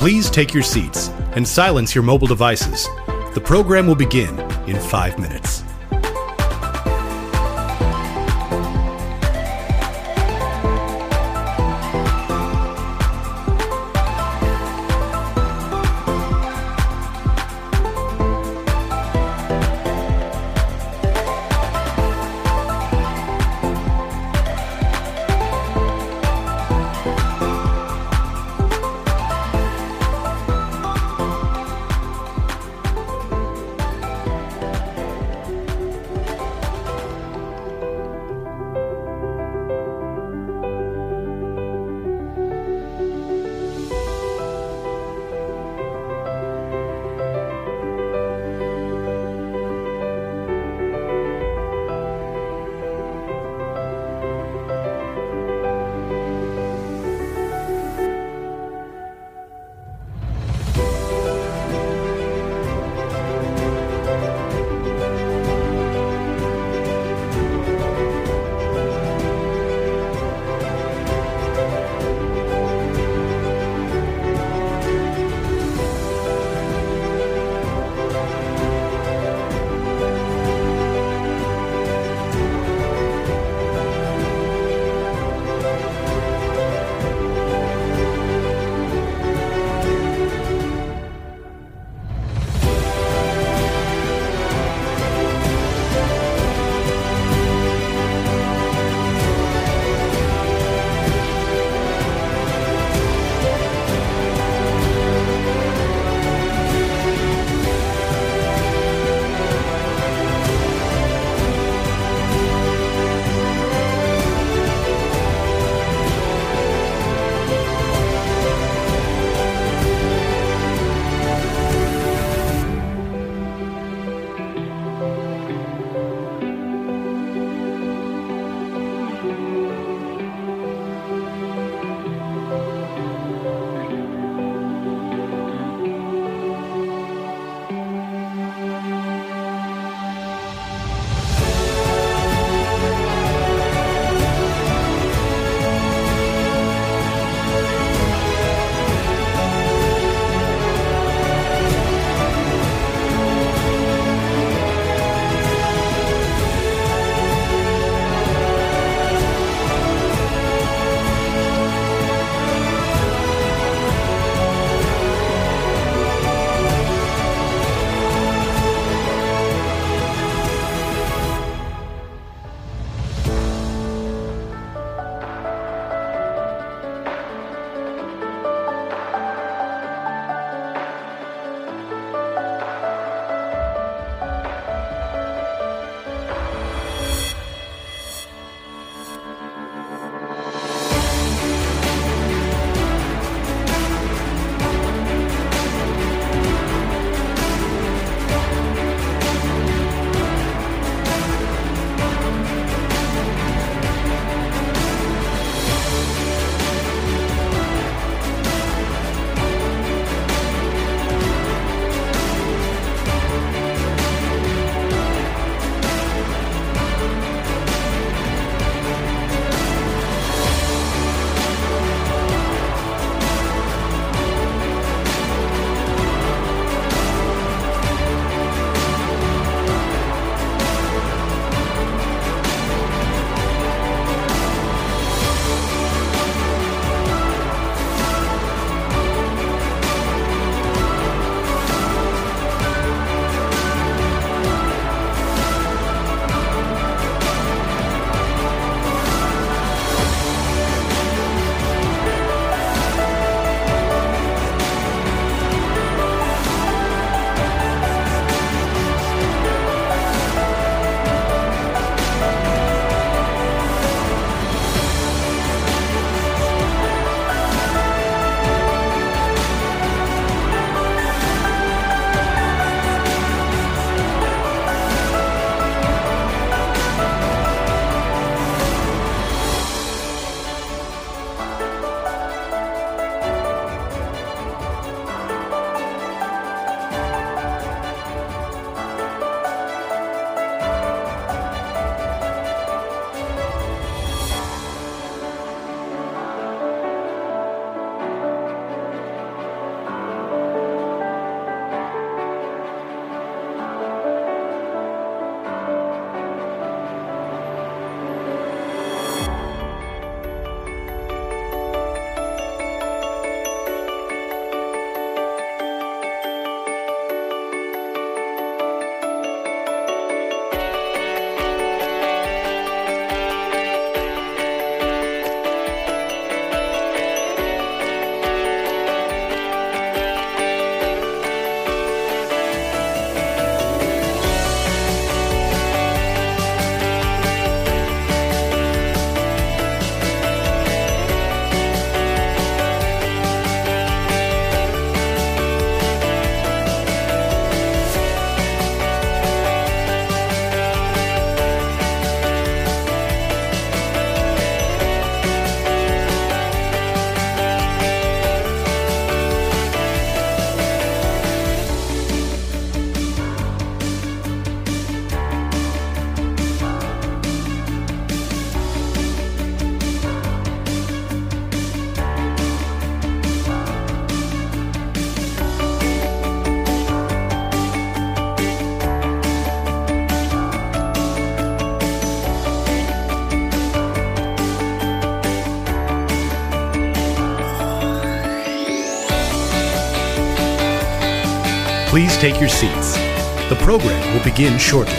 Please take your seats and silence your mobile devices. The program will begin in five minutes. Please take your seats. The program will begin shortly.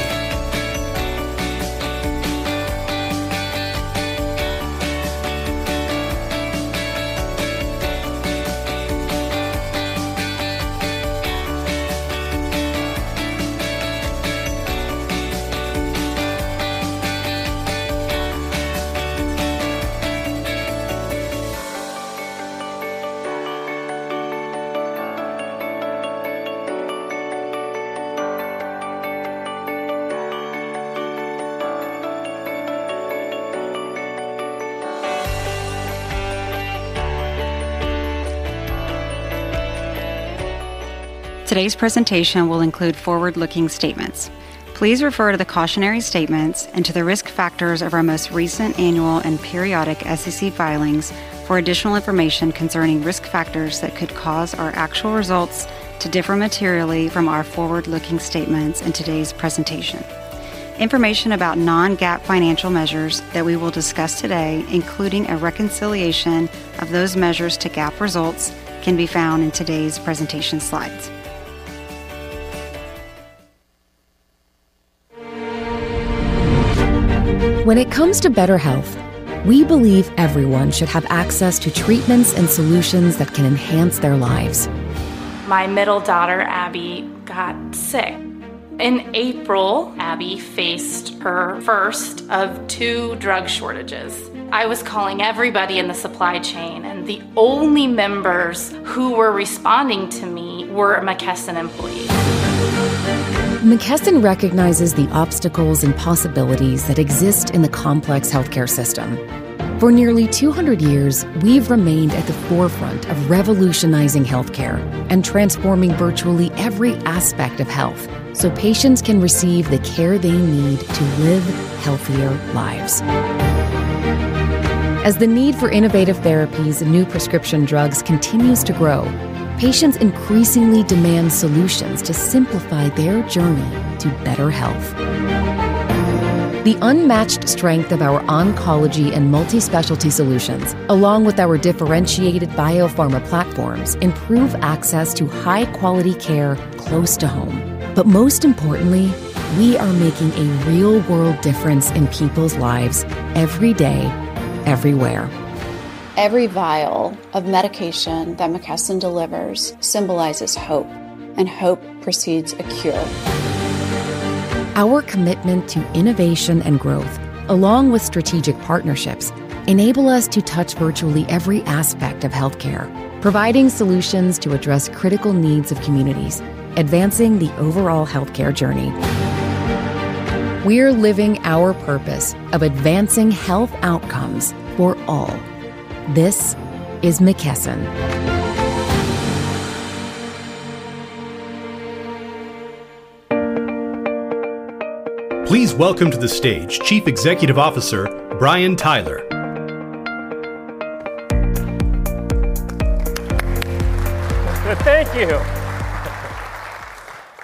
Today's presentation will include forward-looking statements. Please refer to the cautionary statements and to the risk factors of our most recent annual and periodic SEC filings for additional information concerning risk factors that could cause our actual results to differ materially from our forward-looking statements in today's presentation. Information about non-GAAP financial measures that we will discuss today, including a reconciliation of those measures to GAAP results, can be found in today's presentation slides. When it comes to better health, we believe everyone should have access to treatments and solutions that can enhance their lives. My middle daughter, Abby, got sick in April. Abby faced her first of two drug shortages. I was calling everybody in the supply chain, and the only members who were responding to me were a McKesson employee. McKesson recognizes the obstacles and possibilities that exist in the complex health care system. For nearly 200 years, we've remained at the forefront of revolutionizing health care and transforming virtually every aspect of health so patients can receive the care they need to live healthier lives. As the need for innovative therapies and new prescription drugs continues to grow, patients increasingly demand solutions to simplify their journey to better health. The unmatched strength of our oncology and multispecialty solutions, along with our differentiated biopharma services platforms, improves access to high-quality care close to home. Most importantly, we are making a real-world difference in people's lives every day, everywhere. Every vial of medication that McKesson delivers symbolizes hope, and hope precedes a cure. Our commitment to innovation and growth, along with strategic partnerships, enables us to touch virtually every aspect of health care, providing solutions to address critical needs of communities, advancing the overall health care journey. We're living our purpose of advancing health outcomes for all. This is McKesson. Please welcome to the stage Chief Executive Officer Brian Tyler. Thank you.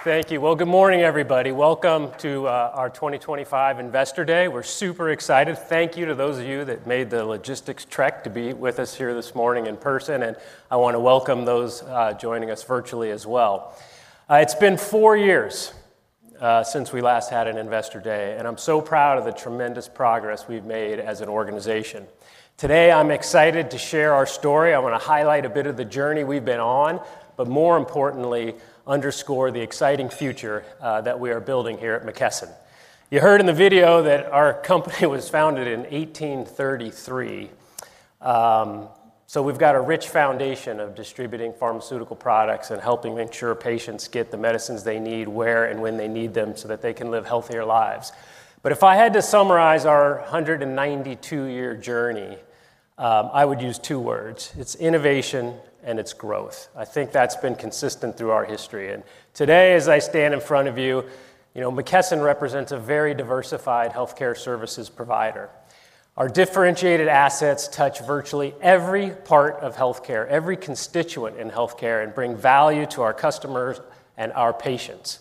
Thank you. Good morning, everybody. Welcome to our 2025 Investor Day. We're super excited. Thank you to those of you that made the logistics trek to be with us here this morning in person. I want to welcome those joining us virtually as well. It's been four years since we last had an Investor Day, and I'm so proud of the tremendous progress we've made as an organization. Today, I'm excited to share our story. I want to highlight a bit of the journey we've been on, but more importantly, underscore the exciting future that we are building here at McKesson. You heard in the video that our company was founded in 1833. We've got a rich foundation of distributing pharmaceutical products and helping make sure patients get the medicines they need where and when they need them so that they can live healthier lives. If I had to summarize our 192-year journey, I would use two words. It's innovation and it's growth. I think that's been consistent through our history. Today, as I stand in front of you, McKesson represents a very diversified health care services provider. Our differentiated assets touch virtually every part of health care, every constituent in health care, and bring value to our customers and our patients.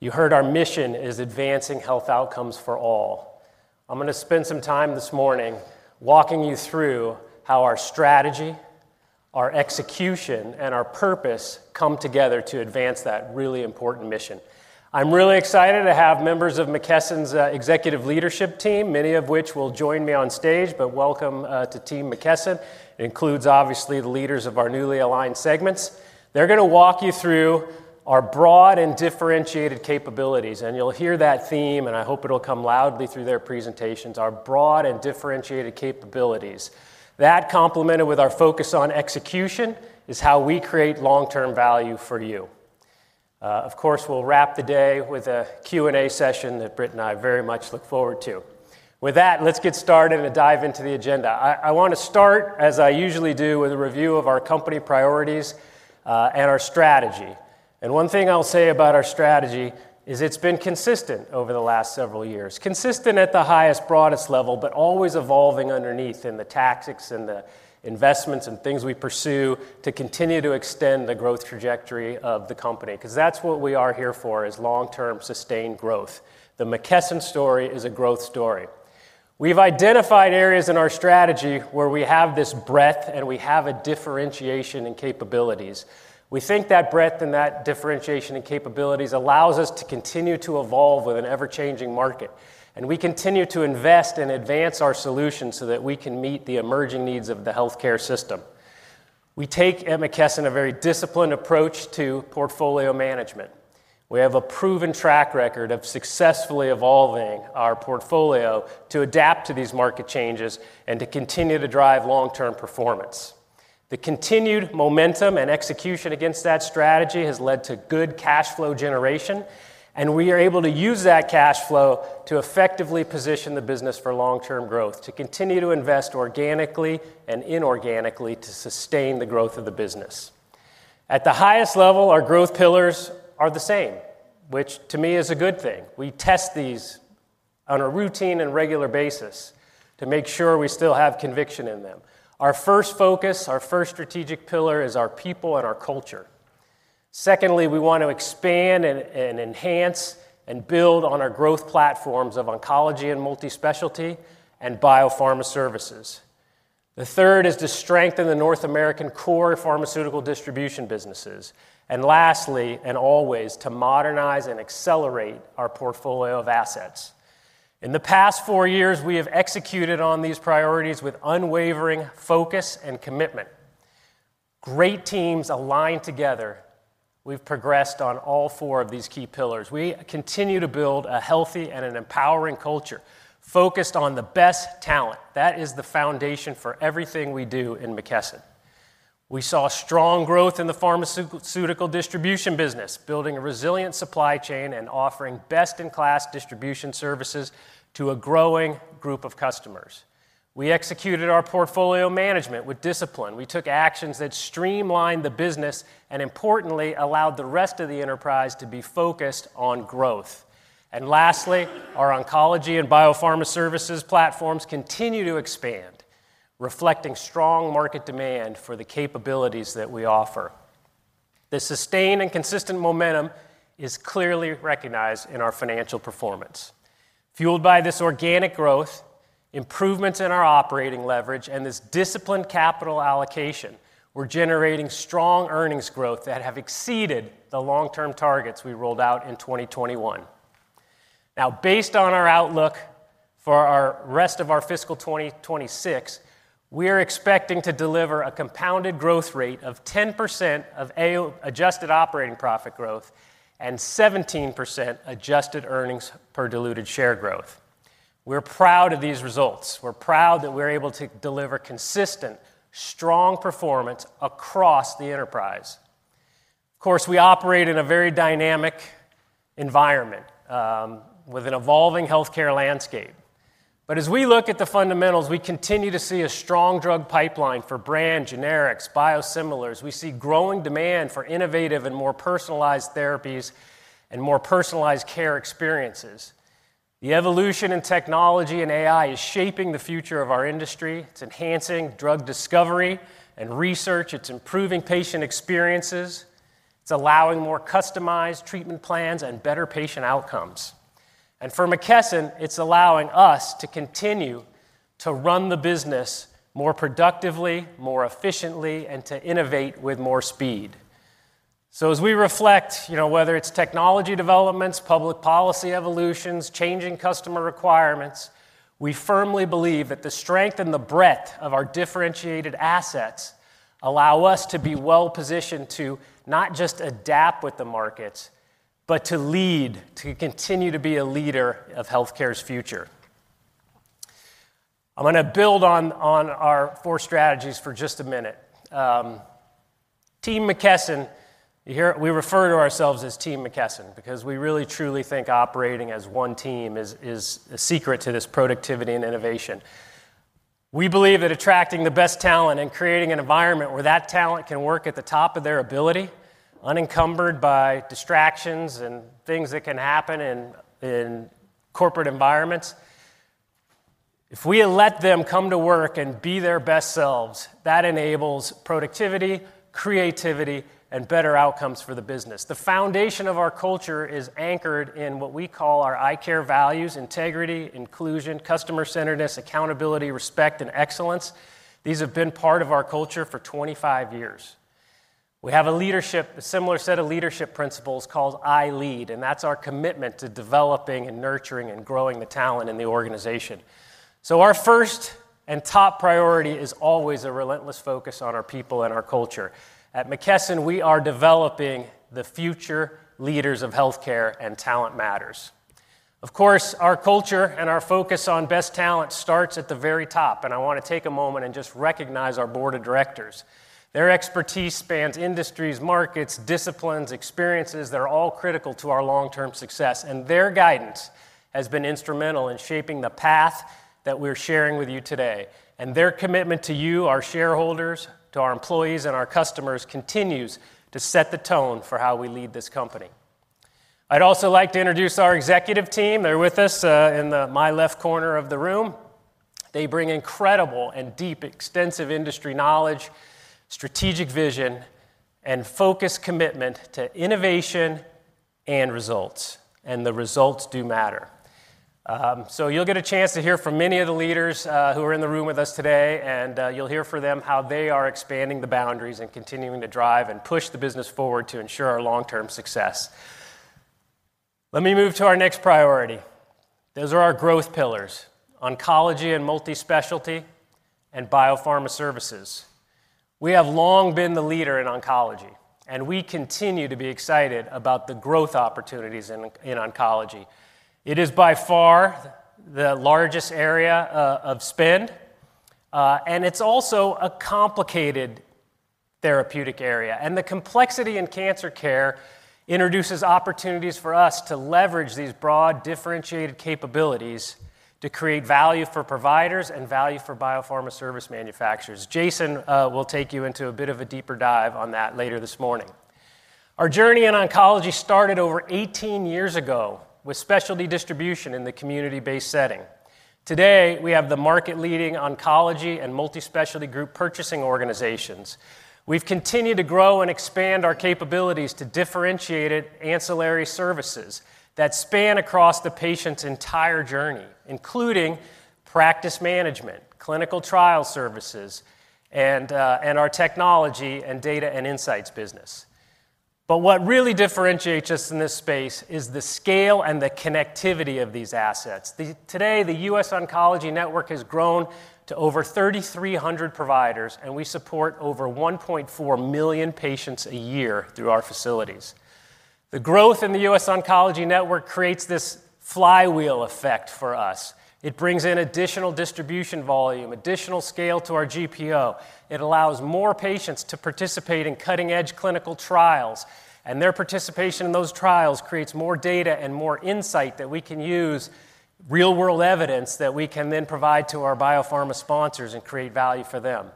You heard our mission is advancing health outcomes for all. I'm going to spend some time this morning walking you through how our strategy, our execution, and our purpose come together to advance that really important mission. I'm really excited to have members of McKesson's executive leadership team, many of which will join me on stage. Welcome to Team McKesson. It includes, obviously, the leaders of our newly aligned segments. They're going to walk you through our broad and differentiated capabilities. You'll hear that theme, and I hope it'll come loudly through their presentations, our broad and differentiated capabilities. That, complemented with our focus on execution, is how we create long-term value for you. Of course, we'll wrap the day with a Q&A session that Britt and I very much look forward to. With that, let's get started and dive into the agenda. I want to start, as I usually do, with a review of our company priorities and our strategy. One thing I'll say about our strategy is it's been consistent over the last several years, consistent at the highest, broadest level, but always evolving underneath in the tactics and the investments and things we pursue to continue to extend the growth trajectory of the company, because that's what we are here for, is long-term sustained growth. The McKesson story is a growth story. We've identified areas in our strategy where we have this breadth and we have a differentiation in capabilities. We think that breadth and that differentiation in capabilities allows us to continue to evolve with an ever-changing market. We continue to invest and advance our solutions so that we can meet the emerging needs of the health care system. We take at McKesson a very disciplined approach to portfolio management. We have a proven track record of successfully evolving our portfolio to adapt to these market changes and to continue to drive long-term performance. The continued momentum and execution against that strategy has led to good cash flow generation, and we are able to use that cash flow to effectively position the business for long-term growth, to continue to invest organically and inorganically to sustain the growth of the business. At the highest level, our growth pillars are the same, which to me is a good thing. We test these on a routine and regular basis to make sure we still have conviction in them. Our first focus, our first strategic pillar, is our people and our culture. Secondly, we want to expand and enhance and build on our growth platforms of oncology and multispecialty and biopharma services. The third is to strengthen the North American core pharmaceutical distribution businesses. Lastly, and always, to modernize and accelerate our portfolio of assets. In the past four years, we have executed on these priorities with unwavering focus and commitment. Great teams aligned together. We've progressed on all four of these key pillars. We continue to build a healthy and an empowering culture focused on the best talent. That is the foundation for everything we do in McKesson. We saw strong growth in the pharmaceutical distribution business, building a resilient supply chain and offering best-in-class distribution services to a growing group of customers. We executed our portfolio management with discipline. We took actions that streamlined the business and, importantly, allowed the rest of the enterprise to be focused on growth. Lastly, our oncology and biopharma services platforms continue to expand, reflecting strong market demand for the capabilities that we offer. The sustained and consistent momentum is clearly recognized in our financial performance. Fueled by this organic growth, improvements in our operating leverage, and this disciplined capital allocation, we're generating strong earnings growth that have exceeded the long-term targets we rolled out in 2021. Now, based on our outlook for the rest of our fiscal 2026, we are expecting to deliver a compounded growth rate of 10% of adjusted operating profit growth and 17% adjusted earnings per diluted share growth. We're proud of these results. We're proud that we're able to deliver consistent, strong performance across the enterprise. We operate in a very dynamic environment with an evolving health care landscape. As we look at the fundamentals, we continue to see a strong drug pipeline for brands, generics, biosimilars. We see growing demand for innovative and more personalized therapies and more personalized care experiences. The evolution in technology and AI is shaping the future of our industry. It's enhancing drug discovery and research. It's improving patient experiences. It's allowing more customized treatment plans and better patient outcomes. For McKesson, it's allowing us to continue to run the business more productively, more efficiently, and to innovate with more speed. As we reflect, whether it's technology developments, public policy evolutions, changing customer requirements, we firmly believe that the strength and the breadth of our differentiated assets allow us to be well-positioned to not just adapt with the markets, but to lead, to continue to be a leader of health care's future. I'm going to build on our four strategies for just a minute. Team McKesson, we refer to ourselves as Team McKesson because we really, truly think operating as one team is the secret to this productivity and innovation. We believe that attracting the best talent and creating an environment where that talent can work at the top of their ability, unencumbered by distractions and things that can happen in corporate environments, if we let them come to work and be their best selves, that enables productivity, creativity, and better outcomes for the business. The foundation of our culture is anchored in what we call our ICARE values: integrity, inclusion, customer-centeredness, accountability, respect, and excellence. These have been part of our culture for 25 years. We have a similar set of leadership principles called I Lead, and that's our commitment to developing and nurturing and growing the talent in the organization. Our first and top priority is always a relentless focus on our people and our culture. At McKesson, we are developing the future leaders of health care and talent matters. Of course, our culture and our focus on best talent starts at the very top. I want to take a moment and just recognize our board of directors. Their expertise spans industries, markets, disciplines, experiences that are all critical to our long-term success. Their guidance has been instrumental in shaping the path that we're sharing with you today. Their commitment to you, our shareholders, to our employees, and our customers continues to set the tone for how we lead this company. I'd also like to introduce our executive team. They're with us in my left corner of the room. They bring incredible and deep, extensive industry knowledge, strategic vision, and focused commitment to innovation and results. The results do matter. You'll get a chance to hear from many of the leaders who are in the room with us today, and you'll hear from them how they are expanding the boundaries and continuing to drive and push the business forward to ensure our long-term success. Let me move to our next priority. Those are our growth pillars: oncology and multi-specialty and biopharma services. We have long been the leader in oncology, and we continue to be excited about the growth opportunities in oncology. It is by far the largest area of spend, and it's also a complicated therapeutic area. The complexity in cancer care introduces opportunities for us to leverage these broad, differentiated capabilities to create value for providers and value for biopharma service manufacturers. Jason will take you into a bit of a deeper dive on that later this morning. Our journey in oncology started over 18 years ago with specialty distribution in the community-based setting. Today, we have the market-leading oncology and multi-specialty group purchasing organizations. We've continued to grow and expand our capabilities to differentiate ancillary services that span across the patient's entire journey, including practice management, clinical trial services, and our technology and data and insights business. What really differentiates us in this space is the scale and the connectivity of these assets. Today, the US Oncology Network has grown to over 3,300 providers, and we support over 1.4 million patients a year through our facilities. The growth in the US Oncology Network creates this flywheel effect for us. It brings in additional distribution volume, additional scale to our GPO. It allows more patients to participate in cutting-edge clinical trials, and their participation in those trials creates more data and more insight that we can use, real-world evidence that we can then provide to our biopharma sponsors and create value for them.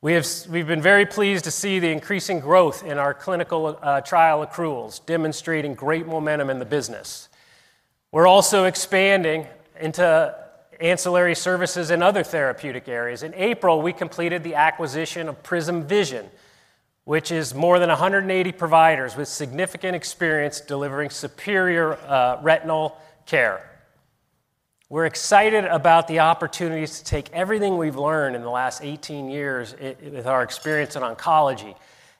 We've been very pleased to see the increasing growth in our clinical trial accruals, demonstrating great momentum in the business. We're also expanding into ancillary services in other therapeutic areas. In April, we completed the acquisition of Prism Vision Group, which is more than 180 providers with significant experience delivering superior retinal care. We're excited about the opportunities to take everything we've learned in the last 18 years with our experience in oncology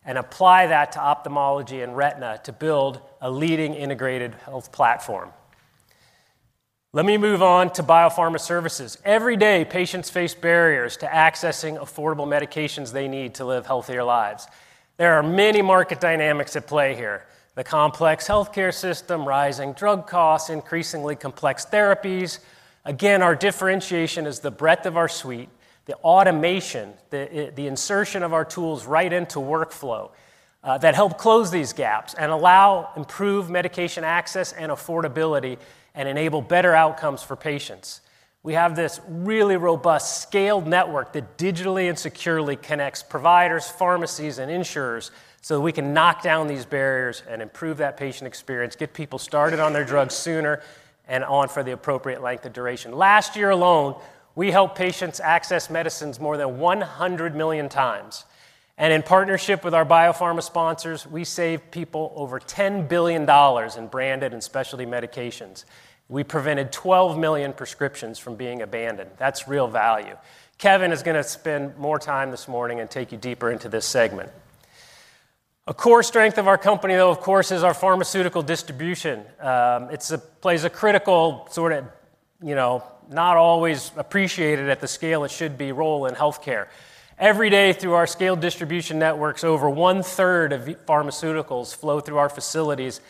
and apply that to ophthalmology and retina to build a leading integrated health platform. Let me move on to biopharma services. Every day, patients face barriers to accessing affordable medications they need to live healthier lives. There are many market dynamics at play here: the complex health care system, rising drug costs, increasingly complex therapies. Our differentiation is the breadth of our suite, the automation, the insertion of our tools right into workflow that help close these gaps and allow improved medication access and affordability and enable better outcomes for patients. We have this really robust scaled network that digitally and securely connects providers, pharmacies, and insurers so that we can knock down these barriers and improve that patient experience, get people started on their drugs sooner and on for the appropriate length of duration. Last year alone, we helped patients access medicines more than 100 million times. In partnership with our biopharma sponsors, we saved people over $10 billion in branded and specialty medications. We prevented 12 million prescriptions from being abandoned. That's real value. Kevin is going to spend more time this morning and take you deeper into this segment. A core strength of our company, though, of course, is our pharmaceutical distribution. It plays a critical, not always appreciated at the scale it should be, role in health care. Every day through our scaled distribution networks, over one-third of pharmaceuticals flow through our facilities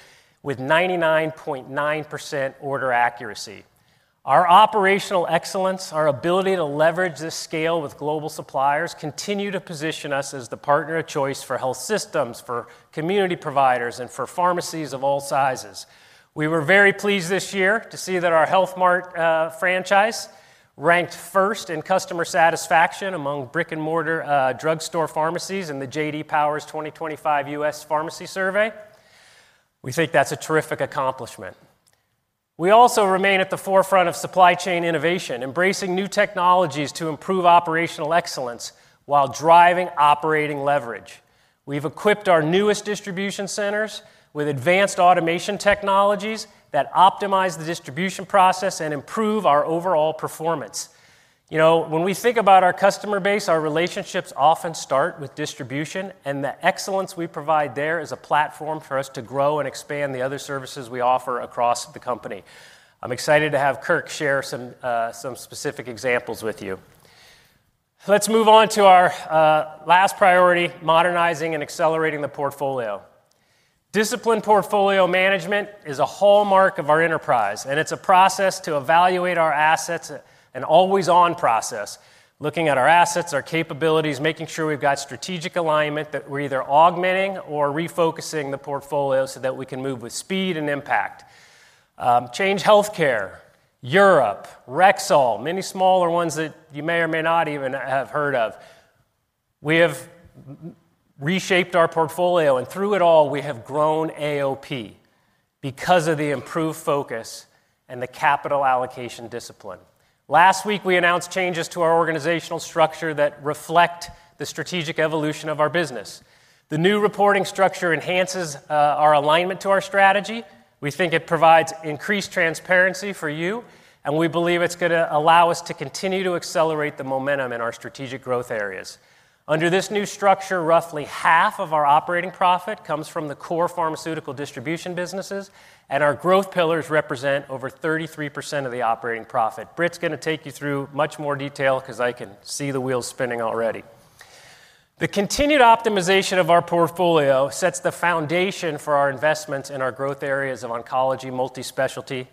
with 99.9% order accuracy. Our operational excellence and our ability to leverage this scale with global suppliers continue to position us as the partner of choice for health systems, for community providers, and for pharmacies of all sizes. We were very pleased this year to see that our Health Mart franchise ranked first in customer satisfaction among brick-and-mortar drugstore pharmacies in the J.D. Powers 2025 U.S. Pharmacy Survey. We think that's a terrific accomplishment. We also remain at the forefront of supply chain innovation, embracing new technologies to improve operational excellence while driving operating leverage. We've equipped our newest distribution centers with advanced automation technologies that optimize the distribution process and improve our overall performance. When we think about our customer base, our relationships often start with distribution, and the excellence we provide there is a platform for us to grow and expand the other services we offer across the company. I'm excited to have Kirk share some specific examples with you. Let's move on to our last priority: modernizing and accelerating the portfolio. Disciplined portfolio management is a hallmark of our enterprise, and it's a process to evaluate our assets, an always-on process, looking at our assets and our capabilities, making sure we've got strategic alignment, that we're either augmenting or refocusing the portfolio so that we can move with speed and impact. Change Healthcare, Europe, Rexall, many smaller ones that you may or may not even have heard of. We have reshaped our portfolio, and through it all, we have grown AOP because of the improved focus and the capital allocation discipline. Last week, we announced changes to our organizational structure that reflect the strategic evolution of our business. The new reporting structure enhances our alignment to our strategy. We think it provides increased transparency for you, and we believe it's going to allow us to continue to accelerate the momentum in our strategic growth areas. Under this new structure, roughly half of our operating profit comes from the core pharmaceutical distribution businesses, and our growth pillars represent over 33% of the operating profit. Britt's going to take you through much more detail because I can see the wheels spinning already. The continued optimization of our portfolio sets the foundation for our investments in our growth areas of oncology, multi-specialty,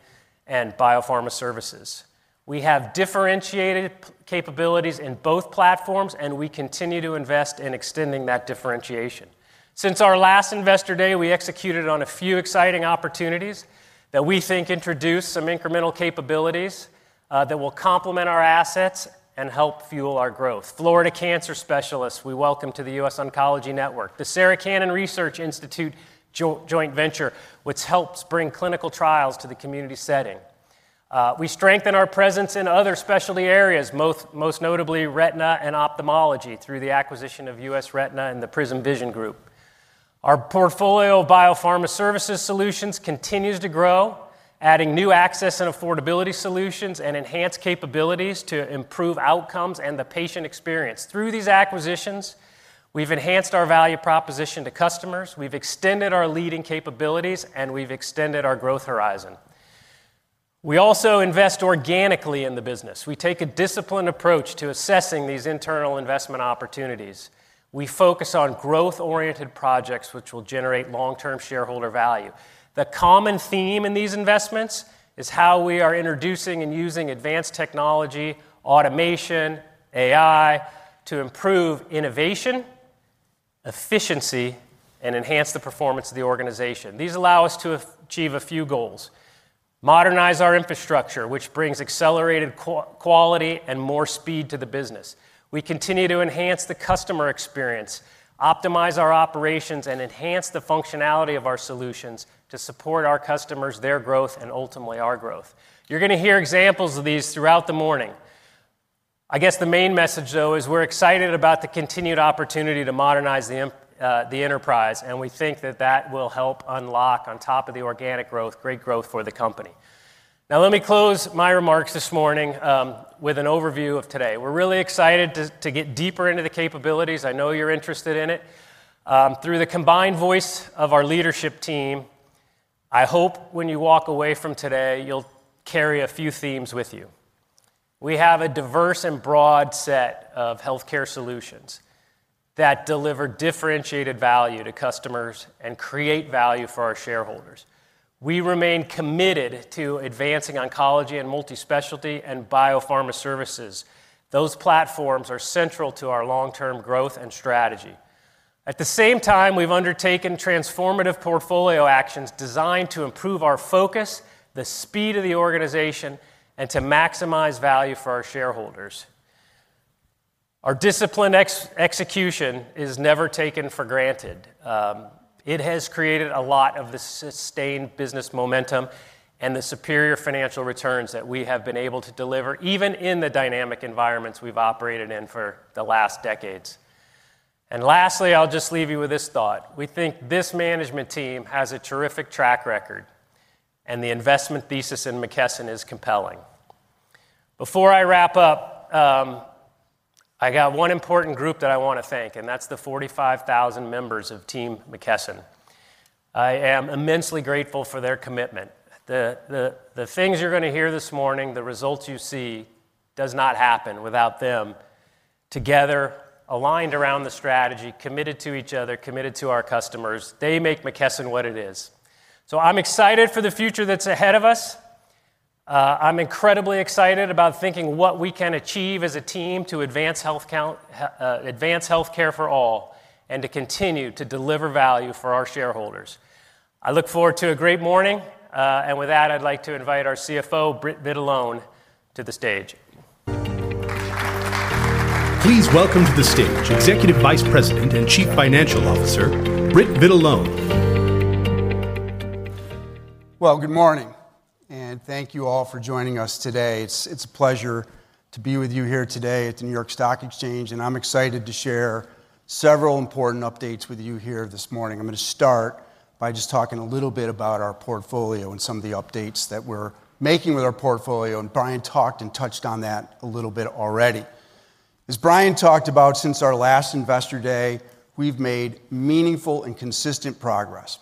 and biopharma services. We have differentiated capabilities in both platforms, and we continue to invest in extending that differentiation. Since our last Investor Day, we executed on a few exciting opportunities that we think introduce some incremental capabilities that will complement our assets and help fuel our growth. Florida Cancer Specialists, we welcome to the US Oncology Network, the Sarah Cannon Research Institute joint venture, which helps bring clinical trials to the community setting. We strengthen our presence in other specialty areas, most notably retina and ophthalmology, through the acquisition of US Retina and the Prism Vision Group. Our portfolio of biopharma services solutions continues to grow, adding new access and affordability solutions and enhanced capabilities to improve outcomes and the patient experience. Through these acquisitions, we've enhanced our value proposition to customers, we've extended our leading capabilities, and we've extended our growth horizon. We also invest organically in the business. We take a disciplined approach to assessing these internal investment opportunities. We focus on growth-oriented projects which will generate long-term shareholder value. The common theme in these investments is how we are introducing and using advanced technology, automation, AI to improve innovation, efficiency, and enhance the performance of the organization. These allow us to achieve a few goals: modernize our infrastructure, which brings accelerated quality and more speed to the business. We continue to enhance the customer experience, optimize our operations, and enhance the functionality of our solutions to support our customers, their growth, and ultimately our growth. You're going to hear examples of these throughout the morning. I guess the main message, though, is we're excited about the continued opportunity to modernize the enterprise, and we think that that will help unlock, on top of the organic growth, great growth for the company. Now, let me close my remarks this morning with an overview of today. We're really excited to get deeper into the capabilities. I know you're interested in it. Through the combined voice of our leadership team, I hope when you walk away from today, you'll carry a few themes with you. We have a diverse and broad set of health care solutions that deliver differentiated value to customers and create value for our shareholders. We remain committed to advancing oncology and multi-specialty and biopharma services. Those platforms are central to our long-term growth and strategy. At the same time, we've undertaken transformative portfolio actions designed to improve our focus, the speed of the organization, and to maximize value for our shareholders. Our disciplined execution is never taken for granted. It has created a lot of the sustained business momentum and the superior financial returns that we have been able to deliver, even in the dynamic environments we've operated in for the last decades. Lastly, I'll just leave you with this thought: we think this management team has a terrific track record, and the investment thesis in McKesson is compelling. Before I wrap up, I got one important group that I want to thank, and that's the 45,000 members of Team McKesson. I am immensely grateful for their commitment. The things you're going to hear this morning, the results you see, do not happen without them. Together, aligned around the strategy, committed to each other, committed to our customers, they make McKesson what it is. I'm excited for the future that's ahead of us. I'm incredibly excited about thinking what we can achieve as a team to advance health care for all and to continue to deliver value for our shareholders. I look forward to a great morning. With that, I'd like to invite our CFO, Britt Vitalone, to the stage. Please welcome to the stage Executive Vice President and Chief Financial Officer, Britt Vitalone. Good morning, and thank you all for joining us today. It's a pleasure to be with you here today at the New York Stock Exchange, and I'm excited to share several important updates with you here this morning. I'm going to start by just talking a little bit about our portfolio and some of the updates that we're making with our portfolio. Brian talked and touched on that a little bit already. As Brian talked about, since our last Investor Day, we've made meaningful and consistent progress.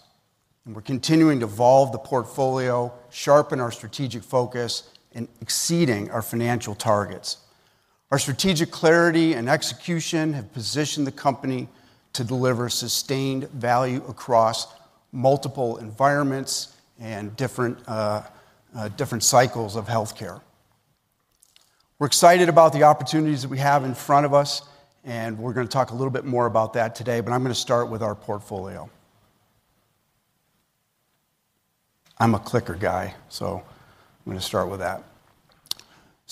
We're continuing to evolve the portfolio, sharpen our strategic focus, and exceed our financial targets. Our strategic clarity and execution have positioned the company to deliver sustained value across multiple environments and different cycles of health care. We're excited about the opportunities that we have in front of us, and we're going to talk a little bit more about that today. I'm going to start with our portfolio. I'm a clicker guy, so I'm going to start with that.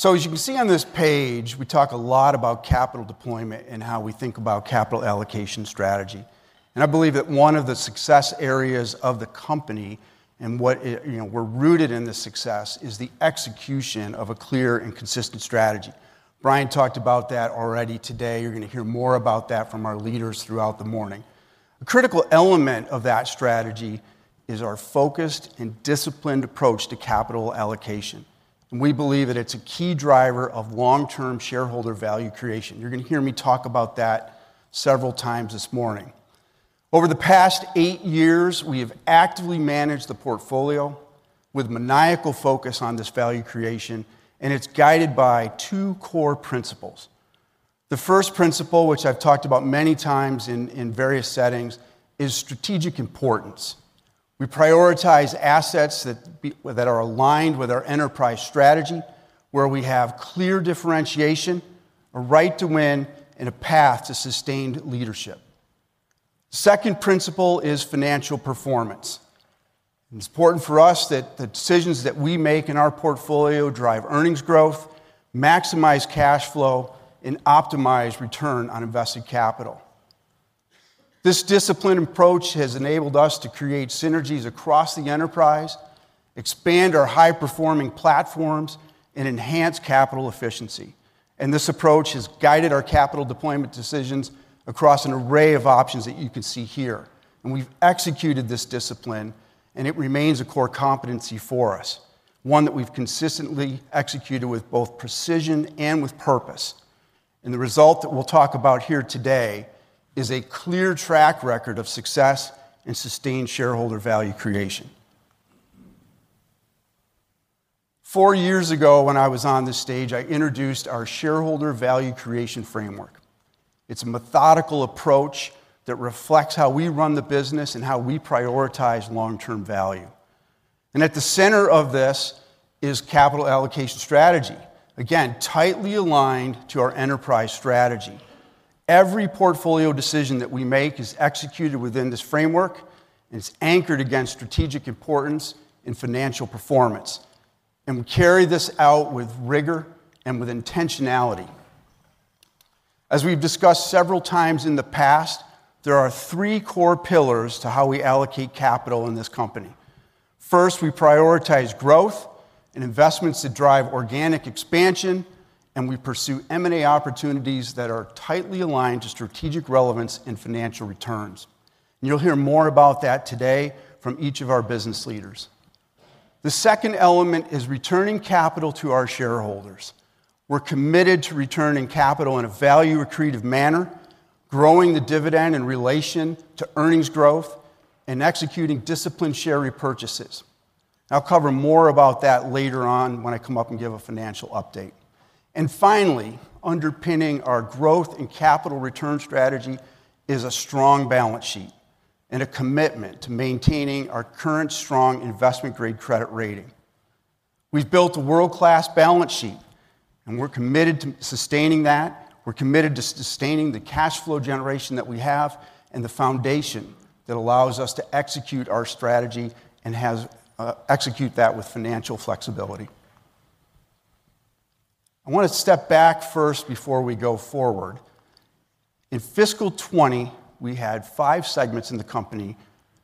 As you can see on this page, we talk a lot about capital deployment and how we think about capital allocation strategy. I believe that one of the success areas of the company and what we're rooted in the success is the execution of a clear and consistent strategy. Brian talked about that already today. You're going to hear more about that from our leaders throughout the morning. A critical element of that strategy is our focused and disciplined approach to capital allocation. We believe that it's a key driver of long-term shareholder value creation. You're going to hear me talk about that several times this morning. Over the past eight years, we have actively managed the portfolio with a maniacal focus on this value creation, and it's guided by two core principles. The first principle, which I've talked about many times in various settings, is strategic importance. We prioritize assets that are aligned with our enterprise strategy, where we have clear differentiation, a right to win, and a path to sustained leadership. The second principle is financial performance. It's important for us that the decisions that we make in our portfolio drive earnings growth, maximize cash flow, and optimize return on invested capital. This disciplined approach has enabled us to create synergies across the enterprise, expand our high-performing platforms, and enhance capital efficiency. This approach has guided our capital deployment decisions across an array of options that you can see here. We have executed this discipline, and it remains a core competency for us, one that we've consistently executed with both precision and with purpose. The result that we'll talk about here today is a clear track record of success and sustained shareholder value creation. Four years ago, when I was on this stage, I introduced our shareholder value creation framework. It's a methodical approach that reflects how we run the business and how we prioritize long-term value. At the center of this is capital allocation strategy, again, tightly aligned to our enterprise strategy. Every portfolio decision that we make is executed within this framework, and it's anchored against strategic importance and financial performance. We carry this out with rigor and with intentionality. As we've discussed several times in the past, there are three core pillars to how we allocate capital in this company. First, we prioritize growth and investments to drive organic expansion, and we pursue M&A opportunities that are tightly aligned to strategic relevance and financial returns. You'll hear more about that today from each of our business leaders. The second element is returning capital to our shareholders. We're committed to returning capital in a value accretive manner, growing the dividend in relation to earnings growth, and executing disciplined share repurchases. I'll cover more about that later on when I come up and give a financial update. Finally, underpinning our growth and capital return strategy is a strong balance sheet and a commitment to maintaining our current strong investment-grade credit rating. We've built a world-class balance sheet, and we're committed to sustaining that. We're committed to sustaining the cash flow generation that we have and the foundation that allows us to execute our strategy and execute that with financial flexibility. I want to step back first before we go forward. In fiscal 2020, we had five segments in the company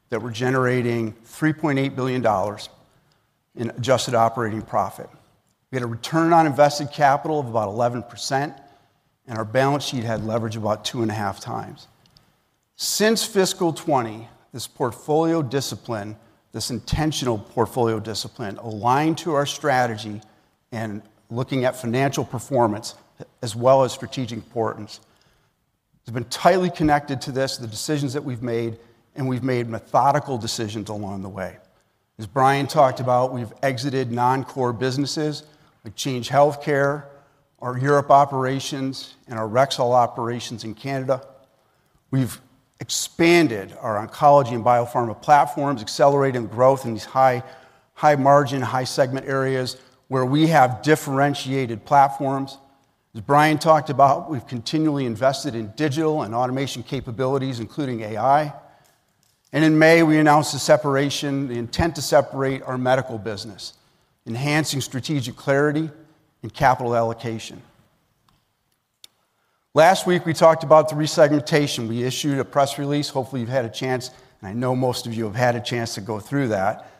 that were generating $3.8 billion in adjusted operating profit. We had a return on invested capital of about 11%, and our balance sheet had leverage about 2.5x. Since fiscal 2020, this portfolio discipline, this intentional portfolio discipline aligned to our strategy and looking at financial performance as well as strategic importance has been tightly connected to this, the decisions that we've made, and we've made methodical decisions along the way. As Brian talked about, we've exited non-core businesses. We've changed health care, our Europe operations, and our Rexall operations in Canada. We've expanded our oncology and biopharma platforms, accelerating growth in these high margin, high segment areas where we have differentiated platforms. As Brian talked about, we've continually invested in digital and automation capabilities, including AI. In May, we announced the separation, the intent to separate our medical business, enhancing strategic clarity and capital allocation. Last week, we talked about the resegmentation. We issued a press release. Hopefully, you've had a chance, and I know most of you have had a chance to go through that.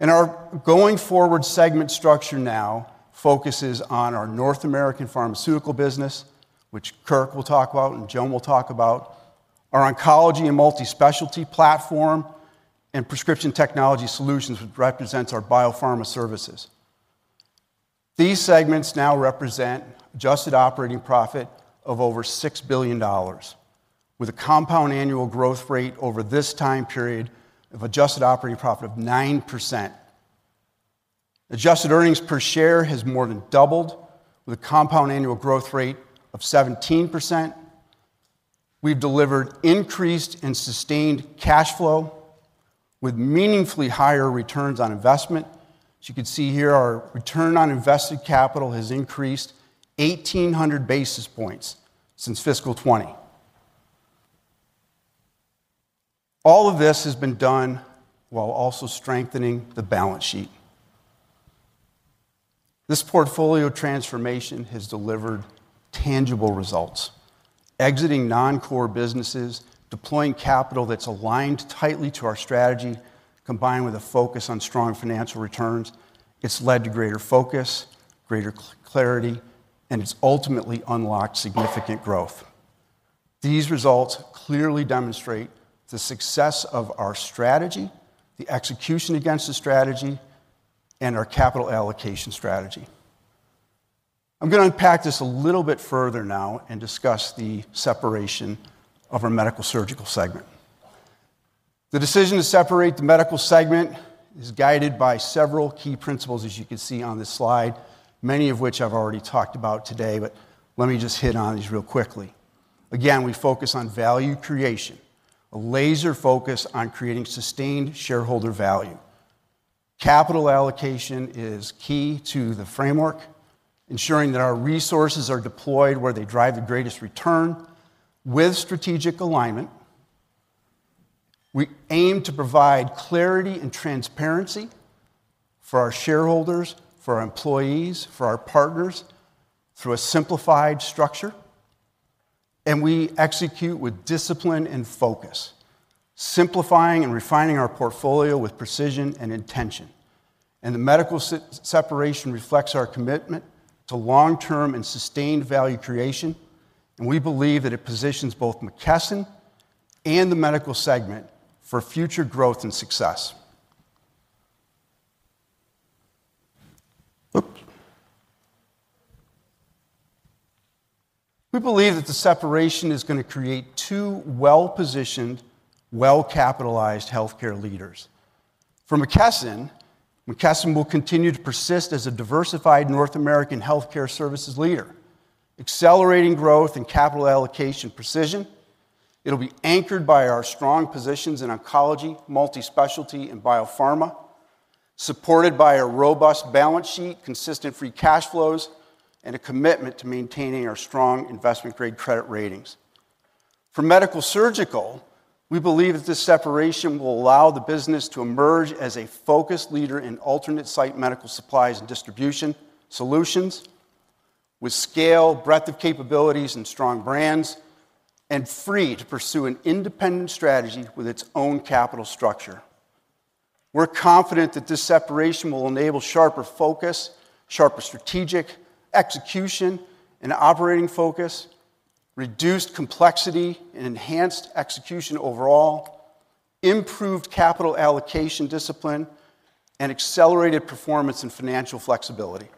Our going-forward segment structure now focuses on our North American pharmaceutical business, which Kirk will talk about and Joan will talk about, our oncology and multispecialty platform, and prescription technology solutions, which represents our biopharma services. These segments now represent an adjusted operating profit of over $6 billion, with a compound annual growth rate over this time period of adjusted operating profit of 9%. Adjusted earnings per share has more than doubled, with a compound annual growth rate of 17%. We've delivered increased and sustained cash flow with meaningfully higher returns on investment. As you can see here, our return on invested capital has increased 1,800 basis points since fiscal 2020. All of this has been done while also strengthening the balance sheet. This portfolio transformation has delivered tangible results. Exiting non-core businesses, deploying capital that's aligned tightly to our strategy, combined with a focus on strong financial returns, has led to greater focus, greater clarity, and it's ultimately unlocked significant growth. These results clearly demonstrate the success of our strategy, the execution against the strategy, and our capital allocation strategy. I'm going to unpack this a little bit further now and discuss the separation of our medical surgical segment. The decision to separate the medical segment is guided by several key principles, as you can see on this slide, many of which I've already talked about today. Let me just hit on these real quickly. Again, we focus on value creation, a laser focus on creating sustained shareholder value. Capital allocation is key to the framework, ensuring that our resources are deployed where they drive the greatest return with strategic alignment. We aim to provide clarity and transparency for our shareholders, our employees, and our partners through a simplified structure. We execute with discipline and focus, simplifying and refining our portfolio with precision and intention. The medical separation reflects our commitment to long-term and sustained value creation. We believe that it positions both McKesson and the medical segment for future growth and success. We believe that the separation is going to create two well-positioned, well-capitalized health care leaders. For McKesson, McKesson will continue to persist as a diversified North American health care services leader, accelerating growth and capital allocation precision. It will be anchored by our strong positions in oncology, multispecialty, and biopharma, supported by a robust balance sheet, consistent free cash flows, and a commitment to maintaining our strong investment-grade credit ratings. For medical surgical, we believe that this separation will allow the business to emerge as a focused leader in alternate site medical supplies and distribution solutions with scale, breadth of capabilities, and strong brands, and free to pursue an independent strategy with its own capital structure. We are confident that this separation will enable sharper focus, sharper strategic execution and operating focus, reduced complexity and enhanced execution overall, improved capital allocation discipline, and accelerated performance and financial flexibility.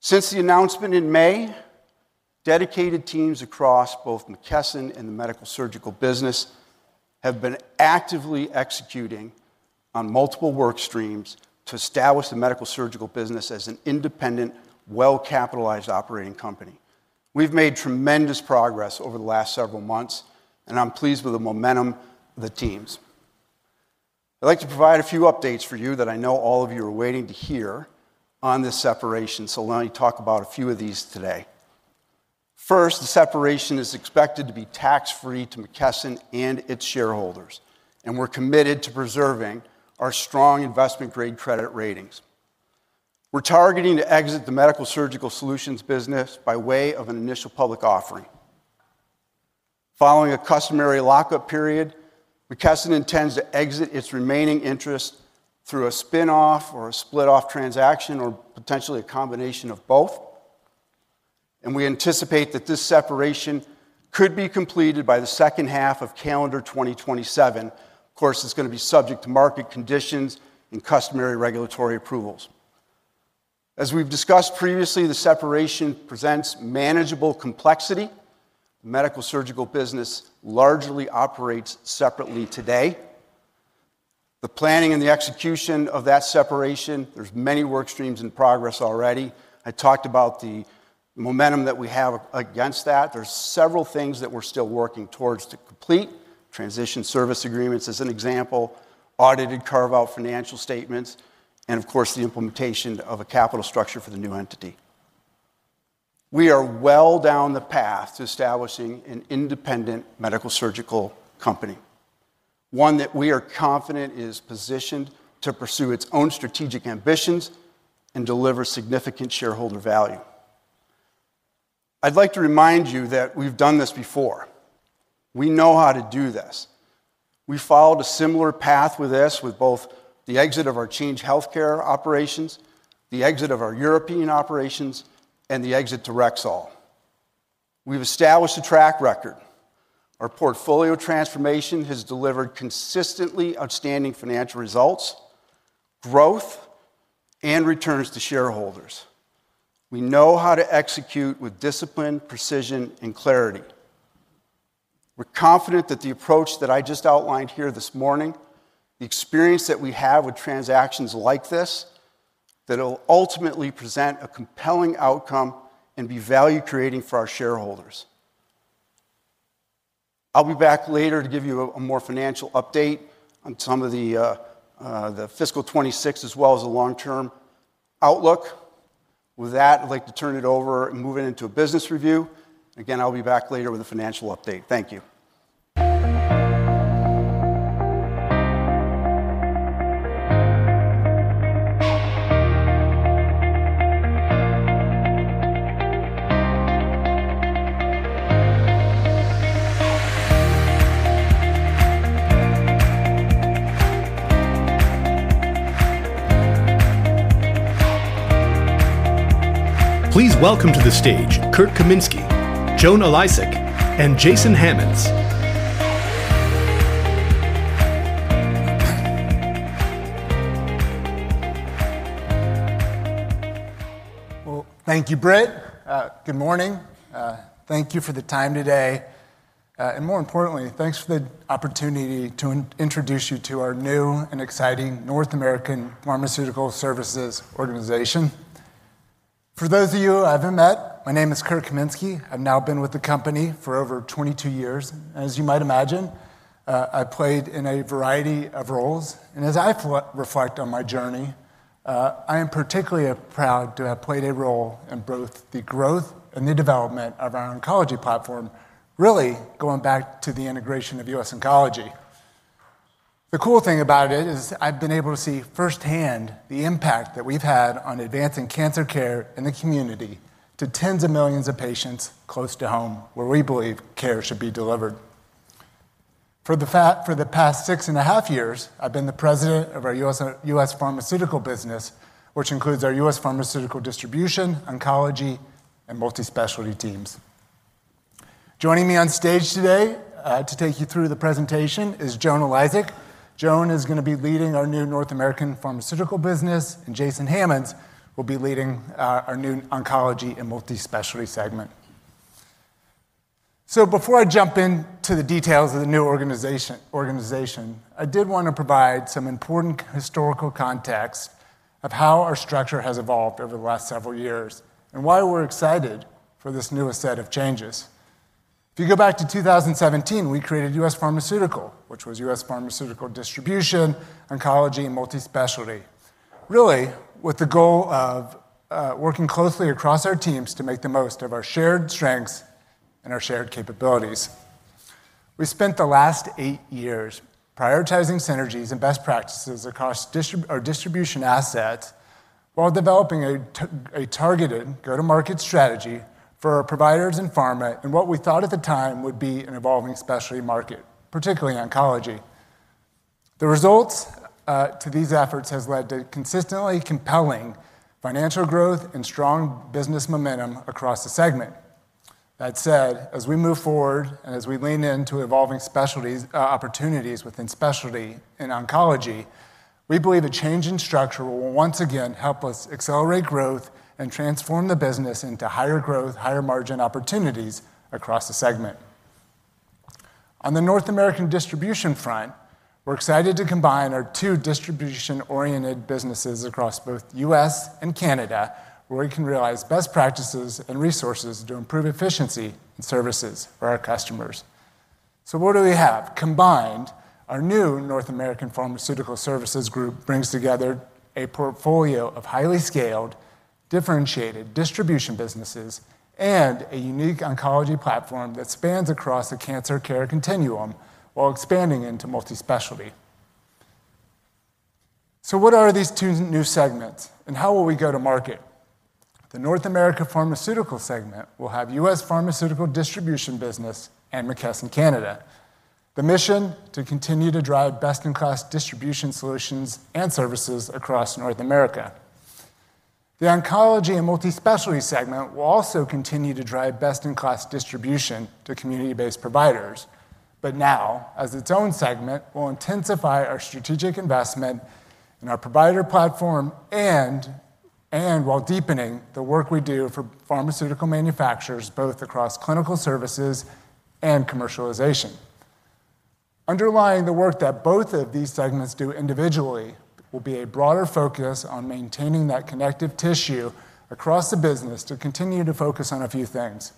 Since the announcement in May, dedicated teams across both McKesson and the medical surgical business have been actively executing on multiple work streams to establish the medical surgical business as an independent, well-capitalized operating company. We have made tremendous progress over the last several months, and I'm pleased with the momentum of the teams. I'd like to provide a few updates for you that I know all of you are waiting to hear on this separation. Let me talk about a few of these today. First, the separation is expected to be tax-free to McKesson and its shareholders, and we are committed to preserving our strong investment-grade credit ratings. We are targeting to exit the medical surgical solutions business by way of an initial public offering. Following a customary lockup period, McKesson intends to exit its remaining interest through a spin-off or a split-off transaction or potentially a combination of both. We anticipate that this separation could be completed by the second half of calendar 2027. Of course, it's going to be subject to market conditions and customary regulatory approvals. As we've discussed previously, the separation presents manageable complexity. The medical surgical business largely operates separately today. The planning and the execution of that separation, there's many work streams in progress already. I talked about the momentum that we have against that. There are several things that we're still working towards to complete: transition service agreements as an example, audited carve-out financial statements, and of course, the implementation of a capital structure for the new entity. We are well down the path to establishing an independent medical surgical company, one that we are confident is positioned to pursue its own strategic ambitions and deliver significant shareholder value. I'd like to remind you that we've done this before. We know how to do this. We followed a similar path with both the exit of our Change Healthcare operations, the exit of our European operations, and the exit to Rexall. We've established a track record. Our portfolio transformation has delivered consistently outstanding financial results, growth, and returns to shareholders. We know how to execute with discipline, precision, and clarity. We're confident that the approach that I just outlined here this morning, the experience that we have with transactions like this, that it'll ultimately present a compelling outcome and be value creating for our shareholders. I'll be back later to give you a more financial update on some of the fiscal 2026 as well as the long-term outlook. With that, I'd like to turn it over and move it into a business review. Again, I'll be back later with a financial update. Thank you. Please welcome to the stage Kirk Kaminsky, Joan Eliasek, and Jason Hammonds. Thank you, Britt. Good morning. Thank you for the time today. More importantly, thanks for the opportunity to introduce you to our new and exciting North American Pharmaceutical Services organization. For those of you who haven't met, my name is Kirk Kaminsky. I've now been with the company for over 22 years. As you might imagine, I've played in a variety of roles. As I reflect on my journey, I am particularly proud to have played a role in both the growth and the development of our oncology platform, really going back to the integration of US Oncology. The cool thing about it is I've been able to see firsthand the impact that we've had on advancing cancer care in the community to tens of millions of patients close to home where we believe care should be delivered. For the past six and a half years, I've been the President of our U.S. Pharmaceutical business, which includes our U.S. pharmaceutical distribution, oncology, and multispecialty teams. Joining me on stage today to take you through the presentation is Joan Eliasek. Joan is going to be leading our new North American pharmaceutical business, and Jason Hammonds will be leading our new oncology and multispecialty segment. Before I jump into the details of the new organization, I did want to provide some important historical context of how our structure has evolved over the last several years and why we're excited for this newest set of changes. If you go back to 2017, we created U.S. Pharmaceutical, which was U.S. pharmaceutical distribution, oncology, and multispecialty, really with the goal of working closely across our teams to make the most of our shared strengths and our shared capabilities. We spent the last eight years prioritizing synergies and best practices across our distribution assets while developing a targeted go-to-market strategy for our providers and pharma in what we thought at the time would be an evolving specialty market, particularly oncology. The results to these efforts have led to consistently compelling financial growth and strong business momentum across the segment. That said, as we move forward and as we lean into evolving opportunities within specialty in oncology, we believe a change in structure will once again help us accelerate growth and transform the business into higher growth, higher margin opportunities across the segment. On the North American distribution front, we're excited to combine our two distribution-oriented businesses across both the U.S. and Canada, where we can realize best practices and resources to improve efficiency and services for our customers. What do we have? Combined, our new North American Pharmaceutical Services group brings together a portfolio of highly scaled, differentiated distribution businesses and a unique oncology platform that spans across the cancer care continuum while expanding into multi-specialty. What are these two new segments, and how will we go to market? The North America pharmaceutical segment will have U.S. pharmaceutical distribution business and McKesson Canada, the mission to continue to drive best-in-class distribution solutions and services across North America. The oncology and multi-specialty segment will also continue to drive best-in-class distribution to community-based providers. Now, as its own segment, we'll intensify our strategic investment in our provider platform while deepening the work we do for pharmaceutical manufacturers, both across clinical services and commercialization. Underlying the work that both of these segments do individually will be a broader focus on maintaining that connective tissue across the business to continue to focus on a few things.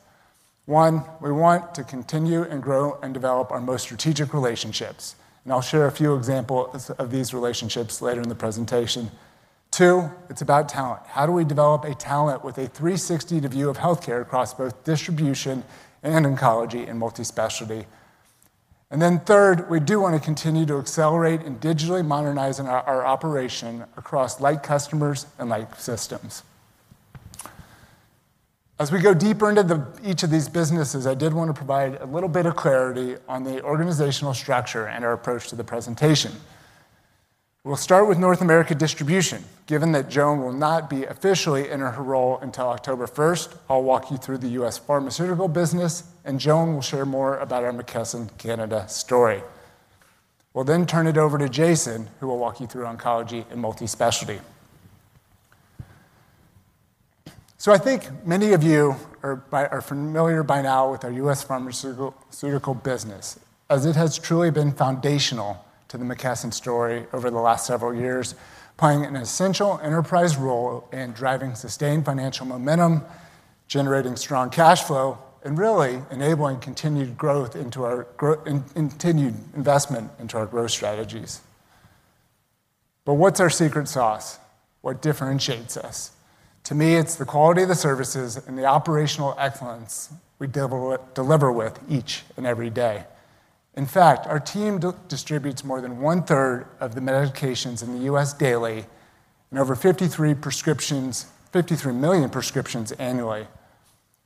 One, we want to continue and grow and develop our most strategic relationships. I'll share a few examples of these relationships later in the presentation. Two, it's about talent. How do we develop a talent with a 360 degree of health care across both distribution and oncology and multi-specialty? Third, we do want to continue to accelerate and digitally modernize our operation across like customers and like systems. As we go deeper into each of these businesses, I did want to provide a little bit of clarity on the organizational structure and our approach to the presentation. We'll start with North America distribution. Given that Joan will not be officially in her role until October 1, I'll walk you through the U.S. pharmaceutical business, and Joan will share more about our McKesson Canada story. We'll then turn it over to Jason, who will walk you through oncology and multi-specialty. I think many of you are familiar by now with our U.S. pharmaceutical business, as it has truly been foundational to the McKesson story over the last several years, playing an essential enterprise role in driving sustained financial momentum, generating strong cash flow, and really enabling continued growth into our investment into our growth strategies. What's our secret sauce? What differentiates us? To me, it's the quality of the services and the operational excellence we deliver each and every day. In fact, our team distributes more than one-third of the medications in the U.S. daily and over 53 million prescriptions annually.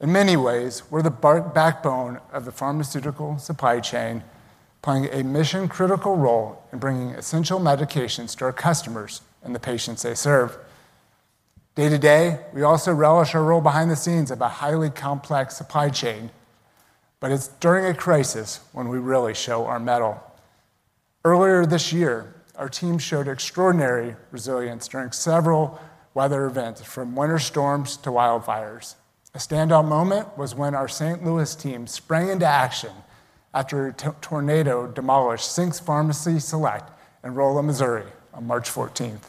In many ways, we're the backbone of the pharmaceutical supply chain, playing a mission-critical role in bringing essential medications to our customers and the patients they serve. Day to day, we also relish our role behind the scenes of a highly complex supply chain. It's during a crisis when we really show our mettle. Earlier this year, our team showed extraordinary resilience during several weather events, from winter storms to wildfires. A standout moment was when our St. Louis team sprang into action after a tornado demolished Sinks Pharmacy Select, in Rolla, Missouri, on March 14.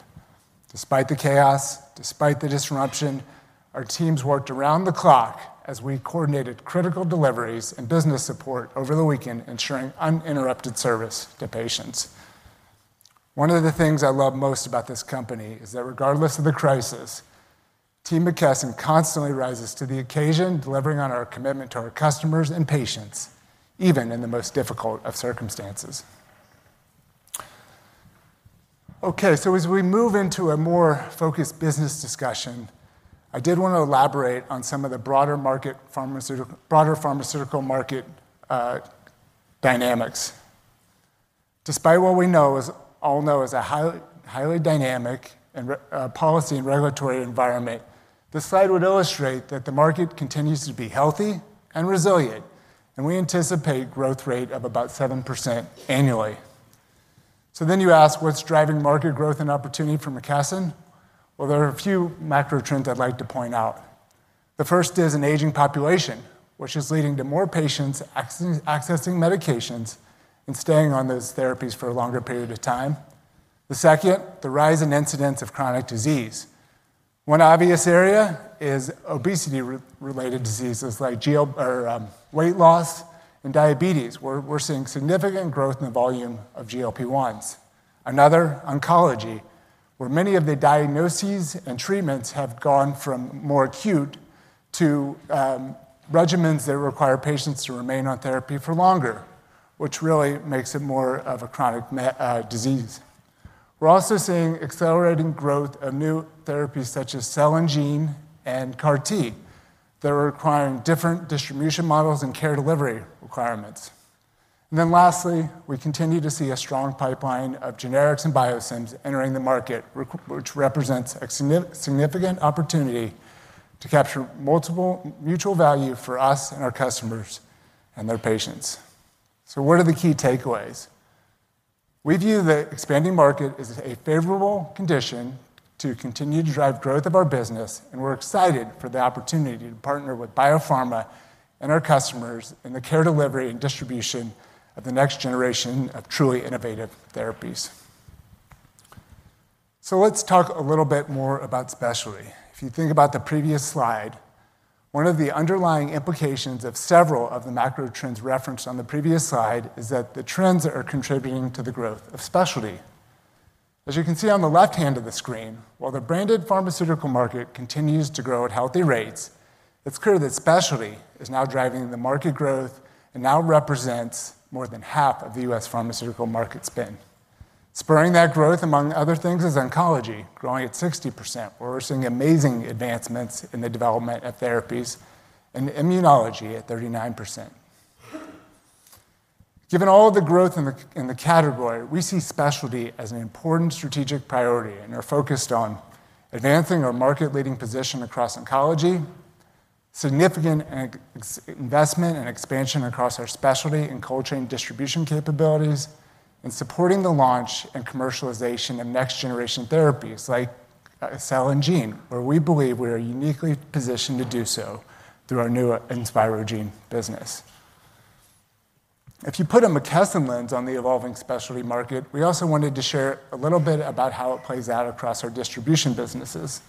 Despite the chaos, despite the disruption, our teams worked around the clock as we coordinated critical deliveries and business support over the weekend, ensuring uninterrupted service to patients. One of the things I love most about this company is that regardless of the crisis, Team McKesson constantly rises to the occasion, delivering on our commitment to our customers and patients, even in the most difficult of circumstances. As we move into a more focused business discussion, I did want to elaborate on some of the broader pharmaceutical market dynamics. Despite what we all know is a highly dynamic policy and regulatory environment, this slide would illustrate that the market continues to be healthy and resilient, and we anticipate a growth rate of about 7% annually. You may ask, what's driving market growth and opportunity for McKesson? There are a few macro trends I'd like to point out. The first is an aging population, which is leading to more patients accessing medications and staying on those therapies for a longer period of time. The second, the rise in incidence of chronic disease. One obvious area is obesity-related diseases like weight loss and diabetes, where we're seeing significant growth in the volume of GLP-1 therapies. Another, oncology, where many of the diagnoses and treatments have gone from more acute to regimens that require patients to remain on therapy for longer, which really makes it more of a chronic disease. We're also seeing accelerating growth of new therapies such as Celgene and CAR-T that are requiring different distribution models and care delivery requirements. Lastly, we continue to see a strong pipeline of generics and biosims entering the market, which represents a significant opportunity to capture multiple mutual value for us and our customers and their patients. What are the key takeaways? We view the expanding market as a favorable condition to continue to drive growth of our business, and we're excited for the opportunity to partner with biopharma and our customers in the care delivery and distribution of the next generation of truly innovative therapies. Let's talk a little bit more about specialty. If you think about the previous slide, one of the underlying implications of several of the macro trends referenced on the previous slide is that the trends are contributing to the growth of specialty. As you can see on the left hand of the screen, while the branded pharmaceutical market continues to grow at healthy rates, it's clear that specialty is now driving the market growth and now represents more than half of the U.S. pharmaceutical market spend. Spurring that growth, among other things, is oncology, growing at 60%. We're seeing amazing advancements in the development of therapies and immunology at 39%. Given all of the growth in the category, we see specialty as an important strategic priority, and we're focused on advancing our market-leading position across oncology, significant investment and expansion across our specialty and cold chain distribution capabilities, and supporting the launch and commercialization of next-generation therapies like Celgene, where we believe we are uniquely positioned to do so through our new InspiroGene business. If you put a McKesson lens on the evolving specialty market, we also wanted to share a little bit about how it plays out across our distribution businesses.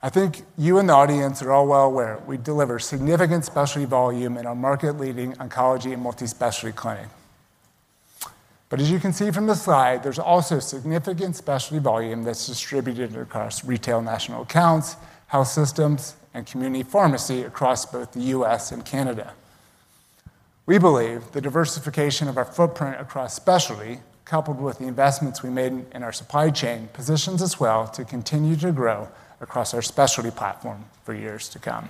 I think you and the audience are all well aware we deliver significant specialty volume in our market-leading oncology and multispecialty clinic. As you can see from the slide, there's also significant specialty volume that's distributed across retail national accounts, health systems, and community pharmacy across both the U.S. and Canada. We believe the diversification of our footprint across specialty, coupled with the investments we made in our supply chain, positions us well to continue to grow across our specialty platform for years to come.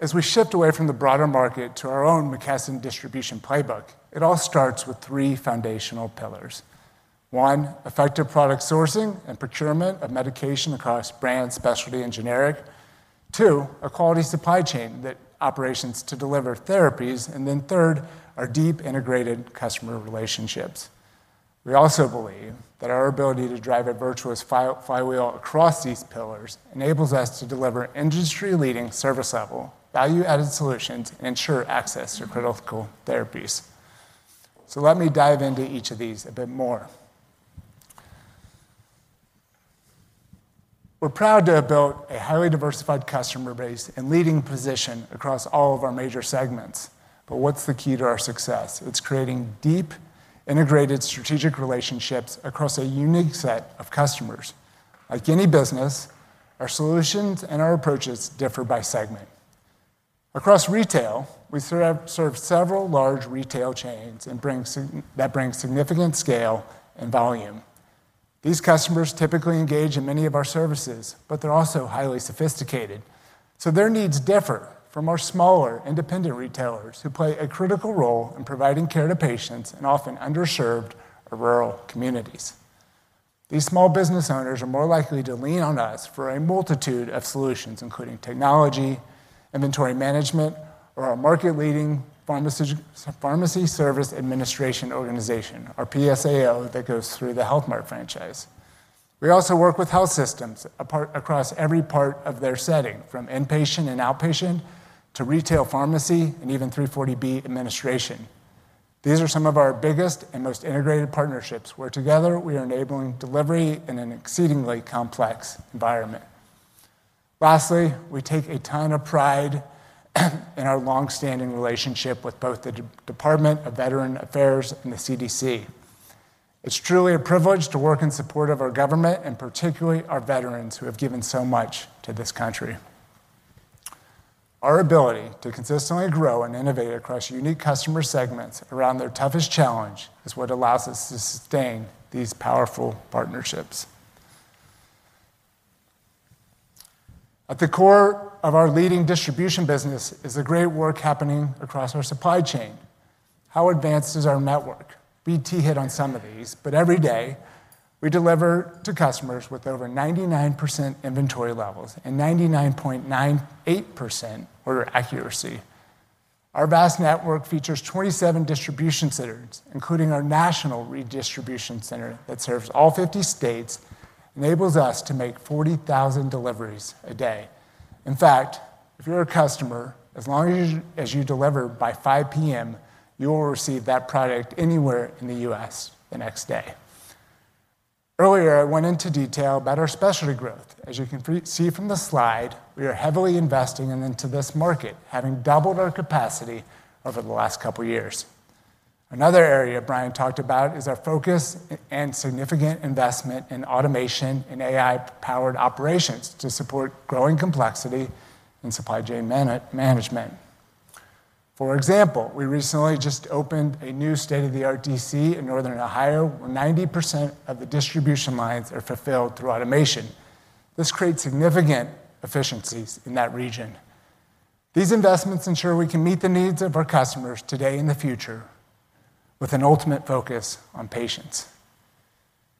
As we shift away from the broader market to our own McKesson distribution playbook, it all starts with three foundational pillars: one, effective product sourcing and procurement of medication across brand, specialty, and generic; two, a quality supply chain that operates to deliver therapies; and then third, our deep integrated customer relationships. We also believe that our ability to drive a virtuous flywheel across these pillars enables us to deliver industry-leading service-level value-added solutions and ensure access to critical therapies. Let me dive into each of these a bit more. We're proud to have built a highly diversified customer base and leading position across all of our major segments. What's the key to our success? It's creating deep, integrated strategic relationships across a unique set of customers. Like any business, our solutions and our approaches differ by segment. Across retail, we serve several large retail chains that bring significant scale and volume. These customers typically engage in many of our services, but they're also highly sophisticated. Their needs differ from our smaller, independent retailers who play a critical role in providing care to patients in often underserved or rural communities. These small business owners are more likely to lean on us for a multitude of solutions, including technology, inventory management, or our market-leading pharmacy service administration organization, our PSAO, that goes through the Health Mart franchise. We also work with health systems across every part of their setting, from inpatient and outpatient to retail pharmacy and even 340B administration. These are some of our biggest and most integrated partnerships, where together we are enabling delivery in an exceedingly complex environment. Lastly, we take a ton of pride in our longstanding relationship with both the Department of Veteran Affairs and the CDC. It's truly a privilege to work in support of our government and particularly our veterans who have given so much to this country. Our ability to consistently grow and innovate across unique customer segments around their toughest challenge is what allows us to sustain these powerful partnerships. At the core of our leading distribution business is the great work happening across our supply chain. How advanced is our network? We hit on some of these, but every day we deliver to customers with over 99% inventory levels and 99.98% order accuracy. Our vast network features 27 distribution centers, including our national redistribution center that serves all 50 states, and enables us to make 40,000 deliveries a day. In fact, if you're a customer, as long as you deliver by 5:00 P.M., you will receive that product anywhere in the U.S. the next day. Earlier, I went into detail about our specialty growth. As you can see from the slide, we are heavily investing into this market, having doubled our capacity over the last couple of years. Another area Brian talked about is our focus and significant investment in automation and AI-powered operations to support growing complexity in supply chain management. For example, we recently just opened a new state-of-the-art DC in Northern Ohio where 90% of the distribution lines are fulfilled through automation. This creates significant efficiencies in that region. These investments ensure we can meet the needs of our customers today and in the future with an ultimate focus on patients.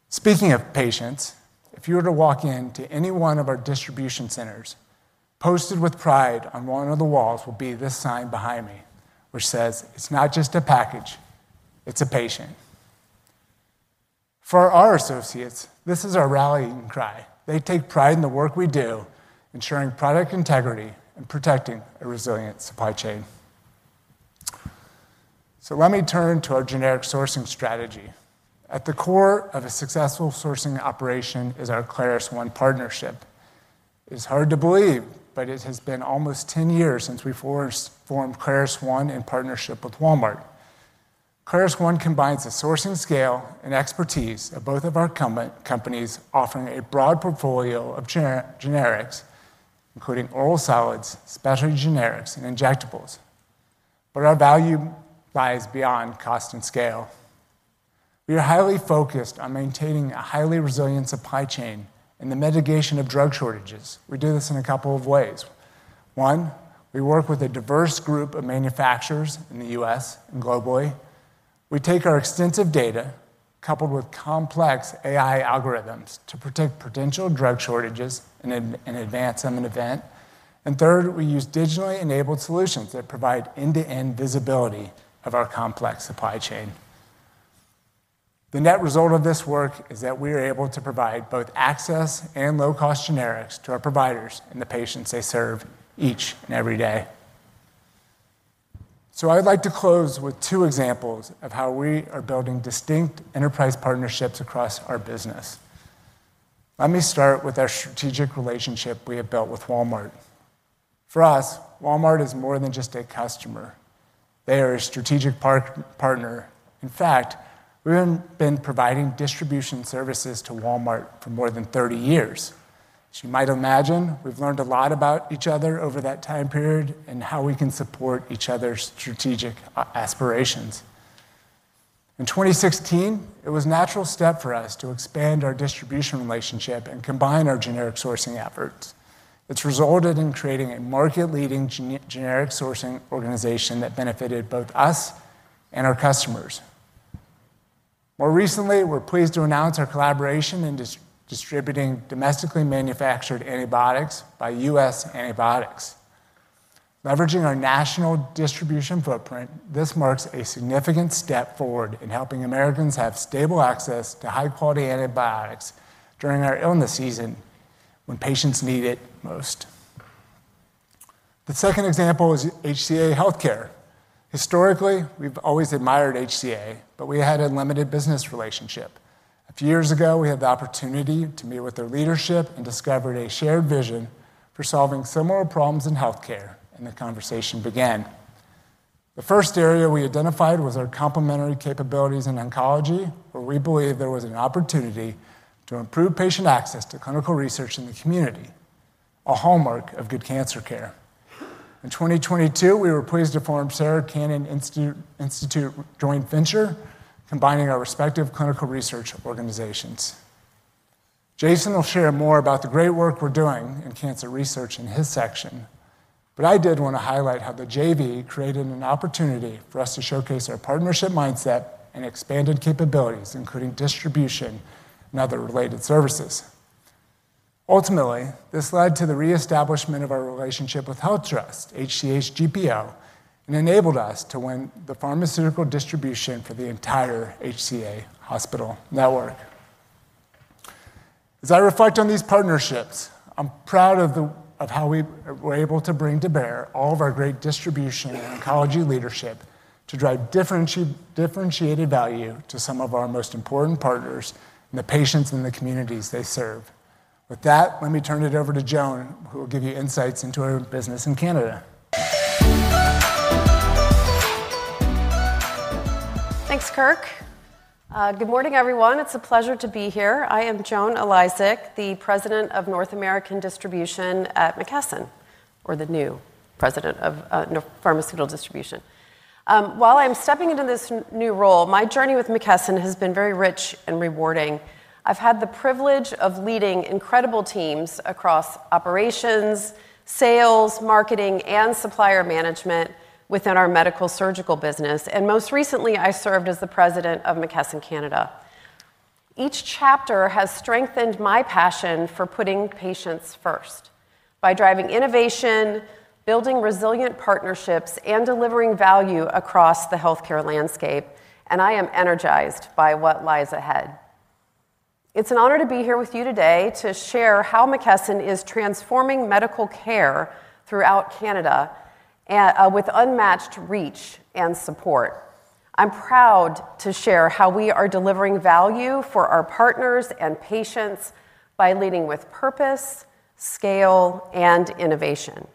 Speaking of patients, if you were to walk into any one of our distribution centers, posted with pride on one of the walls will be this sign behind me, which says, "It's not just a package. It's a patient." For our associates, this is our rallying cry. They take pride in the work we do, ensuring product integrity and protecting a resilient supply chain. Let me turn to our generic sourcing strategy. At the core of a successful sourcing operation is our ClarisOne partnership. It's hard to believe, but it has been almost 10 years since we formed ClarisOne in partnership with Walmart. ClarisOne combines the sourcing scale and expertise of both of our companies, offering a broad portfolio of generics, including oral solids, specialty generics, and injectables. Our value lies beyond cost and scale. We are highly focused on maintaining a highly resilient supply chain and the mitigation of drug shortages. We do this in a couple of ways. One, we work with a diverse group of manufacturers in the U.S. and globally. We take our extensive data, coupled with complex AI algorithms, to predict potential drug shortages in advance of an event. Third, we use digitally enabled solutions that provide end-to-end visibility of our complex supply chain. The net result of this work is that we are able to provide both access and low-cost generics to our providers and the patients they serve each and every day. I would like to close with two examples of how we are building distinct enterprise partnerships across our business. Let me start with our strategic relationship we have built with Walmart. For us, Walmart is more than just a customer. They are a strategic partner. In fact, we've been providing distribution services to Walmart for more than 30 years. As you might imagine, we've learned a lot about each other over that time period and how we can support each other's strategic aspirations. In 2016, it was a natural step for us to expand our distribution relationship and combine our generic sourcing efforts. It has resulted in creating a market-leading generic sourcing organization that benefited both us and our customers. More recently, we're pleased to announce our collaboration in distributing domestically manufactured antibiotics by US Antibiotics. Leveraging our national distribution footprint, this marks a significant step forward in helping Americans have stable access to high-quality antibiotics during our illness season when patients need it most. The second example is HCA Healthcare. Historically, we've always admired HCA, but we had a limited business relationship. A few years ago, we had the opportunity to meet with their leadership and discovered a shared vision for solving similar problems in health care, and the conversation began. The first area we identified was our complementary capabilities in oncology, where we believe there was an opportunity to improve patient access to clinical research in the community, a hallmark of good cancer care. In 2022, we were pleased to form Sarah Cannon Research Institute Joint Venture, combining our respective clinical research organizations. Jason will share more about the great work we're doing in cancer research in his section. I did want to highlight how the joint venture created an opportunity for us to showcase our partnership mindset and expanded capabilities, including distribution and other related services. Ultimately, this led to the reestablishment of our relationship with HealthTrust, HCA's GPO, and enabled us to win the pharmaceutical distribution for the entire HCA hospital network. As I reflect on these partnerships, I'm proud of how we were able to bring to bear all of our great distribution and oncology leadership to drive differentiated value to some of our most important partners and the patients and the communities they serve. With that, let me turn it over to Joan, who will give you insights into our business in Canada. Thanks, Kirk. Good morning, everyone. It's a pleasure to be here. I am Joan Eliasek, the President of North American Distribution at McKesson, or the new President of Pharmaceutical Distribution. While I'm stepping into this new role, my journey with McKesson has been very rich and rewarding. I've had the privilege of leading incredible teams across operations, sales, marketing, and supplier management within our medical surgical business. Most recently, I served as the President of McKesson Canada. Each chapter has strengthened my passion for putting patients first by driving innovation, building resilient partnerships, and delivering value across the health care landscape. I am energized by what lies ahead. It's an honor to be here with you today to share how McKesson is transforming medical care throughout Canada with unmatched reach. I'm proud to share how we are delivering value for our partners and patients by leading with purpose, scale, and innovation.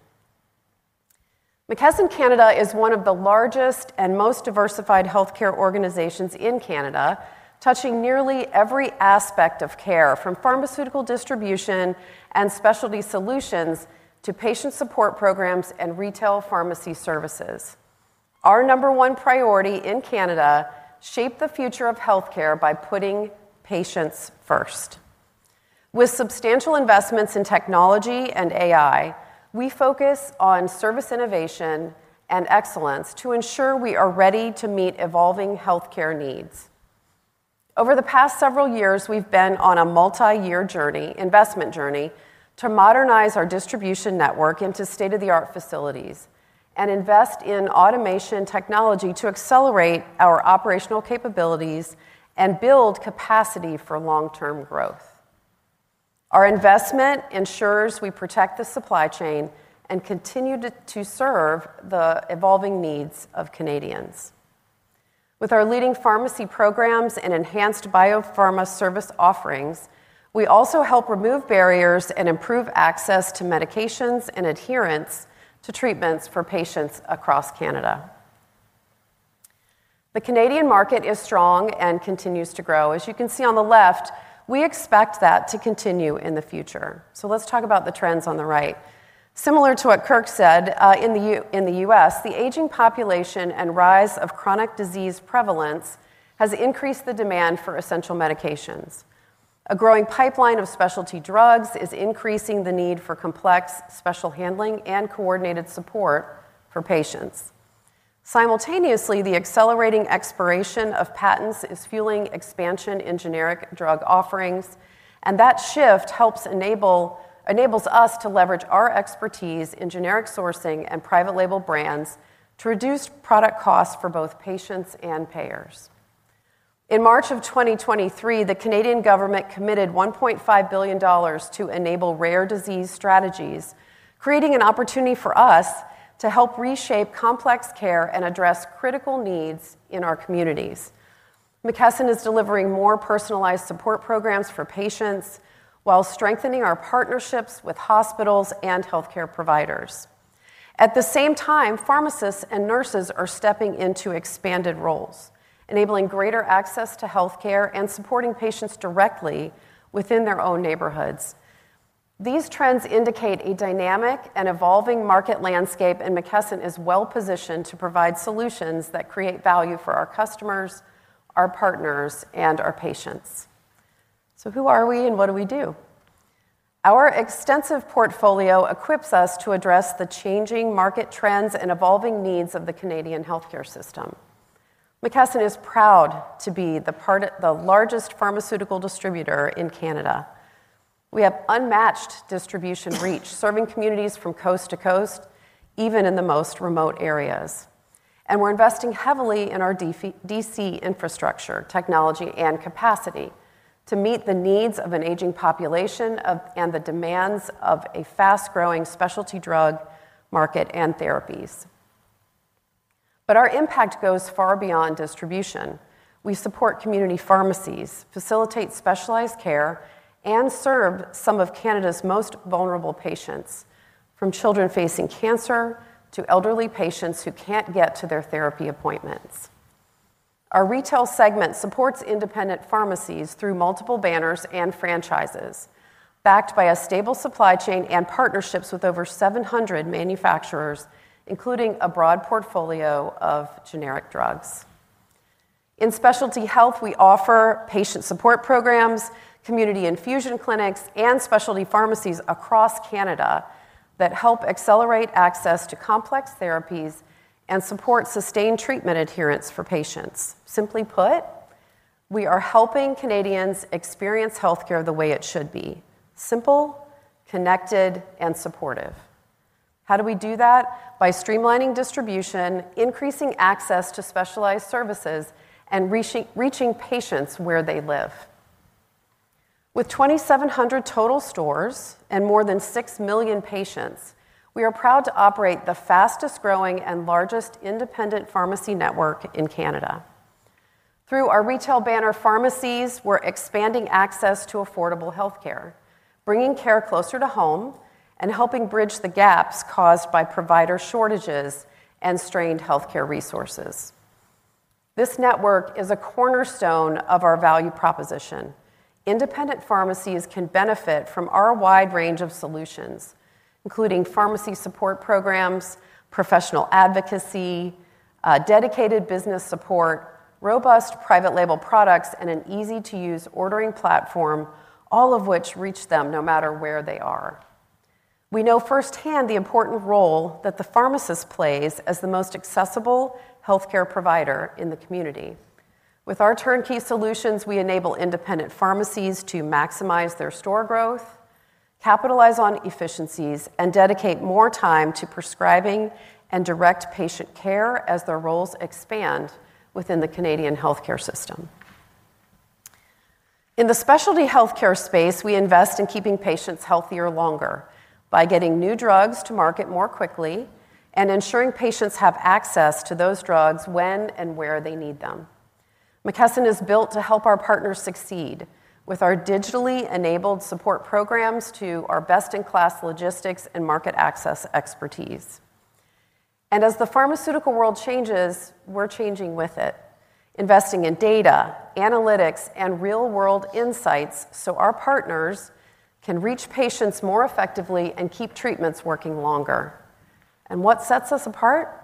McKesson Canada is one of the largest and most diversified healthcare organizations in Canada, touching nearly every aspect of care, from pharmaceutical distribution and specialty solutions to patient support programs and retail pharmacy services. Our number one priority in Canada shaped the future of healthcare by putting patients first. With substantial investments in technology and AI, we focus on service innovation and excellence to ensure we are ready to meet evolving healthcare needs. Over the past several years, we've been on a multi-year investment journey to modernize our distribution network into state-of-the-art facilities and invest in automation technology to accelerate our operational capabilities and build capacity for long-term growth. Our investment ensures we protect the supply chain and continue to serve the evolving needs of Canadians. With our leading pharmacy programs and enhanced biopharma service offerings, we also help remove barriers and improve access to medications and adherence to treatments for patients across Canada. The Canadian market is strong and continues to grow. As you can see on the left, we expect that to continue in the future. Let's talk about the trends on the right. Similar to what Kirk said in the U.S., the aging population and rise of chronic disease prevalence has increased the demand for essential medications. A growing pipeline of specialty drugs is increasing the need for complex special handling and coordinated support for patients. Simultaneously, the accelerating expiration of patents is fueling expansion in generic drug offerings, and that shift helps enable us to leverage our expertise in generic sourcing and private label brands to reduce product costs for both patients and payers. In March of 2023, the Canadian government committed $1.5 billion to enable rare disease strategies, creating an opportunity for us to help reshape complex care and address critical needs in our communities. McKesson is delivering more personalized support programs for patients while strengthening our partnerships with hospitals and healthcare providers. At the same time, pharmacists and nurses are stepping into expanded roles, enabling greater access to healthcare and supporting patients directly within their own neighborhoods. These trends indicate a dynamic and evolving market landscape, and McKesson is well-positioned to provide solutions that create value for our customers, our partners, and our patients. Who are we and what do we do? Our extensive portfolio equips us to address the changing market trends and evolving needs of the Canadian healthcare system. McKesson is proud to be the largest pharmaceutical distributor in Canada. We have unmatched distribution reach, serving communities from coast to coast, even in the most remote areas. We are investing heavily in our DC infrastructure, technology, and capacity to meet the needs of an aging population and the demands of a fast-growing specialty drug market and therapies. Our impact goes far beyond distribution. We support community pharmacies, facilitate specialized care, and serve some of Canada's most vulnerable patients, from children facing cancer to elderly patients who can't get to their therapy appointments. Our retail segment supports independent pharmacies through multiple banners and franchises, backed by a stable supply chain and partnerships with over 700 manufacturers, including a broad portfolio of generic drugs. In specialty health, we offer patient support programs, community infusion clinics, and specialty pharmacies across Canada that help accelerate access to complex therapies and support sustained treatment adherence for patients. Simply put, we are helping Canadians experience healthcare the way it should be: simple, connected, and supportive. How do we do that? By streamlining distribution, increasing access to specialized services, and reaching patients where they live. With 2,700 total stores and more than 6 million patients, we are proud to operate the fastest-growing and largest independent pharmacy network in Canada. Through our retail banner pharmacies, we are expanding access to affordable healthcare, bringing care closer to home, and helping bridge the gaps caused by provider shortages and strained healthcare resources. This network is a cornerstone of our value proposition. Independent pharmacies can benefit from our wide range of solutions, including pharmacy support programs, professional advocacy, dedicated business support, robust private label products, and an easy-to-use ordering platform, all of which reach them no matter where they are. We know firsthand the important role that the pharmacist plays as the most accessible healthcare provider in the community. With our turnkey solutions, we enable independent pharmacies to maximize their store growth, capitalize on efficiencies, and dedicate more time to prescribing and direct patient care as their roles expand within the Canadian healthcare system. In the specialty healthcare space, we invest in keeping patients healthier longer by getting new drugs to market more quickly and ensuring patients have access to those drugs when and where they need them. McKesson is built to help our partners succeed with our digitally enabled support programs, our best-in-class logistics, and market access expertise. As the pharmaceutical world changes, we're changing with it, investing in data, analytics, and real-world insights so our partners can reach patients more effectively and keep treatments working longer. What sets us apart?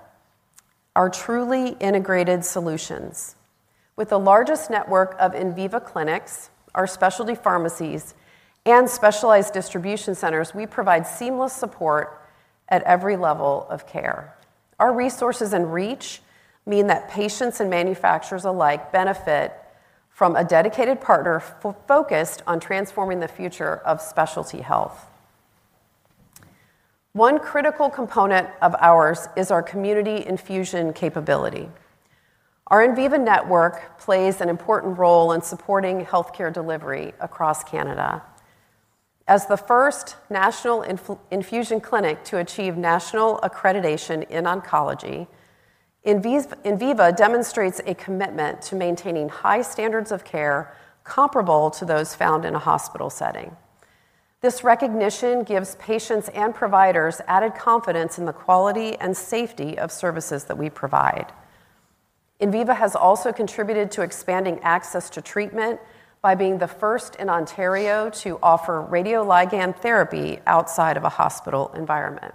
Our truly integrated solutions. With the largest network of Inviva clinics, our specialty pharmacies, and specialized distribution centers, we provide seamless support at every level of care. Our resources and reach mean that patients and manufacturers alike benefit from a dedicated partner focused on transforming the future of specialty health. One critical component of ours is our community infusion capability. Our Inviva network plays an important role in supporting healthcare delivery across Canada. As the first national infusion clinic to achieve national accreditation in oncology, Inviva demonstrates a commitment to maintaining high standards of care comparable to those found in a hospital setting. This recognition gives patients and providers added confidence in the quality and safety of services that we provide. Inviva has also contributed to expanding access to treatment by being the first in Ontario to offer radioligand therapy outside of a hospital environment.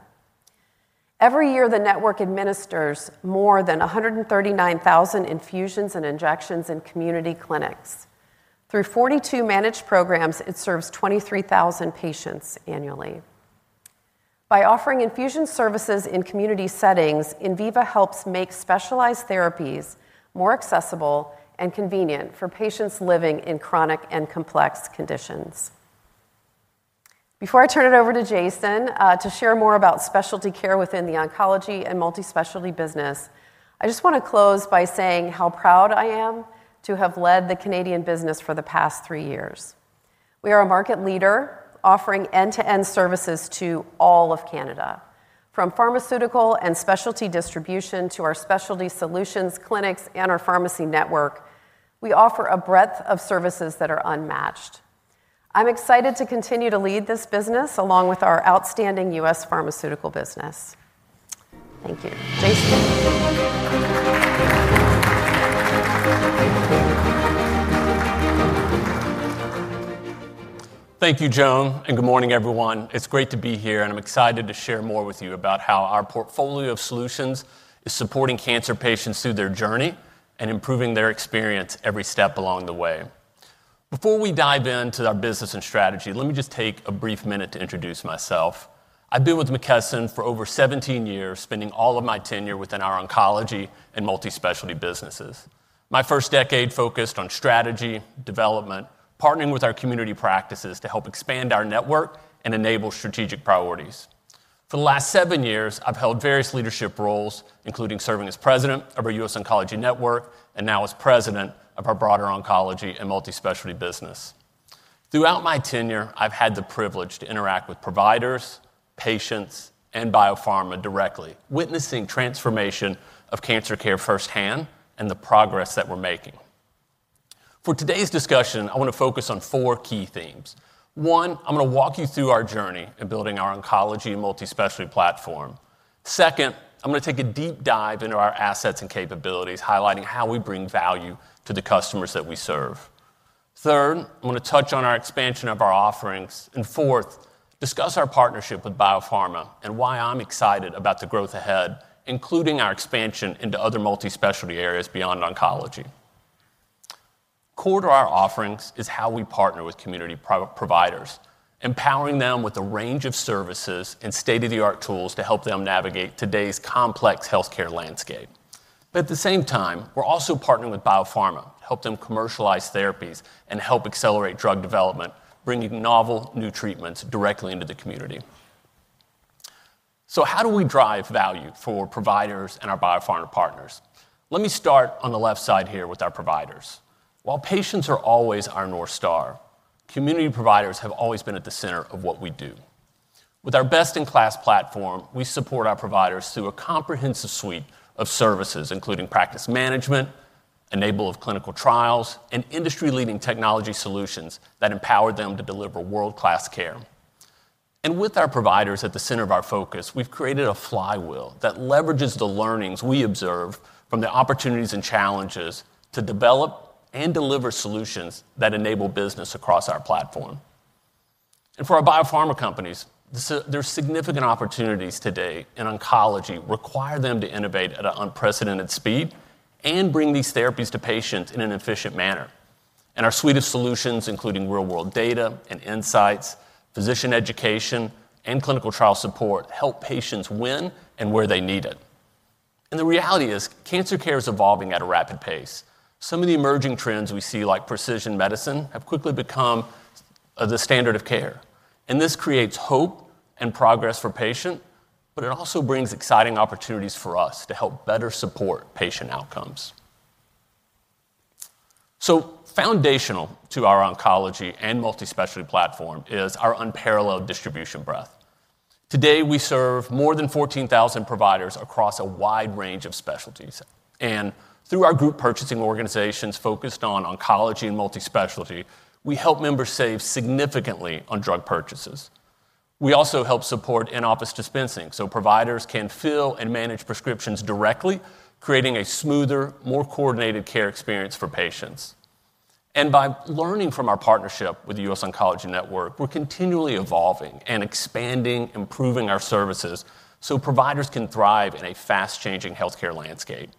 Every year, the network administers more than 139,000 infusions and injections in community clinics. Through 42 managed programs, it serves 23,000 patients annually. By offering infusion services in community settings, Inviva helps make specialized therapies more accessible and convenient for patients living with chronic and complex conditions. Before I turn it over to Jason to share more about specialty care within the oncology and multispecialty business, I just want to close by saying how proud I am to have led the Canadian business for the past three years. We are a market leader offering end-to-end services to all of Canada. From pharmaceutical and specialty distribution to our specialty solutions, clinics, and our pharmacy network, we offer a breadth of services that are unmatched. I'm excited to continue to lead this business along with our outstanding U.S. pharmaceutical business. Thank you, Jason. Thank you, Joan, and good morning, everyone. It's great to be here, and I'm excited to share more with you about how our portfolio of solutions is supporting cancer patients through their journey and improving their experience every step along the way. Before we dive into our business and strategy, let me just take a brief minute to introduce myself. I've been with McKesson for over 17 years, spending all of my tenure within our oncology and multispecialty businesses. My first decade focused on strategy, development, partnering with our community practices to help expand our network and enable strategic priorities. For the last seven years, I've held various leadership roles, including serving as President of our US Oncology Network and now as President of our broader oncology and multispecialty business. Throughout my tenure, I've had the privilege to interact with providers, patients, and biopharma directly, witnessing transformation of cancer care firsthand and the progress that we're making. For today's discussion, I want to focus on four key themes. One, I'm going to walk you through our journey in building our oncology and multispecialty platform. Second, I'm going to take a deep dive into our assets and capabilities, highlighting how we bring value to the customers that we serve. Third, I'm going to touch on our expansion of our offerings. Fourth, discuss our partnership with biopharma and why I'm excited about the growth ahead, including our expansion into other multispecialty areas beyond oncology. Core to our offerings is how we partner with community providers, empowering them with a range of services and state-of-the-art tools to help them navigate today's complex healthcare landscape. At the same time, we're also partnering with biopharma to help them commercialize therapies and help accelerate drug development, bringing novel new treatments directly into the community. How do we drive value for providers and our biopharma partners? Let me start on the left side here with our providers. While patients are always our North Star, community providers have always been at the center of what we do. With our best-in-class platform, we support our providers through a comprehensive suite of services, including practice management, enabled clinical trials, and industry-leading technology solutions that empower them to deliver world-class care. With our providers at the center of our focus, we've created a flywheel that leverages the learnings we observe from the opportunities and challenges to develop and deliver solutions that enable business across our platform. For our biopharma companies, there are significant opportunities today in oncology that require them to innovate at an unprecedented speed and bring these therapies to patients in an efficient manner. Our suite of solutions, including real-world data and insights, physician education, and clinical trial support, help patients when and where they need it. The reality is cancer care is evolving at a rapid pace. Some of the emerging trends we see, like precision medicine, have quickly become the standard of care. This creates hope and progress for patients, but it also brings exciting opportunities for us to help better support patient outcomes. Foundational to our oncology and multispecialty platform is our unparalleled distribution breadth. Today, we serve more than 14,000 providers across a wide range of specialties. Through our group purchasing organizations focused on oncology and multispecialty, we help members save significantly on drug purchases. We also help support in-office dispensing so providers can fill and manage prescriptions directly, creating a smoother, more coordinated care experience for patients. By learning from our partnership with the US Oncology Network, we're continually evolving and expanding, improving our services so providers can thrive in a fast-changing healthcare landscape.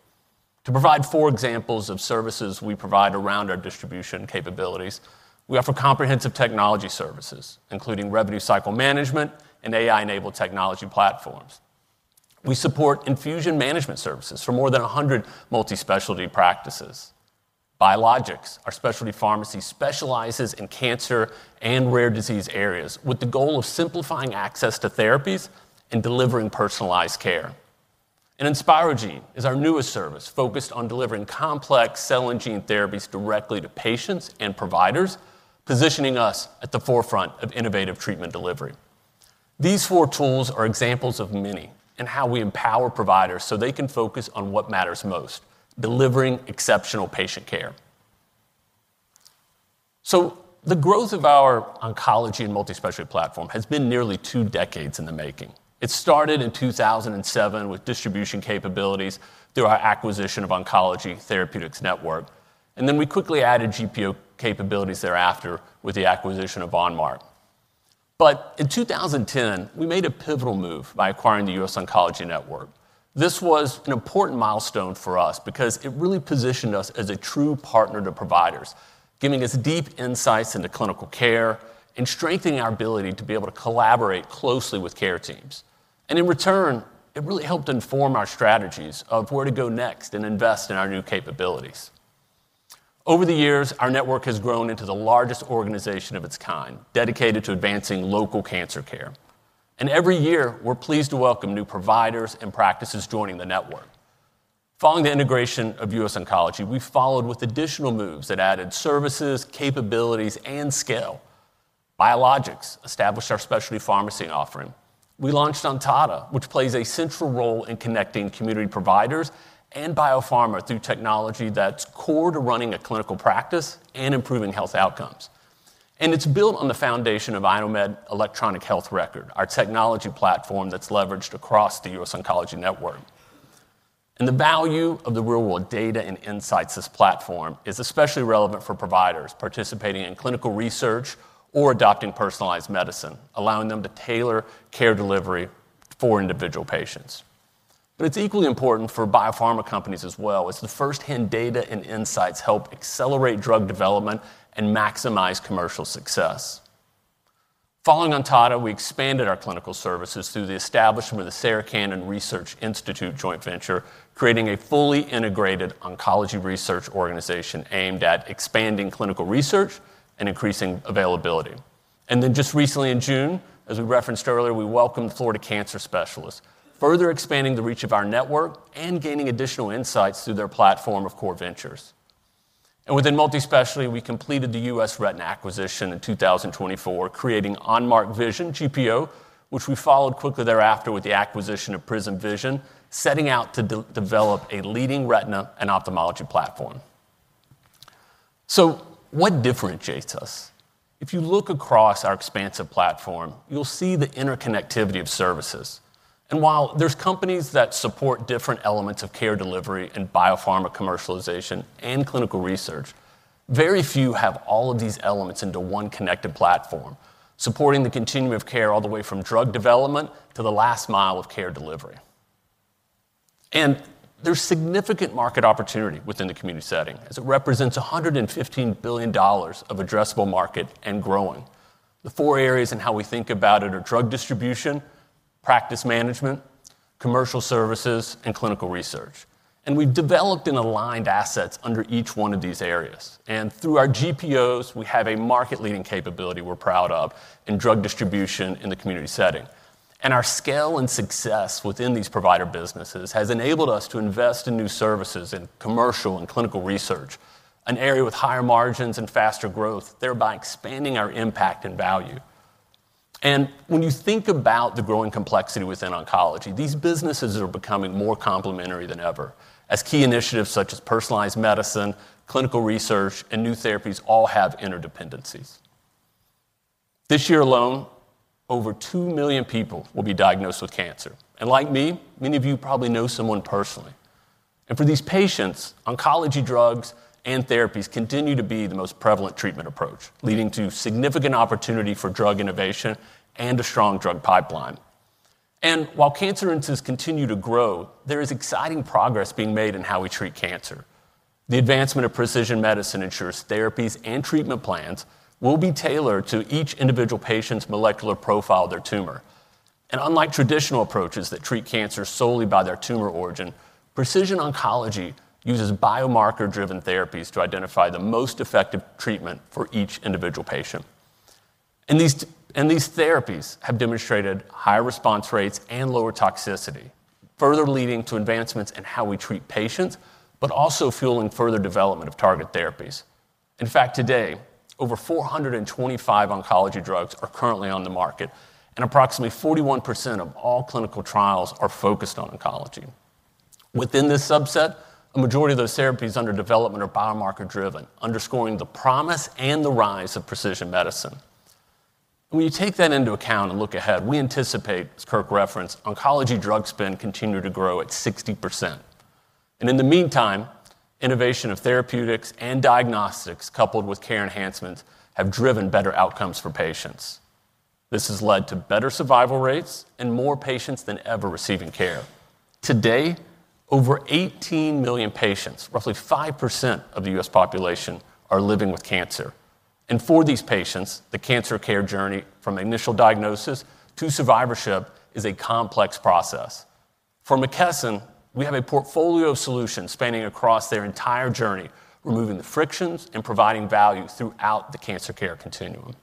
To provide four examples of services we provide around our distribution capabilities, we offer comprehensive technology services, including revenue cycle management and AI-enabled technology platforms. We support infusion management services for more than 100 multispecialty practices. Biologics, our specialty pharmacy, specializes in cancer and rare disease areas with the goal of simplifying access to therapies and delivering personalized care. InspiraGene is our newest service focused on delivering complex cell and gene therapies directly to patients and providers, positioning us at the forefront of innovative treatment delivery. These four tools are examples of many and how we empower providers so they can focus on what matters most: delivering exceptional patient care. The growth of our oncology and multispecialty platform has been nearly two decades in the making. It started in 2007 with distribution capabilities through our acquisition of Oncology Therapeutics Network. We quickly added GPO capabilities thereafter with the acquisition of OnMark. In 2010, we made a pivotal move by acquiring the US Oncology Network. This was an important milestone for us because it really positioned us as a true partner to providers, giving us deep insights into clinical care and strengthening our ability to be able to collaborate closely with care teams. In return, it really helped inform our strategies of where to go next and invest in our new capabilities. Over the years, our network has grown into the largest organization of its kind, dedicated to advancing local cancer care. Every year, we're pleased to welcome new providers and practices joining the network. Following the integration of US Oncology, we followed with additional moves that added services, capabilities, and scale. Biologics established our specialty pharmacy offering. We launched Ontada, which plays a central role in connecting community providers and biopharma through technology that's core to running a clinical practice and improving health outcomes. It's built on the foundation of iKnowMed Electronic Health Record, our technology platform that's leveraged across the US Oncology Network. The value of the real-world data and insights of this platform is especially relevant for providers participating in clinical research or adopting personalized medicine, allowing them to tailor care delivery for individual patients. It's equally important for biopharma companies as well, as the first-hand data and insights help accelerate drug development and maximize commercial success. Following Ontada, we expanded our clinical services through the establishment of the Sarah Cannon Research Institute joint venture, creating a fully integrated oncology research organization aimed at expanding clinical research and increasing availability. Just recently in June, as we referenced earlier, we welcomed Florida Cancer Specialists, further expanding the reach of our network and gaining additional insights through their platform of core ventures. Within multispecialty, we completed the US Retina acquisition in 2024, creating OnMark Vision GPO, which we followed quickly thereafter with the acquisition of Prism Vision Group, setting out to develop a leading retina and ophthalmology platform. What differentiates us? If you look across our expansive platform, you'll see the interconnectivity of services. While there are companies that support different elements of care delivery and biopharma commercialization and clinical research, very few have all of these elements into one connected platform, supporting the continuum of care all the way from drug development to the last mile of care delivery. There's significant market opportunity within the community setting, as it represents $115 billion of addressable market and growing. The four areas in how we think about it are drug distribution, practice management, commercial services, and clinical research. We've developed and aligned assets under each one of these areas. Through our GPOs, we have a market-leading capability we're proud of in drug distribution in the community setting. Our scale and success within these provider businesses has enabled us to invest in new services in commercial and clinical research, an area with higher margins and faster growth, thereby expanding our impact and value. When you think about the growing complexity within oncology, these businesses are becoming more complementary than ever, as key initiatives such as personalized medicine, clinical research, and new therapies all have interdependencies. This year alone, over 2 million people will be diagnosed with cancer. Like me, many of you probably know someone personally. For these patients, oncology drugs and therapies continue to be the most prevalent treatment approach, leading to significant opportunity for drug innovation and a strong drug pipeline. While cancer incidences continue to grow, there is exciting progress being made in how we treat cancer. The advancement of precision medicine ensures therapies and treatment plans will be tailored to each individual patient's molecular profile of their tumor. Unlike traditional approaches that treat cancer solely by their tumor origin, precision oncology uses biomarker-driven therapies to identify the most effective treatment for each individual patient. These therapies have demonstrated higher response rates and lower toxicity, further leading to advancements in how we treat patients, but also fueling further development of target therapies. In fact, today, over 425 oncology drugs are currently on the market, and approximately 41% of all clinical trials are focused on oncology. Within this subset, a majority of those therapies under development are biomarker-driven, underscoring the promise and the rise of precision medicine. When you take that into account and look ahead, we anticipate, as Kirk referenced, oncology drug spend to continue to grow at 60%. In the meantime, innovation of therapeutics and diagnostics, coupled with care enhancements, have driven better outcomes for patients. This has led to better survival rates and more patients than ever receiving care. Today, over 18 million patients, roughly 5% of the U.S. population, are living with cancer. For these patients, the cancer care journey from initial diagnosis to survivorship is a complex process. For McKesson, we have a portfolio of solutions spanning across their entire journey, removing the frictions and providing value throughout the cancer care continuum.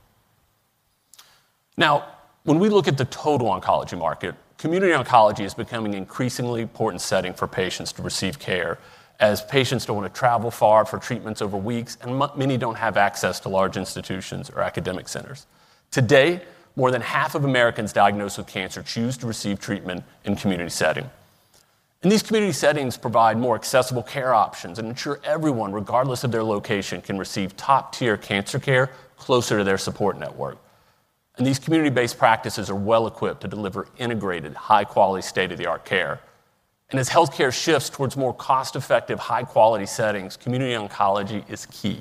When we look at the total oncology market, community oncology is becoming an increasingly important setting for patients to receive care, as patients don't want to travel far for treatments over weeks, and many don't have access to large institutions or academic centers. Today, more than half of Americans diagnosed with cancer choose to receive treatment in community settings. These community settings provide more accessible care options and ensure everyone, regardless of their location, can receive top-tier cancer care closer to their support network. These community-based practices are well-equipped to deliver integrated, high-quality, state-of-the-art care. As healthcare shifts towards more cost-effective, high-quality settings, community oncology is key.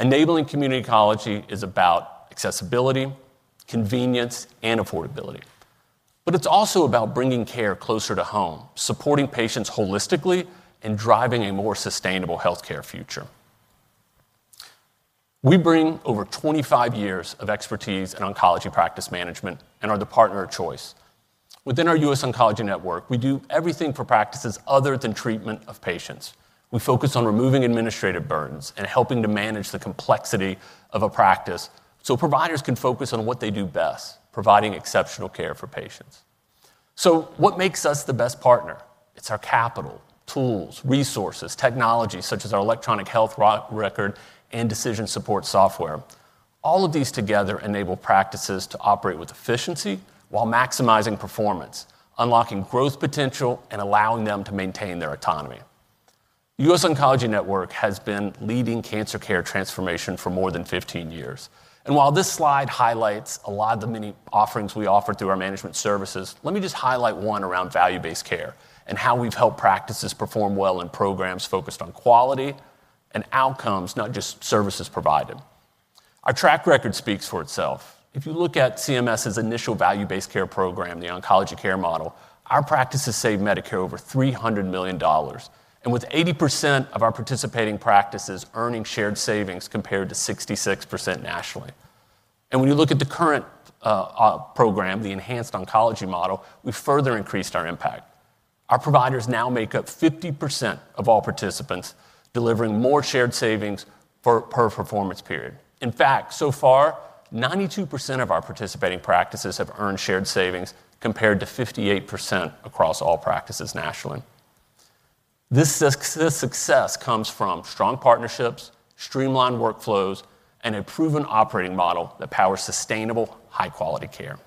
Enabling community oncology is about accessibility, convenience, and affordability. It's also about bringing care closer to home, supporting patients holistically, and driving a more sustainable healthcare future. We bring over 25 years of expertise in oncology practice management and are the partner of choice. Within our U.S. oncology network, we do everything for practices other than treatment of patients. We focus on removing administrative burdens and helping to manage the complexity of a practice so providers can focus on what they do best: providing exceptional care for patients. What makes us the best partner is our capital, tools, resources, technology such as our electronic health record and decision support software. All of these together enable practices to operate with efficiency while maximizing performance, unlocking growth potential, and allowing them to maintain their autonomy. The U.S. Oncology Network has been leading cancer care transformation for more than 15 years. While this slide highlights a lot of the many offerings we offer through our management services, let me just highlight one around value-based care and how we've helped practices perform well in programs focused on quality and outcomes, not just services provided. Our track record speaks for itself. If you look at CMS's initial value-based care program, the Oncology Care Model, our practices saved Medicare over $300 million, with 80% of our participating practices earning shared savings compared to 66% nationally. When you look at the current program, the Enhanced Oncology Model, we've further increased our impact. Our providers now make up 50% of all participants, delivering more shared savings per performance period. In fact, so far, 92% of our participating practices have earned shared savings compared to 58% across all practices nationally. This success comes from strong partnerships, streamlined workflows, and a proven operating model that powers sustainable, high-quality care.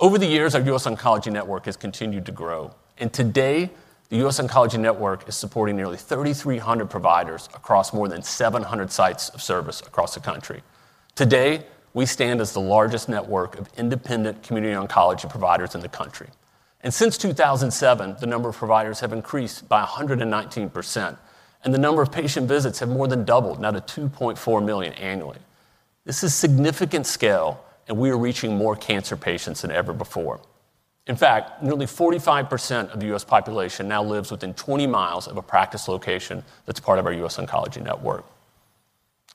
Over the years, our U.S. Oncology Network has continued to grow. Today, the U.S. Oncology Network is supporting nearly 3,300 providers across more than 700 sites of service across the country. We stand as the largest network of independent community oncology providers in the country. Since 2007, the number of providers has increased by 119%, and the number of patient visits has more than doubled, now to 2.4 million annually. This is significant scale, and we are reaching more cancer patients than ever before. In fact, nearly 45% of the U.S. population now lives within 20 miles of a practice location that's part of our U.S. Oncology Network.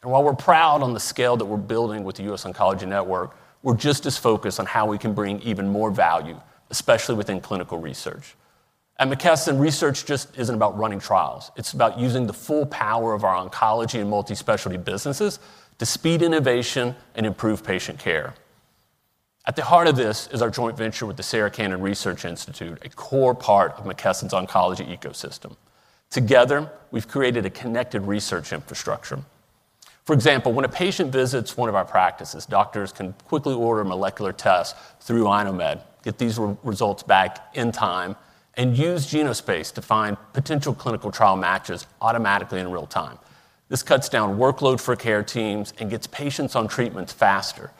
While we're proud of the scale that we're building with the U.S. Oncology Network, we're just as focused on how we can bring even more value, especially within clinical research. At McKesson, research just isn't about running trials. It's about using the full power of our oncology and multispecialty businesses to speed innovation and improve patient care. At the heart of this is our joint venture with the Sarah Cannon Research Institute, a core part of McKesson's oncology ecosystem. Together, we've created a connected research infrastructure. For example, when a patient visits one of our practices, doctors can quickly order molecular tests through Inomed, get these results back in time, and use Genospace to find potential clinical trial matches automatically in real time. This cuts down workload for care teams and gets patients on treatments faster.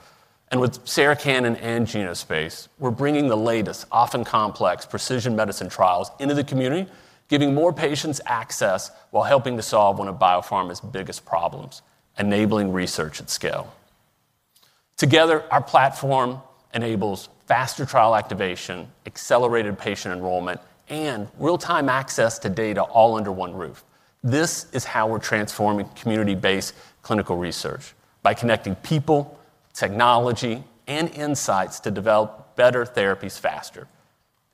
With Sarah Cannon and Genospace, we're bringing the latest, often complex, precision medicine trials into the community, giving more patients access while helping to solve one of biopharma's biggest problems: enabling research at scale. Together, our platform enables faster trial activation, accelerated patient enrollment, and real-time access to data all under one roof. This is how we're transforming community-based clinical research by connecting people, technology, and insights to develop better therapies faster.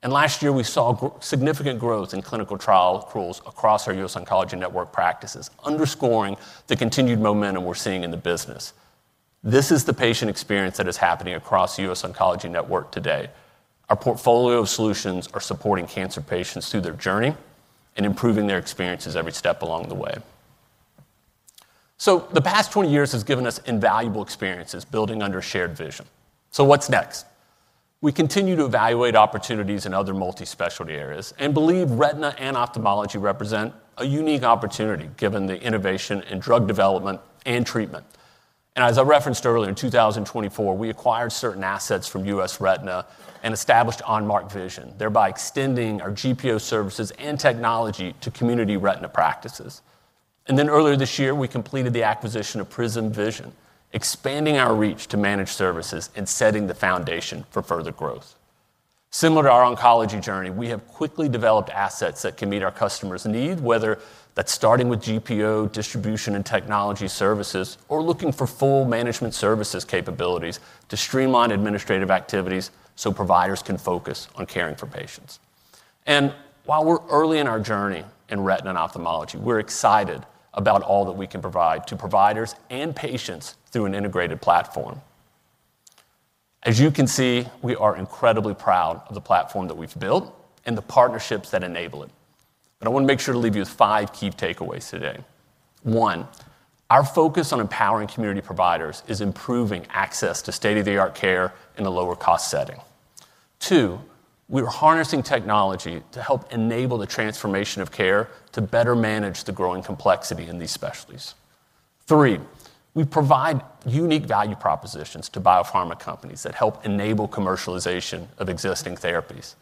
Last year, we saw significant growth in clinical trials across our U.S. Oncology Network practices, underscoring the continued momentum we're seeing in the business. This is the patient experience that is happening across the U.S. Oncology Network today. Our portfolio of solutions are supporting cancer patients through their journey and improving their experiences every step along the way. The past 20 years have given us invaluable experiences building under shared vision. What's next? We continue to evaluate opportunities in other multispecialty areas and believe retina and ophthalmology represent a unique opportunity, given the innovation in drug development and treatment. As I referenced earlier, in 2024, we acquired certain assets from US Retina and established OnMart Vision, thereby extending our GPO services and technology to community retina practices. Earlier this year, we completed the acquisition of Prism Vision, expanding our reach to managed services and setting the foundation for further growth. Similar to our oncology journey, we have quickly developed assets that can meet our customers' needs, whether that's starting with GPO distribution and technology services or looking for full management services capabilities to streamline administrative activities so providers can focus on caring for patients. While we're early in our journey in retina and ophthalmology, we're excited about all that we can provide to providers and patients through an integrated platform. As you can see, we are incredibly proud of the platform that we've built and the partnerships that enable it. I want to make sure to leave you with five key takeaways today. One, our focus on empowering community providers is improving access to state-of-the-art care in a lower-cost setting. Two, we are harnessing technology to help enable the transformation of care to better manage the growing complexity in these specialties. Three, we provide unique value propositions to biopharma companies that help enable commercialization of existing therapies.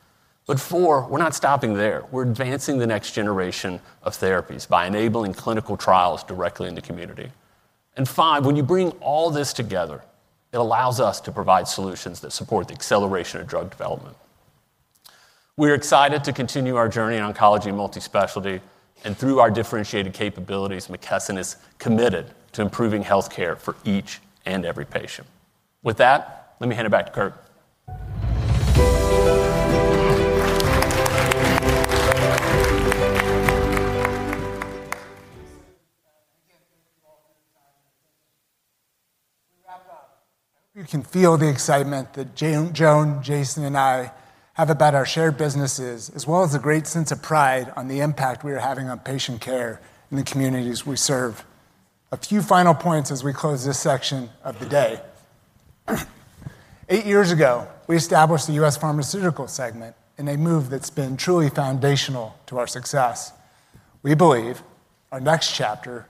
Four, we're not stopping there. We're advancing the next generation of therapies by enabling clinical trials directly in the community. Five, when you bring all this together, it allows us to provide solutions that support the acceleration of drug development. We're excited to continue our journey in oncology and multispecialty. Through our differentiated capabilities, McKesson is committed to improving healthcare for each and every patient. With that, let me hand it back to Kirk. You can feel the excitement that Joan, Jason, and I have about our shared businesses, as well as a great sense of pride on the impact we are having on patient care in the communities we serve. A few final points as we close this section of the day. Eight years ago, we established the U.S. pharmaceutical segment in a move that's been truly foundational to our success. We believe our next chapter,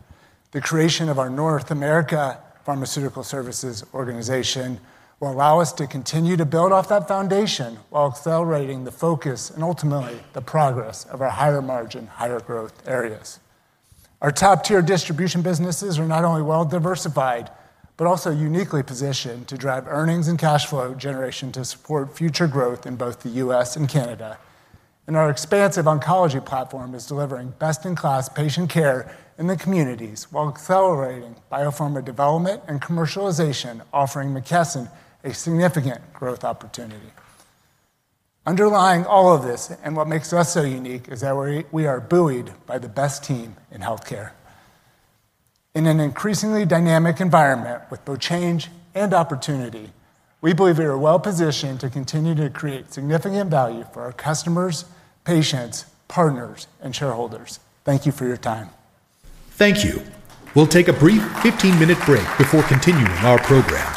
the creation of our North America Pharmaceutical Services Organization, will allow us to continue to build off that foundation while accelerating the focus and ultimately the progress of our higher margin, higher growth areas. Our top-tier distribution businesses are not only well-diversified but also uniquely positioned to drive earnings and cash flow generation to support future growth in both the U.S. and Canada. Our expansive oncology platform is delivering best-in-class patient care in the communities while accelerating biopharma development and commercialization, offering McKesson a significant growth opportunity. Underlying all of this and what makes us so unique is that we are buoyed by the best team in healthcare. In an increasingly dynamic environment with both change and opportunity, we believe we are well-positioned to continue to create significant value for our customers, patients, partners, and shareholders. Thank you for your time. Thank you. We'll take a brief 15-minute break before continuing our program.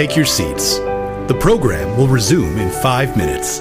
Please take your seats. The program will resume in five minutes.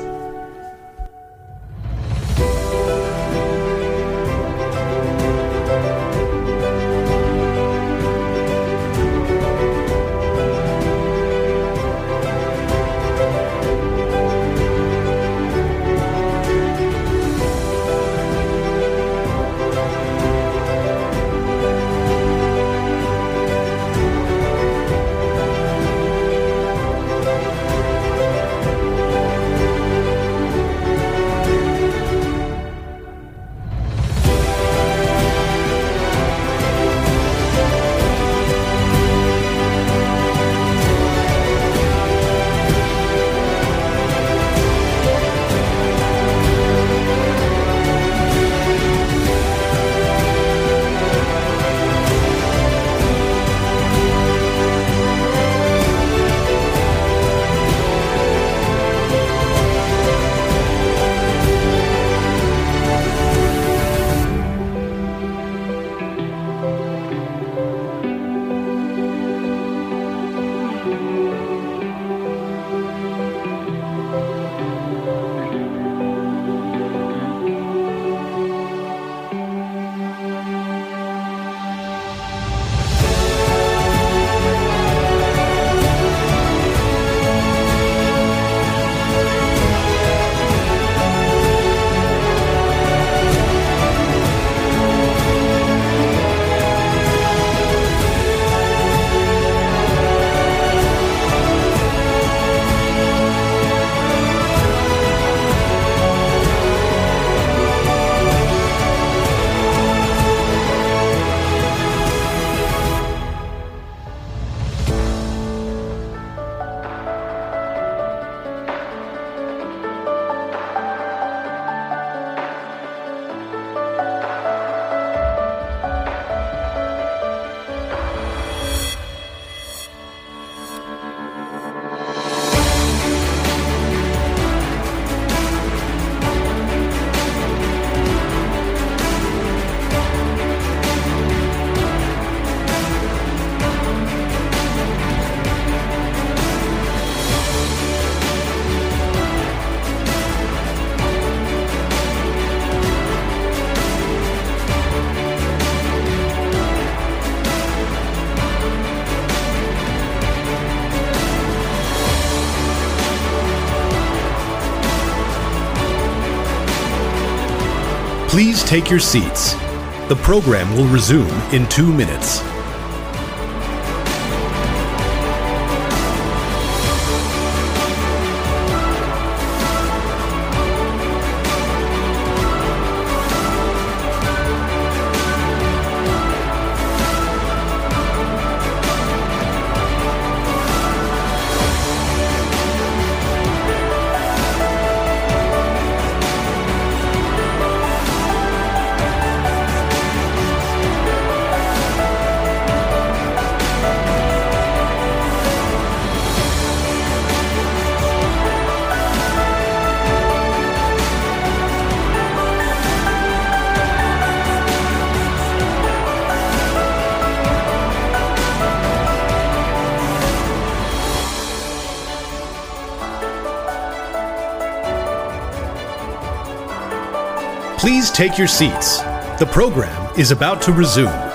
Please take your seats. The program will resume in two minutes. Please take your seats. The program is about to resume.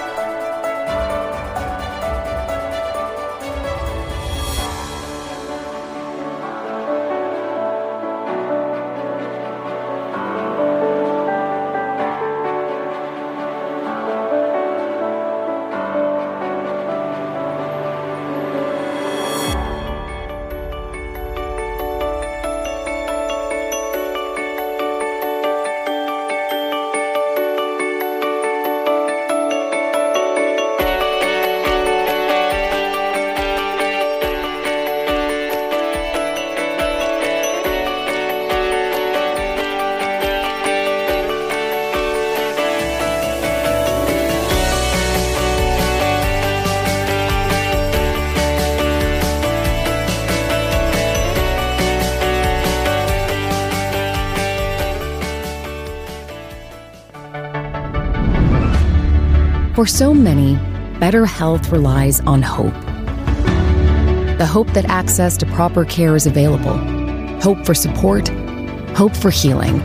For so many, better health relies on hope. The hope that access to proper care is available, hope for support, hope for healing.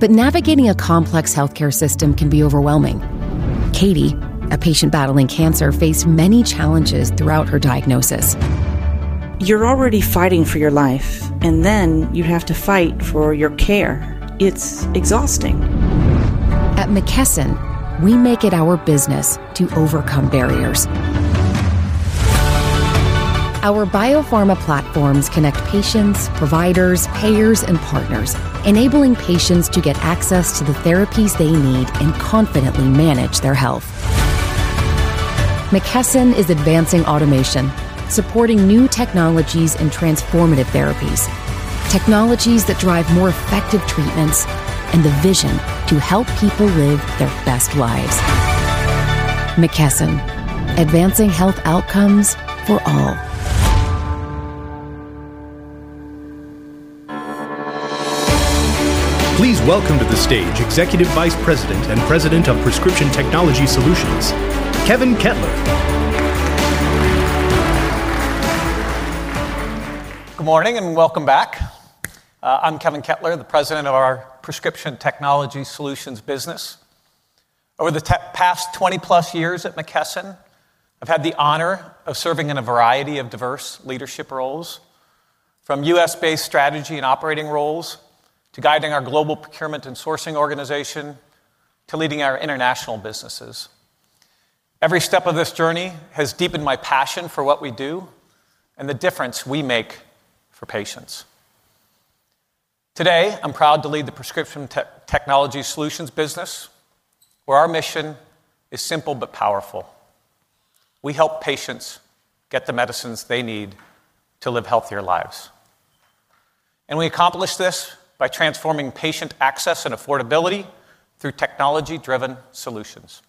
Navigating a complex healthcare system can be overwhelming. Katie, a patient battling cancer, faced many challenges throughout her diagnosis. You're already fighting for your life, and then you have to fight for your care. It's exhausting. At McKesson, we make it our business to overcome barriers. Our biopharma platforms connect patients, providers, payers, and partners, enabling patients to get access to the therapies they need and confidently manage their health. McKesson is advancing automation, supporting new technologies and transformative therapies. Technologies that drive more effective treatments and the vision to help people live their best lives. McKesson, advancing health outcomes for all. Please welcome to the stage Executive Vice President and President of Prescription Technology Solutions, Kevin Kettler. Good morning and welcome back. I'm Kevin Kettler, the President of our Prescription Technology Solutions business. Over the past 20+ years at McKesson, I've had the honor of serving in a variety of diverse leadership roles, from U.S.-based strategy and operating roles to guiding our global procurement and sourcing organization to leading our international businesses. Every step of this journey has deepened my passion for what we do and the difference we make for patients. Today, I'm proud to lead the Prescription Technology Solutions business, where our mission is simple but powerful. We help patients get the medicines they need to live healthier lives. We accomplish this by transforming patient access and affordability through technology-driven solutions.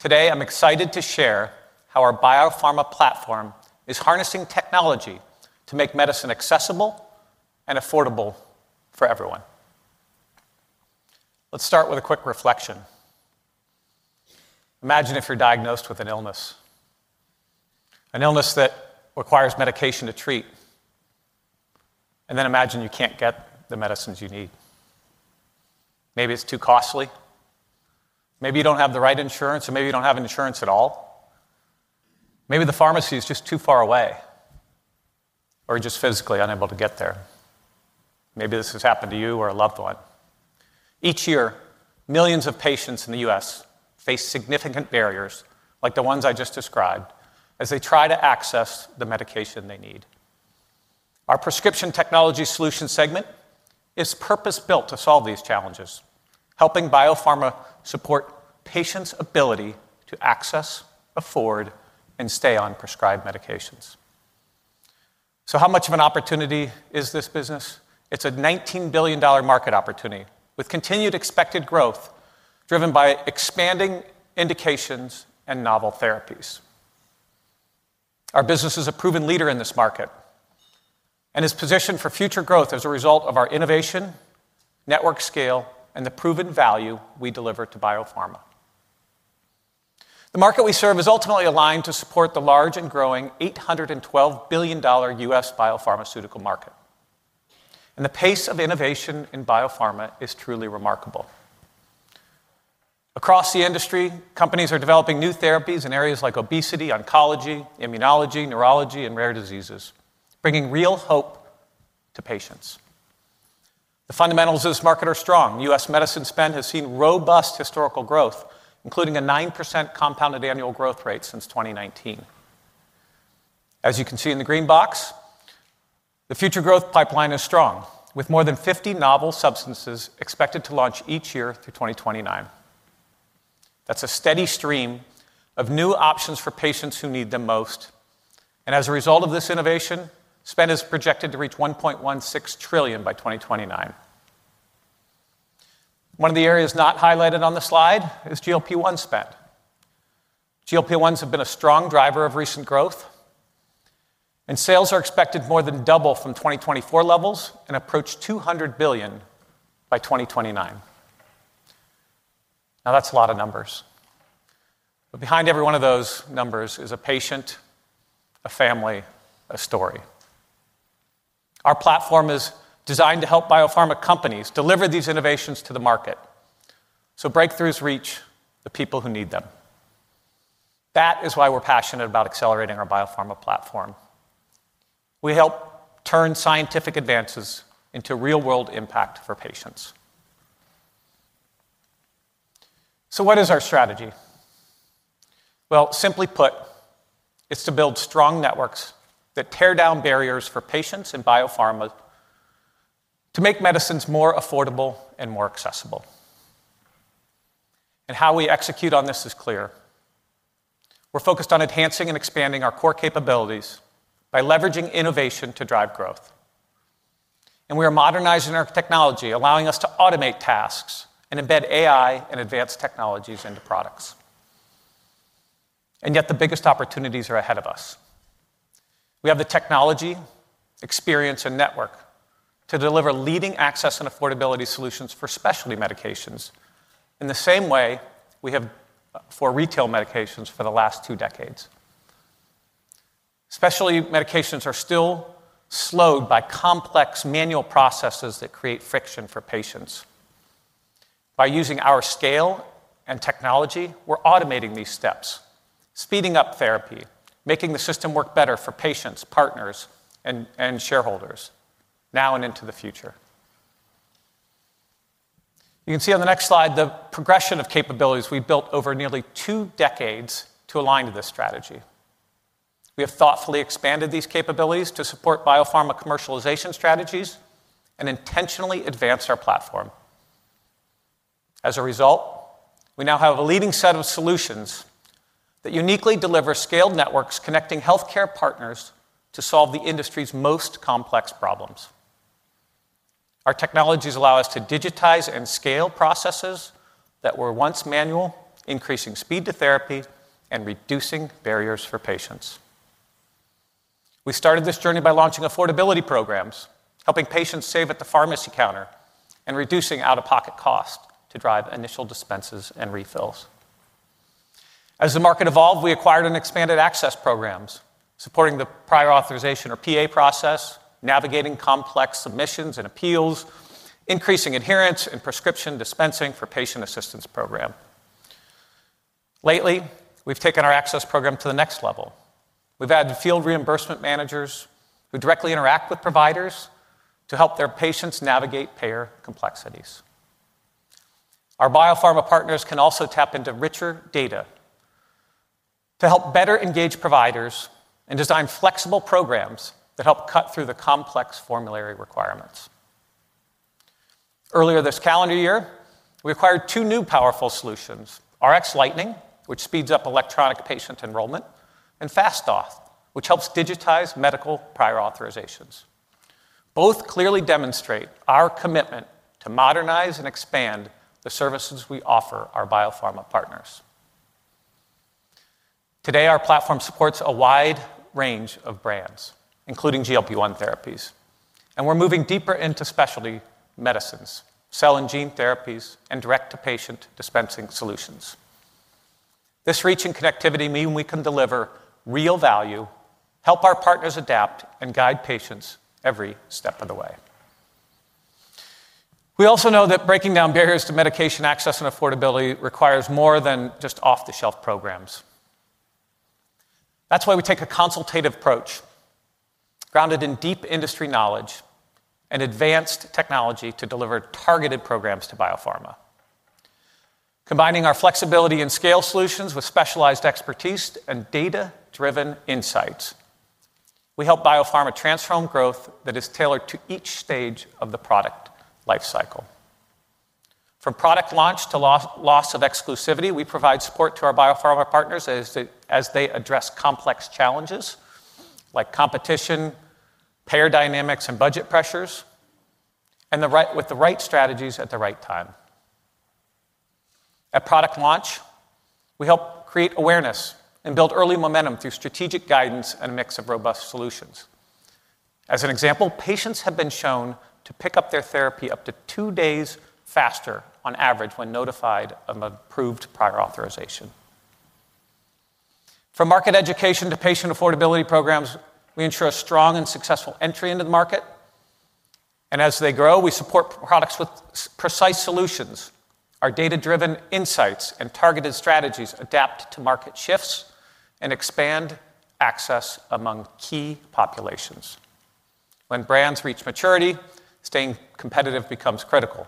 Today, I'm excited to share how our biopharma platform is harnessing technology to make medicine accessible and affordable for everyone. Let's start with a quick reflection. Imagine if you're diagnosed with an illness, an illness that requires medication to treat, and then imagine you can't get the medicines you need. Maybe it's too costly. Maybe you don't have the right insurance, or maybe you don't have insurance at all. Maybe the pharmacy is just too far away, or you're just physically unable to get there. Maybe this has happened to you or a loved one. Each year, millions of patients in the U.S. face significant barriers, like the ones I just described, as they try to access the medication they need. Our Prescription Technology Solutions segment is purpose-built to solve these challenges, helping biopharma support patients' ability to access, afford, and stay on prescribed medications. How much of an opportunity is this business? It's a $19 billion market opportunity with continued expected growth, driven by expanding indications and novel therapies. Our business is a proven leader in this market and is positioned for future growth as a result of our innovation, network scale, and the proven value we deliver to biopharma. The market we serve is ultimately aligned to support the large and growing $812 billion U.S. biopharmaceutical market. The pace of innovation in biopharma is truly remarkable. Across the industry, companies are developing new therapies in areas like obesity, oncology, immunology, neurology, and rare diseases, bringing real hope to patients. The fundamentals of this market are strong. U.S. medicine spend has seen robust historical growth, including a 9% compounded annual growth rate since 2019. As you can see in the green box, the future growth pipeline is strong, with more than 50 novel substances expected to launch each year through 2029. That's a steady stream of new options for patients who need them most. As a result of this innovation, spend is projected to reach $1.16 trillion by 2029. One of the areas not highlighted on the slide is GLP-1 spend. GLP-1 therapies have been a strong driver of recent growth, and sales are expected to more than double from 2024 levels and approach $200 billion by 2029. That's a lot of numbers. Behind every one of those numbers is a patient, a family, a story. Our platform is designed to help biopharma companies deliver these innovations to the market so breakthroughs reach the people who need them. That is why we're passionate about accelerating our biopharma platform. We help turn scientific advances into real-world impact for patients. Our strategy is to build strong networks that tear down barriers for patients and biopharma to make medicines more affordable and more accessible. How we execute on this is clear. We're focused on enhancing and expanding our core capabilities by leveraging innovation to drive growth. We are modernizing our technology, allowing us to automate tasks and embed AI and advanced technologies into products. Yet, the biggest opportunities are ahead of us. We have the technology, experience, and network to deliver leading access and affordability solutions for specialty medications in the same way we have for retail medications for the last two decades. Specialty medications are still slowed by complex manual processes that create friction for patients. By using our scale and technology, we're automating these steps, speeding up therapy, making the system work better for patients, partners, and shareholders now and into the future. You can see on the next slide the progression of capabilities we built over nearly two decades to align to this strategy. We have thoughtfully expanded these capabilities to support biopharma commercialization strategies and intentionally advance our platform. As a result, we now have a leading set of solutions that uniquely deliver scaled networks connecting healthcare partners to solve the industry's most complex problems. Our technologies allow us to digitize and scale processes that were once manual, increasing speed to therapy and reducing barriers for patients. We started this journey by launching affordability programs, helping patients save at the pharmacy counter and reducing out-of-pocket costs to drive initial dispenses and refills. As the market evolved, we acquired and expanded access programs, supporting the prior authorization or PA process, navigating complex submissions and appeals, increasing adherence and prescription dispensing for patient assistance programs. Lately, we've taken our access program to the next level. We've added field reimbursement managers who directly interact with providers to help their patients navigate payer complexities. Our biopharma partners can also tap into richer data to help better engage providers and design flexible programs that help cut through the complex formulary requirements. Earlier this calendar year, we acquired two new powerful solutions, RxLightning, which speeds up electronic patient enrollment, and FastAuth, which helps digitize medical prior authorizations. Both clearly demonstrate our commitment to modernize and expand the services we offer our biopharma partners. Today, our platform supports a wide range of brands, including GLP-1 therapies, and we're moving deeper into specialty medicines, cell and gene therapies, and direct-to-patient dispensing solutions. This reach and connectivity means we can deliver real value, help our partners adapt, and guide patients every step of the way. We also know that breaking down barriers to medication access and affordability requires more than just off-the-shelf programs. That's why we take a consultative approach grounded in deep industry knowledge and advanced technology to deliver targeted programs to biopharma. Combining our flexibility and scale solutions with specialized expertise and data-driven insights, we help biopharma transform growth that is tailored to each stage of the product lifecycle. From product launch to loss of exclusivity, we provide support to our biopharma partners as they address complex challenges like competition, payer dynamics, and budget pressures, and with the right strategies at the right time. At product launch, we help create awareness and build early momentum through strategic guidance and a mix of robust solutions. As an example, patients have been shown to pick up their therapy up to two days faster on average when notified of an approved prior authorization. From market education to patient affordability programs, we ensure a strong and successful entry into the market. As they grow, we support products with precise solutions. Our data-driven insights and targeted strategies adapt to market shifts and expand access among key populations. When brands reach maturity, staying competitive becomes critical.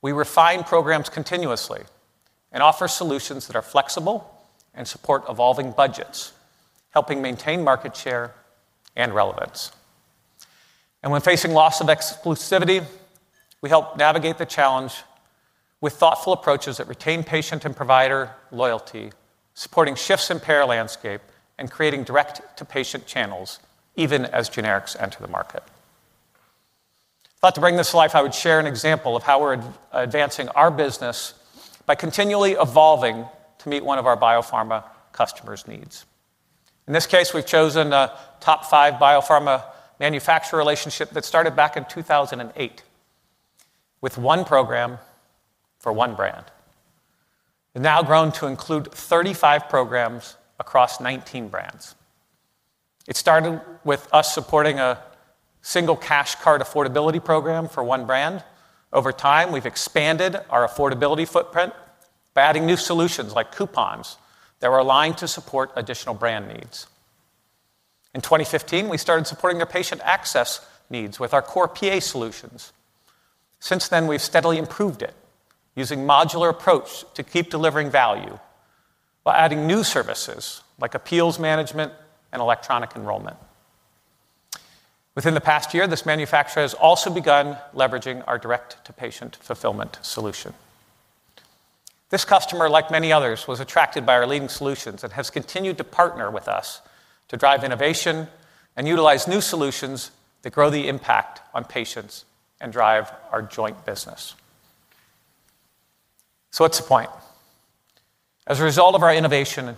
We refine programs continuously and offer solutions that are flexible and support evolving budgets, helping maintain market share and relevance. When facing loss of exclusivity, we help navigate the challenge with thoughtful approaches that retain patient and provider loyalty, supporting shifts in payer landscape, and creating direct-to-patient channels even as generics enter the market. To bring this to life, I would share an example of how we're advancing our business by continually evolving to meet one of our biopharma customers' needs. In this case, we've chosen a top-five biopharma manufacturer relationship that started back in 2008 with one program for one brand. We've now grown to include 35 programs across 19 brands. It started with us supporting a single cash card affordability program for one brand. Over time, we've expanded our affordability footprint by adding new solutions like coupons that are aligned to support additional brand needs. In 2015, we started supporting the patient access needs with our core PA solutions. Since then, we've steadily improved it, using a modular approach to keep delivering value while adding new services like appeals management and electronic enrollment. Within the past year, this manufacturer has also begun leveraging our direct-to-patient fulfillment solution. This customer, like many others, was attracted by our leading solutions and has continued to partner with us to drive innovation and utilize new solutions that grow the impact on patients and drive our joint business. What's the point? As a result of our innovation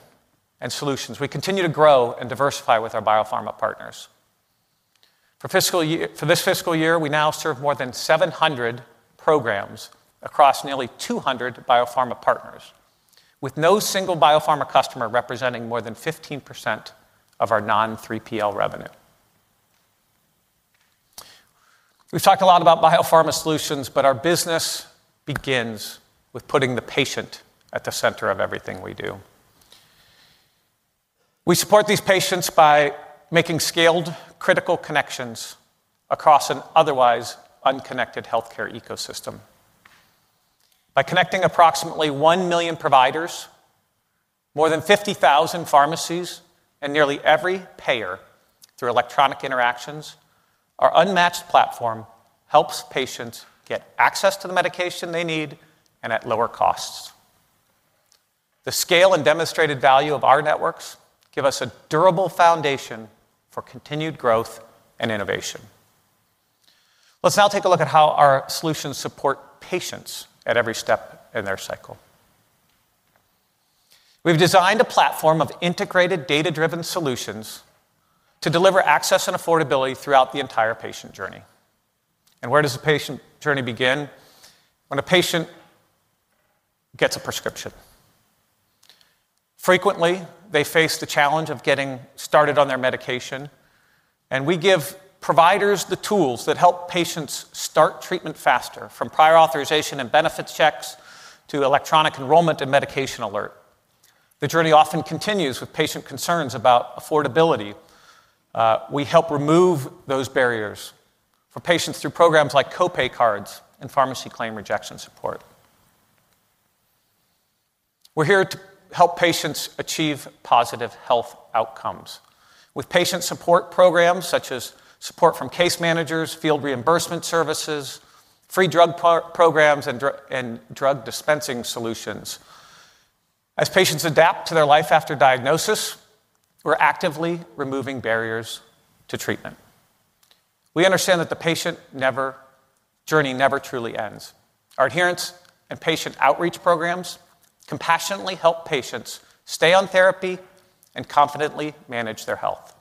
and solutions, we continue to grow and diversify with our biopharma partners. For this fiscal year, we now serve more than 700 programs across nearly 200 biopharma partners, with no single biopharma customer representing more than 15% of our non-3PL revenue. We've talked a lot about biopharma solutions, but our business begins with putting the patient at the center of everything we do. We support these patients by making scaled, critical connections across an otherwise unconnected healthcare ecosystem. By connecting approximately 1 million providers, more than 50,000 pharmacies, and nearly every payer through electronic interactions, our unmatched platform helps patients get access to the medication they need and at lower costs. The scale and demonstrated value of our networks give us a durable foundation for continued growth and innovation. Let's now take a look at how our solutions support patients at every step in their cycle. We've designed a platform of integrated, data-driven solutions to deliver access and affordability throughout the entire patient journey. Where does the patient journey begin? When a patient gets a prescription. Frequently, they face the challenge of getting started on their medication, and we give providers the tools that help patients start treatment faster, from prior authorization and benefits checks to electronic enrollment and medication alert. The journey often continues with patient concerns about affordability. We help remove those barriers for patients through programs like copay cards and pharmacy claim rejection support. We're here to help patients achieve positive health outcomes with patient support programs such as support from case managers, field reimbursement services, free drug programs, and drug dispensing solutions. As patients adapt to their life after diagnosis, we're actively removing barriers to treatment. We understand that the patient journey never truly ends. Our adherence and patient outreach programs compassionately help patients stay on therapy and confidently manage their health.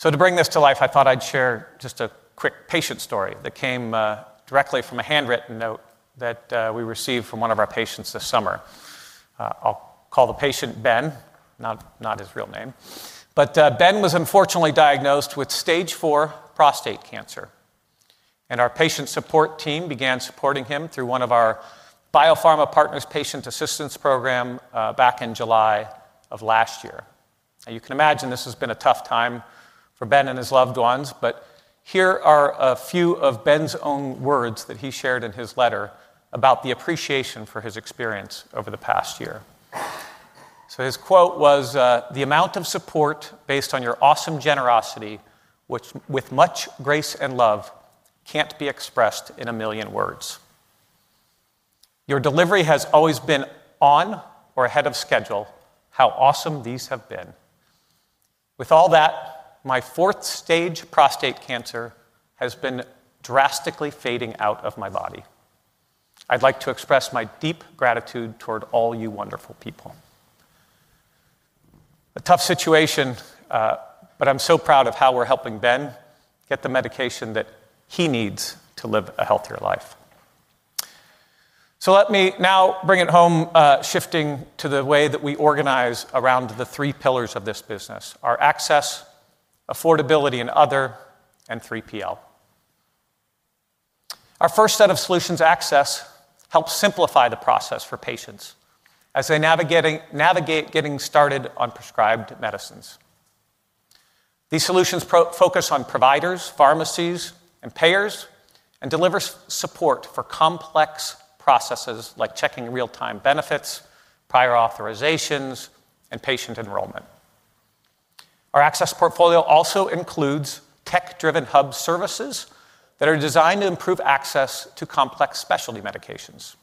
To bring this to life, I thought I'd share just a quick patient story that came directly from a handwritten note that we received from one of our patients this summer. I'll call the patient Ben, not his real name. Ben was unfortunately diagnosed with stage four prostate cancer, and our patient support team began supporting him through one of our biopharma partners' patient assistance program back in July of last year. You can imagine this has been a tough time for Ben and his loved ones, but here are a few of Ben's own words that he shared in his letter about the appreciation for his experience over the past year. His quote was, "The amount of support based on your awesome generosity, which with much grace and love, can't be expressed in a million words." Your delivery has always been on or ahead of schedule. How awesome these have been. With all that, my fourth stage prostate cancer has been drastically fading out of my body. I'd like to express my deep gratitude toward all you wonderful people. A tough situation, but I'm so proud of how we're helping Ben get the medication that he needs to live a healthier life. Let me now bring it home, shifting to the way that we organize around the three pillars of this business: our access, affordability, and other, and 3PL. Our first set of solutions, access, helps simplify the process for patients as they navigate getting started on prescribed medicines. These solutions focus on providers, pharmacies, and payers and deliver support for complex processes like checking real-time benefits, prior authorizations, and patient enrollment. Our access portfolio also includes tech-driven hub services that are designed to improve access to complex specialty medications.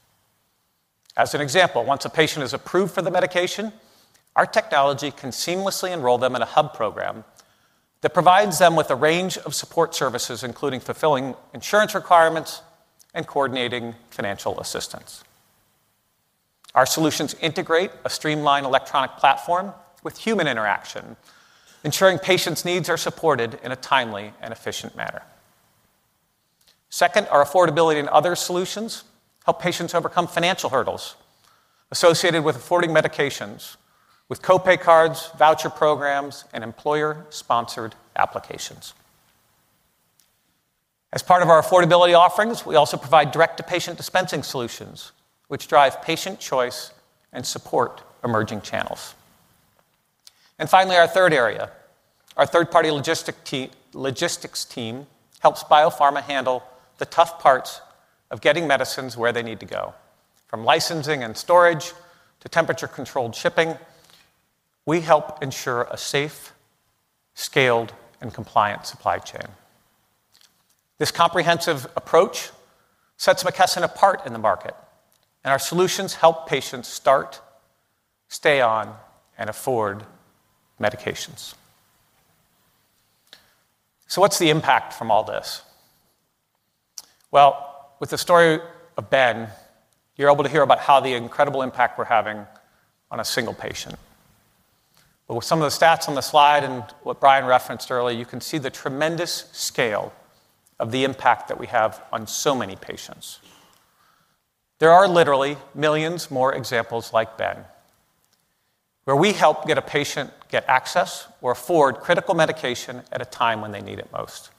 As an example, once a patient is approved for the medication, our technology can seamlessly enroll them in a hub program that provides them with a range of support services, including fulfilling insurance requirements and coordinating financial assistance. Our solutions integrate a streamlined electronic platform with human interaction, ensuring patients' needs are supported in a timely and efficient manner. Second, our affordability and other solutions help patients overcome financial hurdles associated with affording medications with copay cards, voucher programs, and employer-sponsored applications. As part of our affordability offerings, we also provide direct-to-patient dispensing solutions, which drive patient choice and support emerging channels. Finally, our third area, our third-party logistics team helps biopharma handle the tough parts of getting medicines where they need to go. From licensing and storage to temperature-controlled shipping, we help ensure a safe, scaled, and compliant supply chain. This comprehensive approach sets McKesson apart in the market, and our solutions help patients start, stay on, and afford medications. The impact from all this is clear. With the story of Ben, you're able to hear about how the incredible impact we're having on a single patient. With some of the stats on the slide and what Brian referenced earlier, you can see the tremendous scale of the impact that we have on so many patients. There are literally millions more examples like Ben, where we help get a patient get access or afford critical medication at a time when they need it most.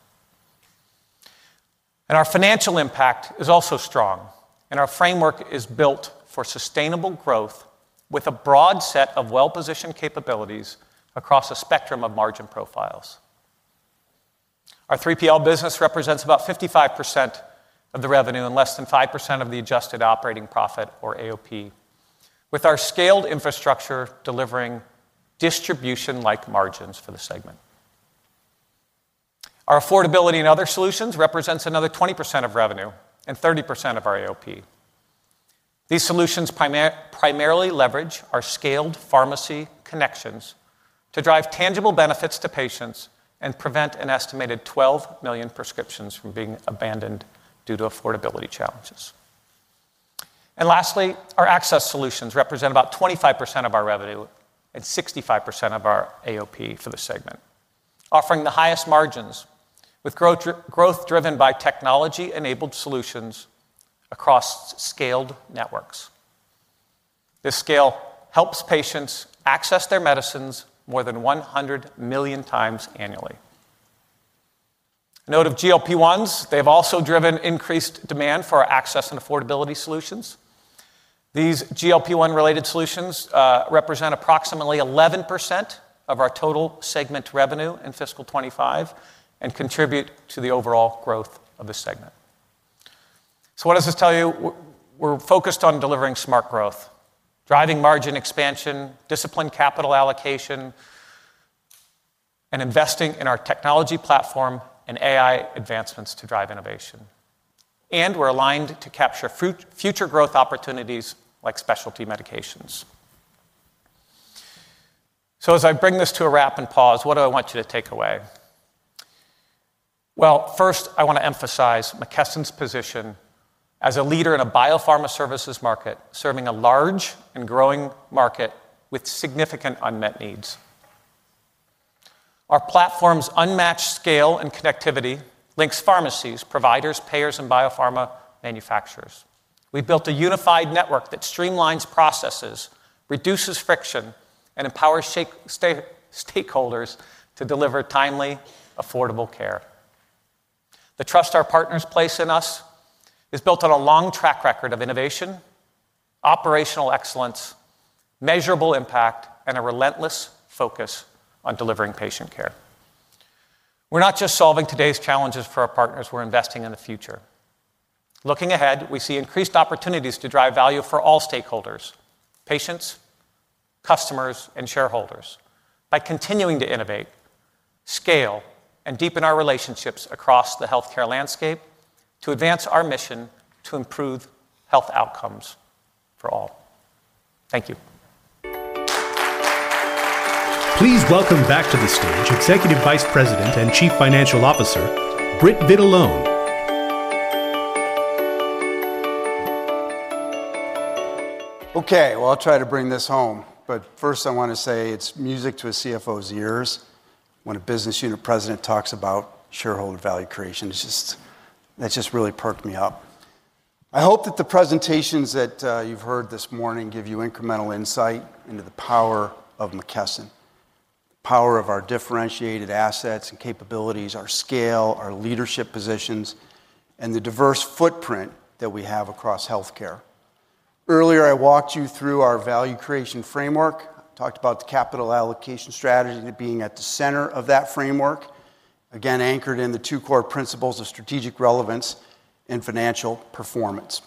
Our financial impact is also strong, and our framework is built for sustainable growth with a broad set of well-positioned capabilities across a spectrum of margin profiles. Our 3PL business represents about 55% of the revenue and less than 5% of the adjusted operating profit, or AOP, with our scaled infrastructure delivering distribution-like margins for the segment. Our affordability and other solutions represent another 20% of revenue and 30% of our AOP. These solutions primarily leverage our scaled pharmacy connections to drive tangible benefits to patients and prevent an estimated 12 million prescriptions from being abandoned due to affordability challenges. Lastly, our access solutions represent about 25% of our revenue and 65% of our AOP for the segment, offering the highest margins with growth driven by technology-enabled solutions across scaled networks. This scale helps patients access their medicines more than 100 million times annually. Note of GLP-1s, they've also driven increased demand for access and affordability solutions. These GLP-1-related solutions represent approximately 11% of our total segment. Revenue in fiscal 2025 and contribute to the overall growth of this segment. What does this tell you? We're focused on delivering smart growth, driving margin expansion, disciplined capital allocation, and investing in our technology platform and AI advancements to drive innovation. We're aligned to capture future growth opportunities like specialty medications. As I bring this to a wrap and pause, what do I want you to take away? First, I want to emphasize McKesson's position as a leader in a biopharma services market, serving a large and growing market with significant unmet needs. Our platform's unmatched scale and connectivity links pharmacies, providers, payers, and biopharma manufacturers. We built a unified network that streamlines processes, reduces friction, and empowers stakeholders to deliver timely, affordable care. The trust our partners place in us is built on a long track record of innovation, operational excellence, measurable impact, and a relentless focus on delivering patient care. We're not just solving today's challenges for our partners; we're investing in the future. Looking ahead, we see increased opportunities to drive value for all stakeholders: patients, customers, and shareholders by continuing to innovate, scale, and deepen our relationships across the healthcare landscape to advance our mission to improve health outcomes for all. Thank you. Please welcome back to the stage Executive Vice President and Chief Financial Officer, Britt Vitalone. Okay, I'll try to bring this home, but first I want to say it's music to a CFO's ears when a Business Unit President talks about shareholder value creation. That just really perked me up. I hope that the presentations that you've heard this morning give you incremental insight into the power of McKesson, the power of our differentiated assets and capabilities, our scale, our leadership positions, and the diverse footprint that we have across healthcare. Earlier, I walked you through our value creation framework, talked about the capital allocation strategy being at the center of that framework, again anchored in the two core principles of strategic relevance and financial performance.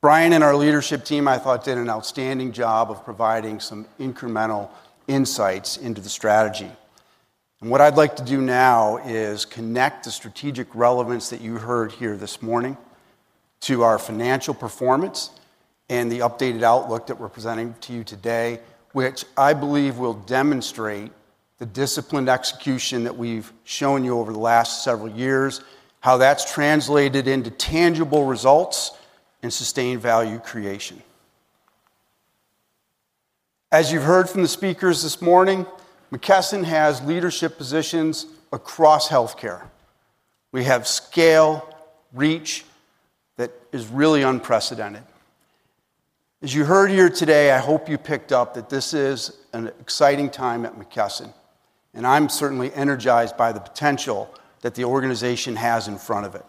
Brian and our leadership team, I thought, did an outstanding job of providing some incremental insights into the strategy. What I'd like to do now is connect the strategic relevance that you heard here this morning to our financial performance and the updated outlook that we're presenting to you today, which I believe will demonstrate the disciplined execution that we've shown you over the last several years, how that's translated into tangible results and sustained value creation. As you've heard from the speakers this morning, McKesson has leadership positions across healthcare. We have scale, reach that is really unprecedented. As you heard here today, I hope you picked up that this is an exciting time at McKesson, and I'm certainly energized by the potential that the organization has in front of it.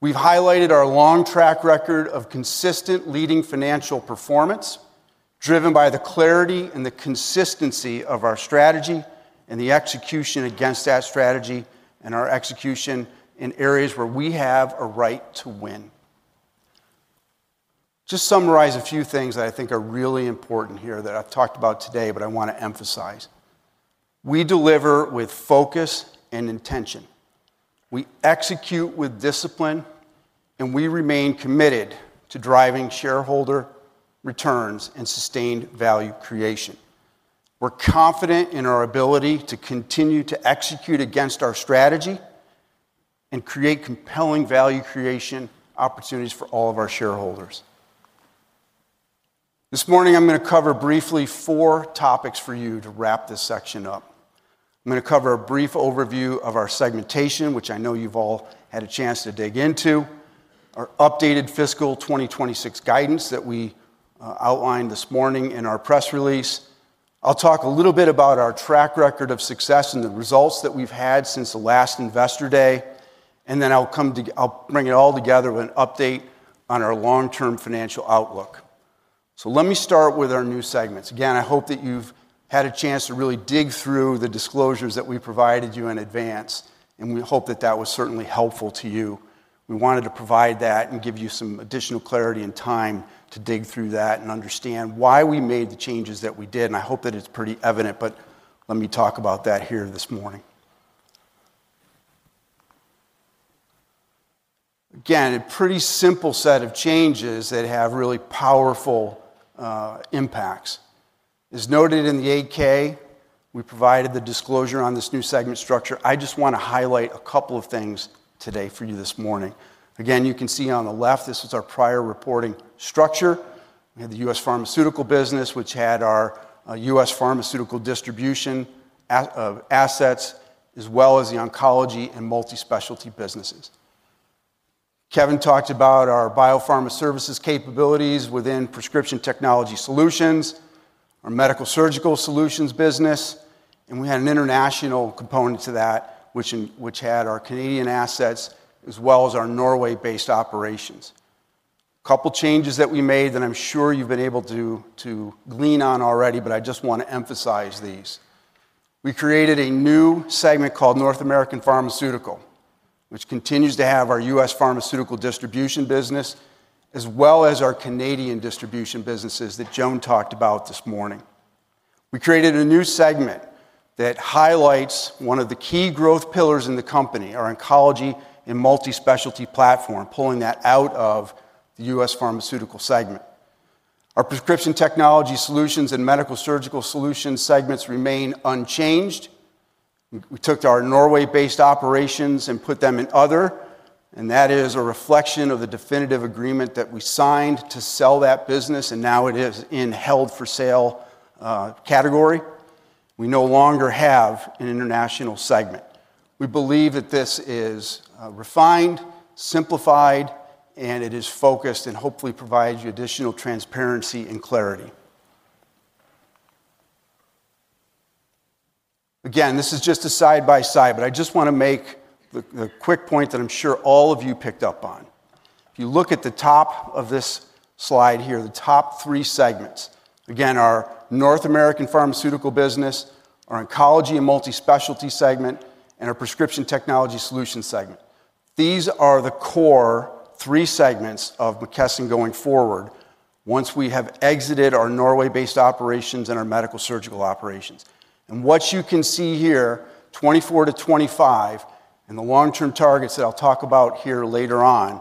We've highlighted our long track record of consistent leading financial performance, driven by the clarity and the consistency of our strategy and the execution against that strategy and our execution in areas where we have a right to win. To summarize a few things that I think are really important here that I've talked about today, but I want to emphasize, we deliver with focus and intention. We execute with discipline, and we remain committed to driving shareholder returns and sustained value creation. We're confident in our ability to continue to execute against our strategy and create compelling value creation opportunities for all of our shareholders. This morning, I'm going to cover briefly four topics for you to wrap this section up. I'm going to cover a brief overview of our segmentation, which I know you've all had a chance to dig into, our updated fiscal 2026 guidance that we outlined this morning in our press release. I'll talk a little bit about our track record of success and the results that we've had since the last Investor Day, then I'll bring it all together with an update on our long-term financial outlook. Let me start with our new segments. I hope that you've had a chance to really dig through the disclosures that we provided you in advance, and we hope that that was certainly helpful to you. We wanted to provide that and give you some additional clarity and time to dig through that and understand why we made the changes that we did. I hope that it's pretty evident, but let me talk about that here this morning. A pretty simple set of changes that have really powerful impacts. As noted in the 8K, we provided the disclosure on this new segment structure. I just want to highlight a couple of things today for you this morning. You can see on the left, this was our prior reporting structure. We had the U.S. pharmaceutical business, which had our U.S. pharmaceutical distribution assets, as well as the oncology and multispecialty businesses. Kevin talked about our biopharma services capabilities within Prescription Technology Solutions, our Medical Surgical Solutions business, and we had an international component to that, which had our Canadian assets as well as our Norway-based operations. A couple of changes that we made that I'm sure you've been able to glean on already, but I just want to emphasize these. We created a new segment called North American Pharmaceutical, which continues to have our U.S. pharmaceutical distribution business, as well as our Canadian distribution businesses that Joan talked about this morning. We created a new segment that highlights one of the key growth pillars in the company, our oncology and multispecialty platform, pulling that out of the U.S. pharmaceutical segment. Our Prescription Technology Solutions and Medical Surgical Solutions segments remain unchanged. We took our Norway-based operations and put them in other, and that is a reflection of the definitive agreement that we signed to sell that business, and now it is in held for sale category. We no longer have an international segment. We believe that this is refined, simplified, and it is focused and hopefully provides you additional transparency and clarity. This is just a side-by-side, but I just want to make the quick point that I'm sure all of you picked up on. You look at the top of this slide here, the top three segments. Again, our North American Pharmaceutical business, our Oncology and Multi-Specialty segment, and our Prescription Technology Solutions segment. These are the core three segments of McKesson going forward once we have exited our Norway-based operations and our Medical Surgical operations. What you can see here, 2024 to 2025, and the long-term targets that I'll talk about here later on,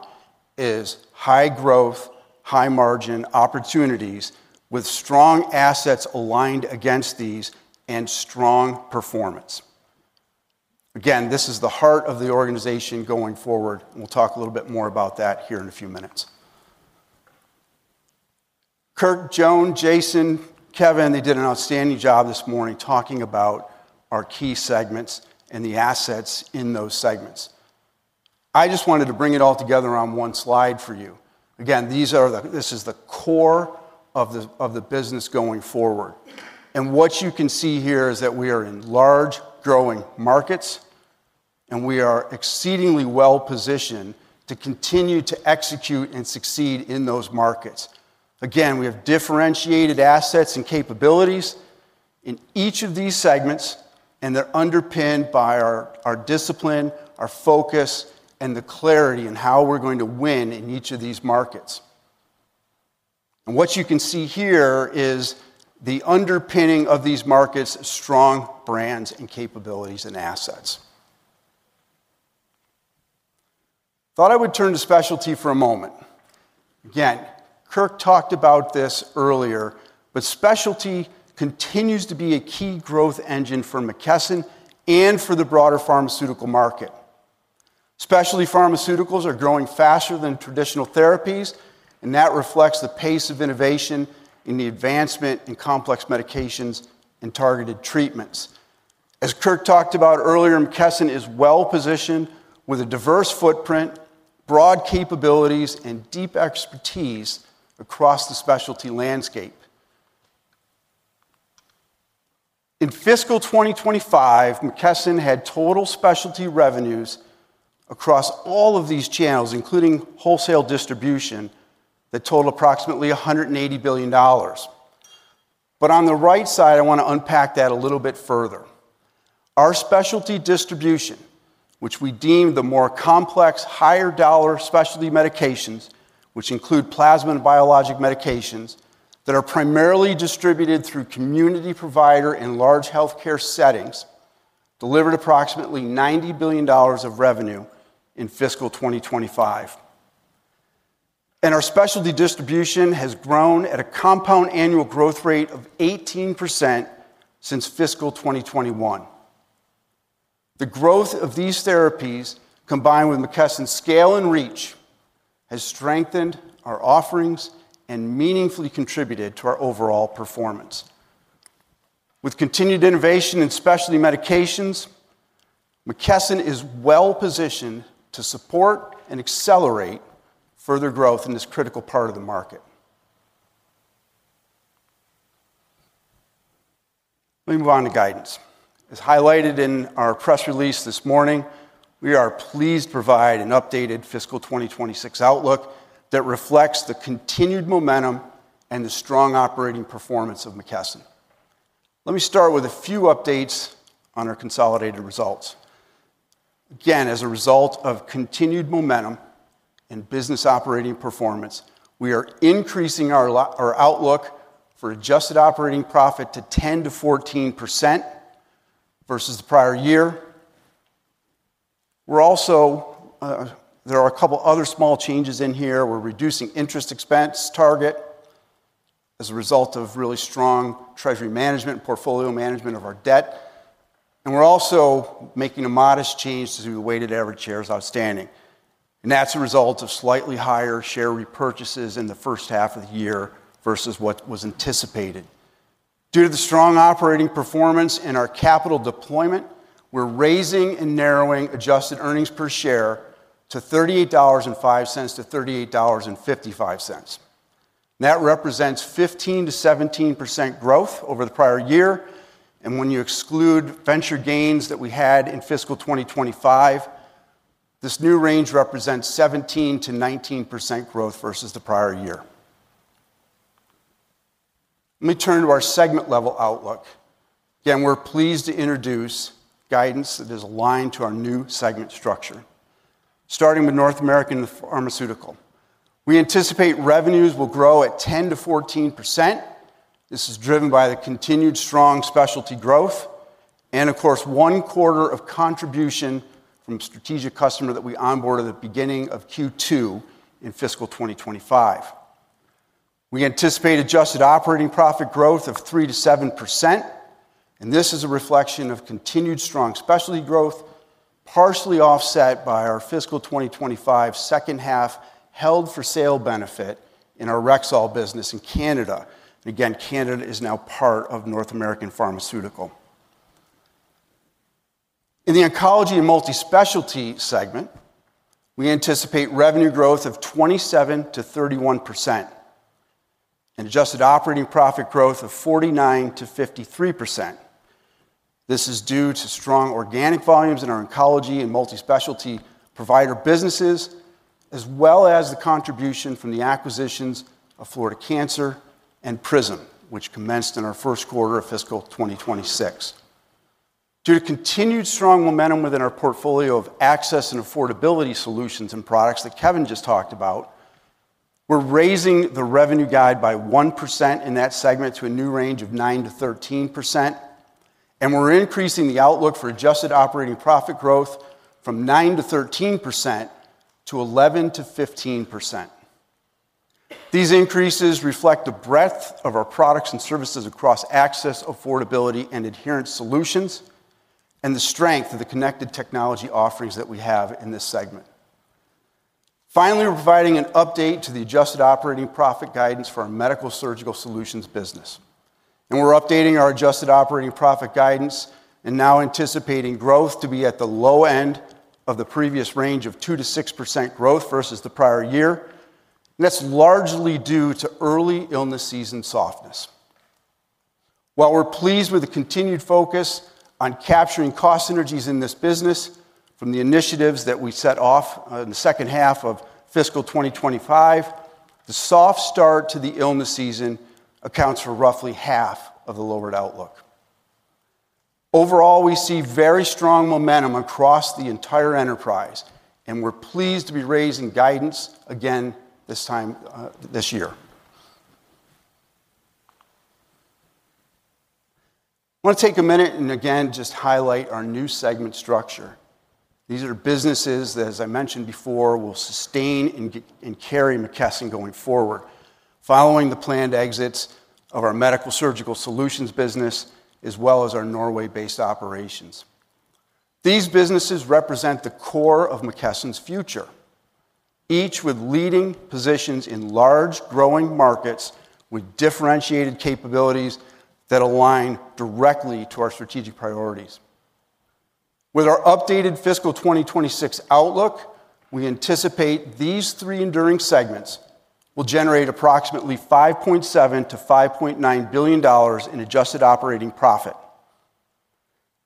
is high growth, high margin opportunities with strong assets aligned against these and strong performance. This is the heart of the organization going forward. We'll talk a little bit more about that here in a few minutes. Kirk, Joan, Jason, Kevin, they did an outstanding job this morning talking about our key segments and the assets in those segments. I just wanted to bring it all together on one slide for you. These are the, this is the core of the business going forward. What you can see here is that we are in large growing markets, and we are exceedingly well positioned to continue to execute and succeed in those markets. We have differentiated assets and capabilities in each of these segments, and they're underpinned by our discipline, our focus, and the clarity in how we're going to win in each of these markets. What you can see here is the underpinning of these markets is strong brands and capabilities and assets. Thought I would turn to specialty for a moment. Kirk talked about this earlier, but specialty continues to be a key growth engine for McKesson and for the broader pharmaceutical market. Specialty pharmaceuticals are growing faster than traditional therapies, and that reflects the pace of innovation in the advancement in complex medications and targeted treatments. As Kirk talked about earlier, McKesson is well positioned with a diverse footprint, broad capabilities, and deep expertise across the specialty landscape. In fiscal 2025, McKesson had total specialty revenues across all of these channels, including wholesale distribution, that total approximately $180 billion. On the right side, I want to unpack that a little bit further. Our specialty distribution, which we deem the more complex, higher dollar specialty medications, which include plasma and biologic medications that are primarily distributed through community provider and large healthcare settings, delivered approximately $90 billion of revenue in fiscal 2025. Our specialty distribution has grown at a compound annual growth rate of 18% since fiscal 2021. The growth of these therapies, combined with McKesson's scale and reach, has strengthened our offerings and meaningfully contributed to our overall performance. With continued innovation in specialty medications, McKesson is well positioned to support and accelerate further growth in this critical part of the market. Let me move on to guidance. As highlighted in our press release this morning, we are pleased to provide an updated fiscal 2026 outlook that reflects the continued momentum and the strong operating performance of McKesson. Let me start with a few updates on our consolidated results. Again, as a result of continued momentum and business operating performance, we are increasing our outlook for adjusted operating profit to 10%-14% versus the prior year. There are a couple of other small changes in here. We're reducing interest expense target as a result of really strong treasury management and portfolio management of our debt. We're also making a modest change to the weighted average shares outstanding, and that's a result of slightly higher share repurchases in the first half of the year versus what was anticipated. Due to the strong operating performance and our capital deployment, we're raising and narrowing adjusted earnings per share to $38.05-$38.55. That represents 15%-17% growth over the prior year. When you exclude venture gains that we had in fiscal 2025, this new range represents 17%-19% growth versus the prior year. Let me turn to our segment level outlook. Again, we're pleased to introduce guidance that is aligned to our new segment structure. Starting with North American Pharmaceutical, we anticipate revenues will grow at 10%-14%. This is driven by the continued strong specialty growth and, of course, one quarter of contribution from a strategic customer that we onboarded at the beginning of Q2 in fiscal 2025. We anticipate adjusted operating profit growth of 3%-7%. This is a reflection of continued strong specialty growth, partially offset by our fiscal 2025 second half held for sale benefit in our Rexall business in Canada. Canada is now part of North American Pharmaceutical. In the oncology and multi-specialty segment, we anticipate revenue growth of 27%-31% and adjusted operating profit growth of 49%-53%. This is due to strong organic volumes in our oncology and multispecialty provider businesses, as well as the contribution from the acquisitions of Florida Cancer Specialists and Prism Vision Group, which commenced in our first quarter of fiscal 2026. Due to continued strong momentum within our portfolio of access and affordability solutions and products that Kevin just talked about, we're raising the revenue guide by 1% in that segment to a new range of 9%-13%. We're increasing the outlook for adjusted operating profit growth from 9%-13% to 11%-15%. These increases reflect the breadth of our products and services across access, affordability, and adherence solutions, and the strength of the connected technology offerings that we have in this segment. Finally, we're providing an update to the adjusted operating profit guidance for our Medical Surgical Solutions business. We're updating our adjusted operating profit guidance and now anticipating growth to be at the low end of the previous range of 2%-6% growth versus the prior year. That's largely due to early illness season softness. While we're pleased with the continued focus on capturing cost synergies in this business from the initiatives that we set off in the second half of fiscal 2025, the soft start to the illness season accounts for roughly half of the lowered outlook. Overall, we see very strong momentum across the entire enterprise, and we're pleased to be raising guidance again this time this year. I want to take a minute and again just highlight our new segment structure. These are businesses that, as I mentioned before, will sustain and carry McKesson going forward, following the planned exits of our Medical Surgical Solutions business, as well as our Norway-based operations. These businesses represent the core of McKesson's future, each with leading positions in large growing markets with differentiated capabilities that align directly to our strategic priorities. With our updated fiscal 2026 outlook, we anticipate these three enduring segments will generate approximately $5.7 billion-$5.9 billion in adjusted operating profit.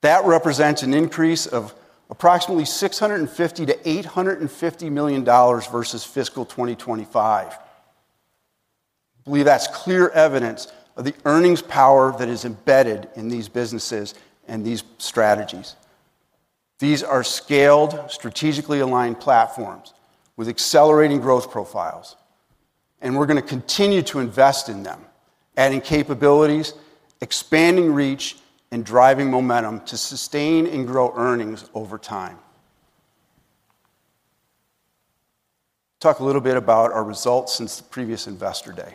That represents an increase of approximately $650 million-$850 million versus fiscal 2025. I believe that's clear evidence of the earnings power that is embedded in these businesses and these strategies. These are scaled, strategically aligned platforms with accelerating growth profiles. We are going to continue to invest in them, adding capabilities, expanding reach, and driving momentum to sustain and grow earnings over time. Talk a little bit about our results since the previous Investor Day.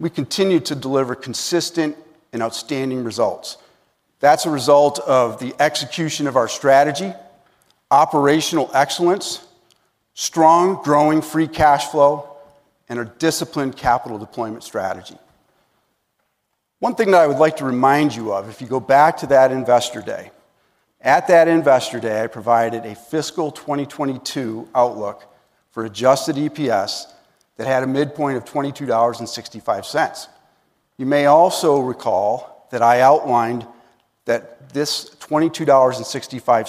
We continue to deliver consistent and outstanding results. That is a result of the execution of our strategy, operational excellence, strong growing free cash flow, and our disciplined capital deployment strategy. One thing that I would like to remind you of, if you go back to that Investor Day, at that Investor Day, I provided a fiscal 2022 outlook for adjusted EPS that had a midpoint of $22.65. You may also recall that I outlined that this $22.65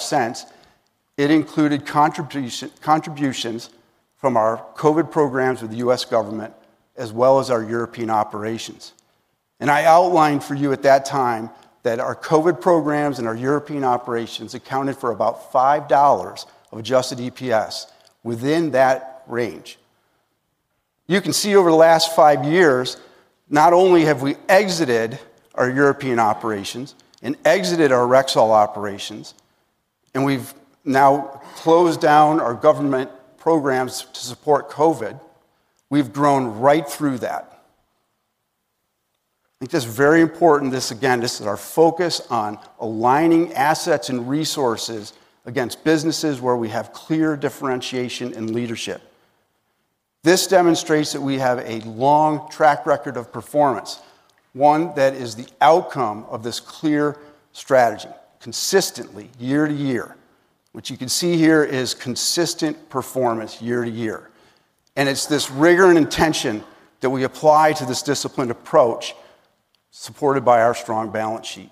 included contributions from our COVID programs with the U.S. government, as well as our European operations. I outlined for you at that time that our COVID programs and our European operations accounted for about $5 of adjusted EPS within that range. You can see over the last five years, not only have we exited our European operations and exited our Rexall operations, and we have now closed down our government programs to support COVID, we have grown right through that. I think it is just very important, this again, this is our focus on aligning assets and resources against businesses where we have clear differentiation and leadership. This demonstrates that we have a long track record of performance, one that is the outcome of this clear strategy, consistently year to year, which you can see here is consistent performance year to year. It is this rigor and intention that we apply to this disciplined approach supported by our strong balance sheet.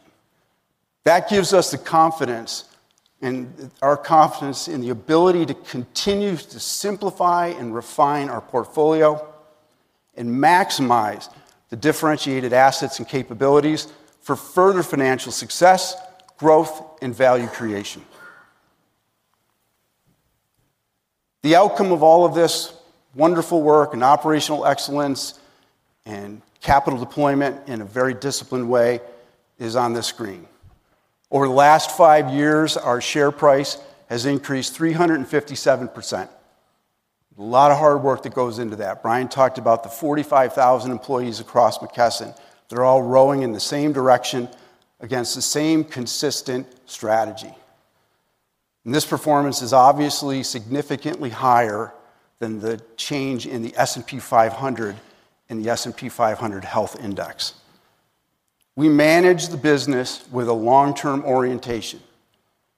That gives us the confidence and our confidence in the ability to continue to simplify and refine our portfolio and maximize the differentiated assets and capabilities for further financial success, growth, and value creation. The outcome of all of this wonderful work and operational excellence and capital deployment in a very disciplined way is on this screen. Over the last five years, our share price has increased 357%. A lot of hard work that goes into that. Brian talked about the 45,000 employees across McKesson. They are all rowing in the same direction against the same consistent strategy. This performance is obviously significantly higher than the change in the S&P 500 and the S&P 500 Health Index. We manage the business with a long-term orientation.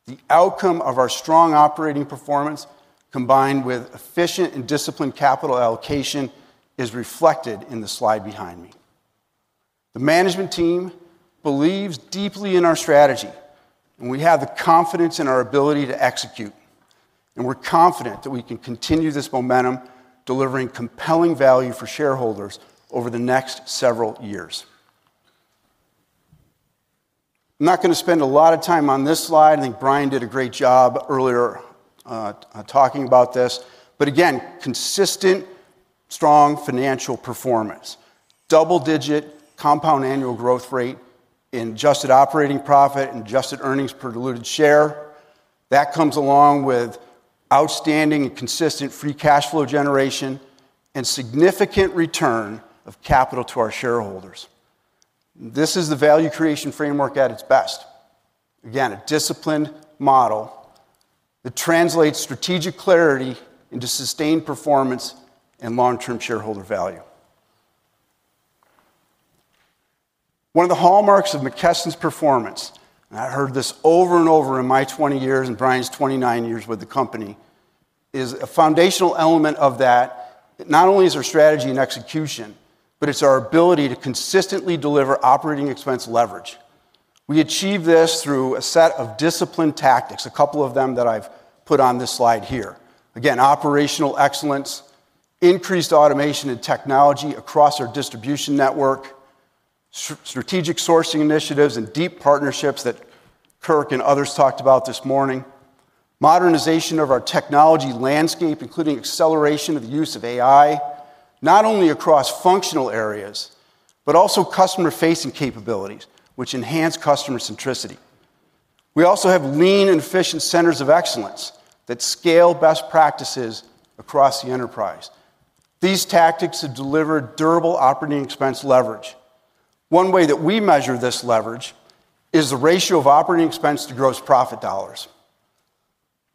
The outcome of our strong operating performance, combined with efficient and disciplined capital allocation, is reflected in the slide behind me. The management team believes deeply in our strategy, and we have the confidence in our ability to execute. We're confident that we can continue this momentum, delivering compelling value for shareholders over the next several years. I'm not going to spend a lot of time on this slide. I think Brian did a great job earlier talking about this, but again, consistent, strong financial performance, double-digit compound annual growth rate in adjusted operating profit and adjusted earnings per diluted share. That comes along with outstanding and consistent free cash flow generation and significant return of capital to our shareholders. This is the value creation framework at its best. Again, a disciplined model that translates strategic clarity into sustained performance and long-term shareholder value. One of the hallmarks of McKesson's performance, and I heard this over and over in my 20 years and Brian's 29 years with the company, is a foundational element of that. Not only is our strategy and execution, but it's our ability to consistently deliver operating expense leverage. We achieve this through a set of disciplined tactics, a couple of them that I've put on this slide here. Again, operational excellence, increased automation and technology across our distribution network, strategic sourcing initiatives, and deep partnerships that Kirk and others talked about this morning. Modernization of our technology landscape, including acceleration of the use of AI, not only across functional areas, but also customer-facing capabilities, which enhance customer centricity. We also have lean and efficient centers of excellence that scale best practices across the enterprise. These tactics have delivered durable operating expense leverage. One way that we measure this leverage is the ratio of operating expense to gross profit dollars.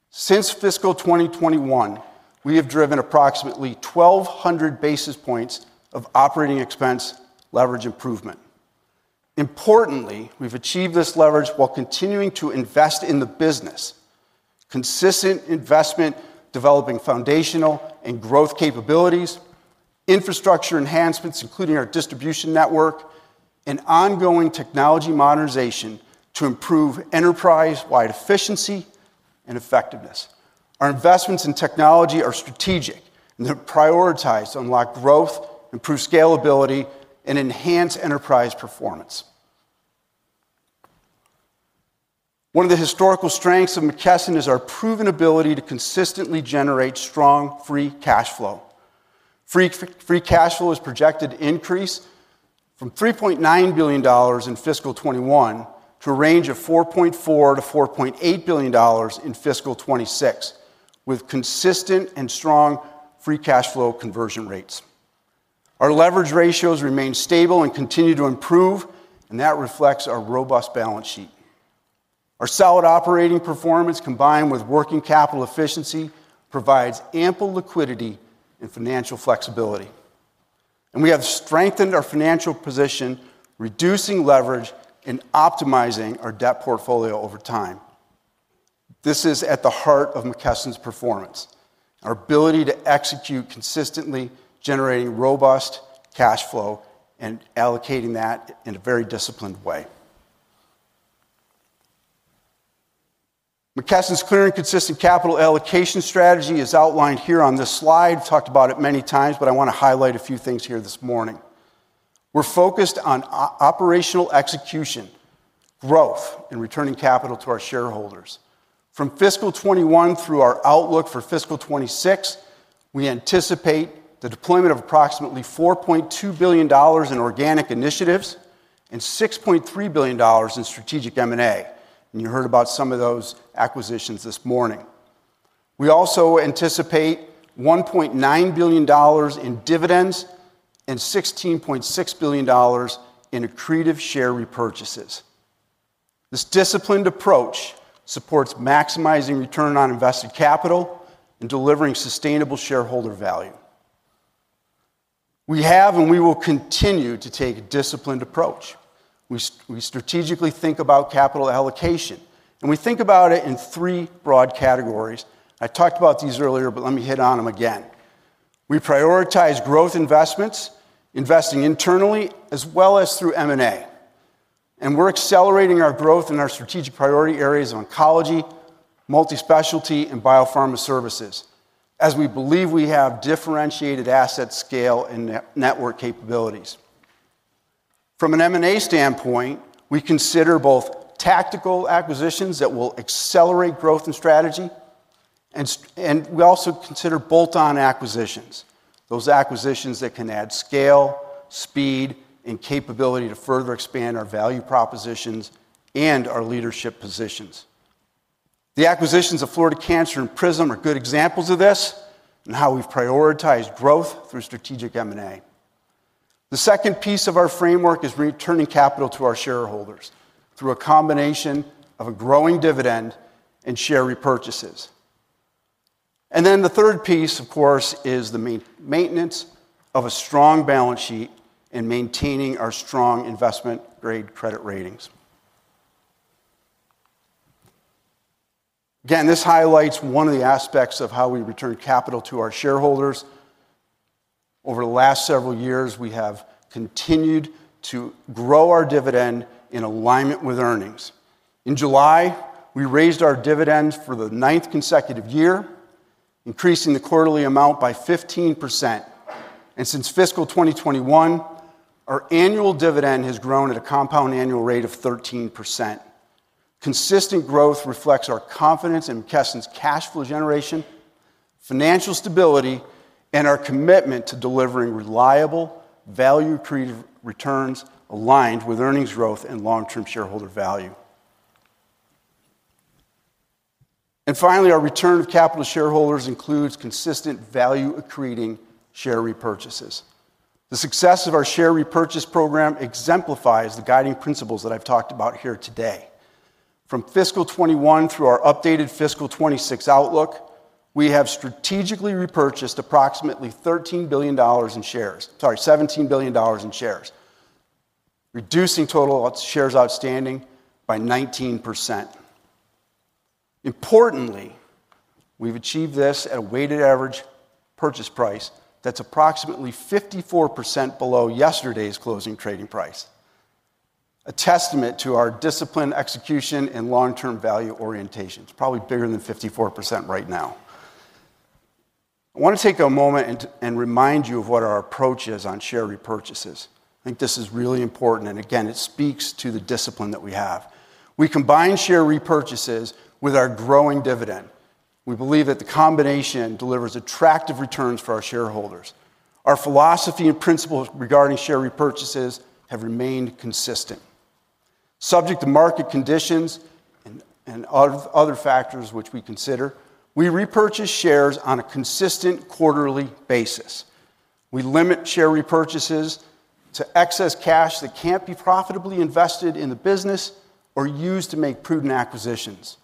Since fiscal 2021, we have driven approximately 1,200 basis points of operating expense leverage improvement. Importantly, we've achieved this leverage while continuing to invest in the business. Consistent investment developing foundational and growth capabilities, infrastructure enhancements, including our distribution network, and ongoing technology modernization to improve enterprise-wide efficiency and effectiveness. Our investments in technology are strategic, and they're prioritized to unlock growth, improve scalability, and enhance enterprise performance. One of the historical strengths of McKesson is our proven ability to consistently generate strong free cash flow. Free cash flow has projected to increase from $3.9 billion in fiscal 2021 to a range of $4.4 billion-$4.8 billion in fiscal 2026, with consistent and strong free cash flow conversion rates. Our leverage ratios remain stable and continue to improve, and that reflects our robust balance sheet. Our solid operating performance, combined with working capital efficiency, provides ample liquidity and financial flexibility. We have strengthened our financial position, reducing leverage and optimizing our debt portfolio over time. This is at the heart of McKesson's performance, our ability to execute consistently, generating robust cash flow, and allocating that in a very disciplined way. McKesson's clear and consistent capital allocation strategy is outlined here on this slide. We've talked about it many times, but I want to highlight a few things here this morning. We're focused on operational execution, growth, and returning capital to our shareholders. From fiscal 2021 through our outlook for fiscal 2026, we anticipate the deployment of approximately $4.2 billion in organic initiatives and $6.3 billion in strategic M&A. You heard about some of those acquisitions this morning. We also anticipate $1.9 billion in dividends and $16.6 billion in accretive share repurchases. This disciplined approach supports maximizing return on invested capital and delivering sustainable shareholder value. We have and we will continue to take a disciplined approach. We strategically think about capital allocation, and we think about it in three broad categories. I talked about these earlier, but let me hit on them again. We prioritize growth investments, investing internally as well as through M&A. We're accelerating our growth in our strategic priority areas of oncology, multispecialty, and biopharma services, as we believe we have differentiated assets, scale, and network capabilities. From an M&A standpoint, we consider both tactical acquisitions that will accelerate growth and strategy, and we also consider bolt-on acquisitions, those acquisitions that can add scale, speed, and capability to further expand our value propositions and our leadership positions. The acquisitions of Florida Cancer Specialists and Prism Vision Group are good examples of this and how we've prioritized growth through strategic M&A. The second piece of our framework is returning capital to our shareholders through a combination of a growing dividend and share repurchases. The third piece, of course, is the maintenance of a strong balance sheet and maintaining our strong investment-grade credit ratings. This highlights one of the aspects of how we return capital to our shareholders. Over the last several years, we have continued to grow our dividend in alignment with earnings. In July, we raised our dividend for the ninth consecutive year, increasing the quarterly amount by 15%. Since fiscal 2021, our annual dividend has grown at a compound annual rate of 13%. Consistent growth reflects our confidence in McKesson Corporation's cash flow generation, financial stability, and our commitment to delivering reliable value-accretive returns aligned with earnings growth and long-term shareholder value. Finally, our return of capital to shareholders includes consistent value-accreting share repurchases. The success of our share repurchase program exemplifies the guiding principles that I've talked about here today. From fiscal 2021 through our updated fiscal 2026 outlook, we have strategically repurchased approximately $13 billion in shares, sorry, $17 billion in shares, reducing total shares outstanding by 19%. Importantly, we've achieved this at a weighted average purchase price that's approximately 54% below yesterday's closing trading price, a testament to our disciplined execution and long-term value orientation. It's probably bigger than 54% right now. I want to take a moment and remind you of what our approach is on share repurchases. I think this is really important, and it speaks to the discipline that we have. We combine share repurchases with our growing dividend. We believe that the combination delivers attractive returns for our shareholders. Our philosophy and principles regarding share repurchases have remained consistent. Subject to market conditions and other factors which we consider, we repurchase shares on a consistent quarterly basis. We limit share repurchases to excess cash that can't be profitably invested in the business or used to make prudent acquisitions.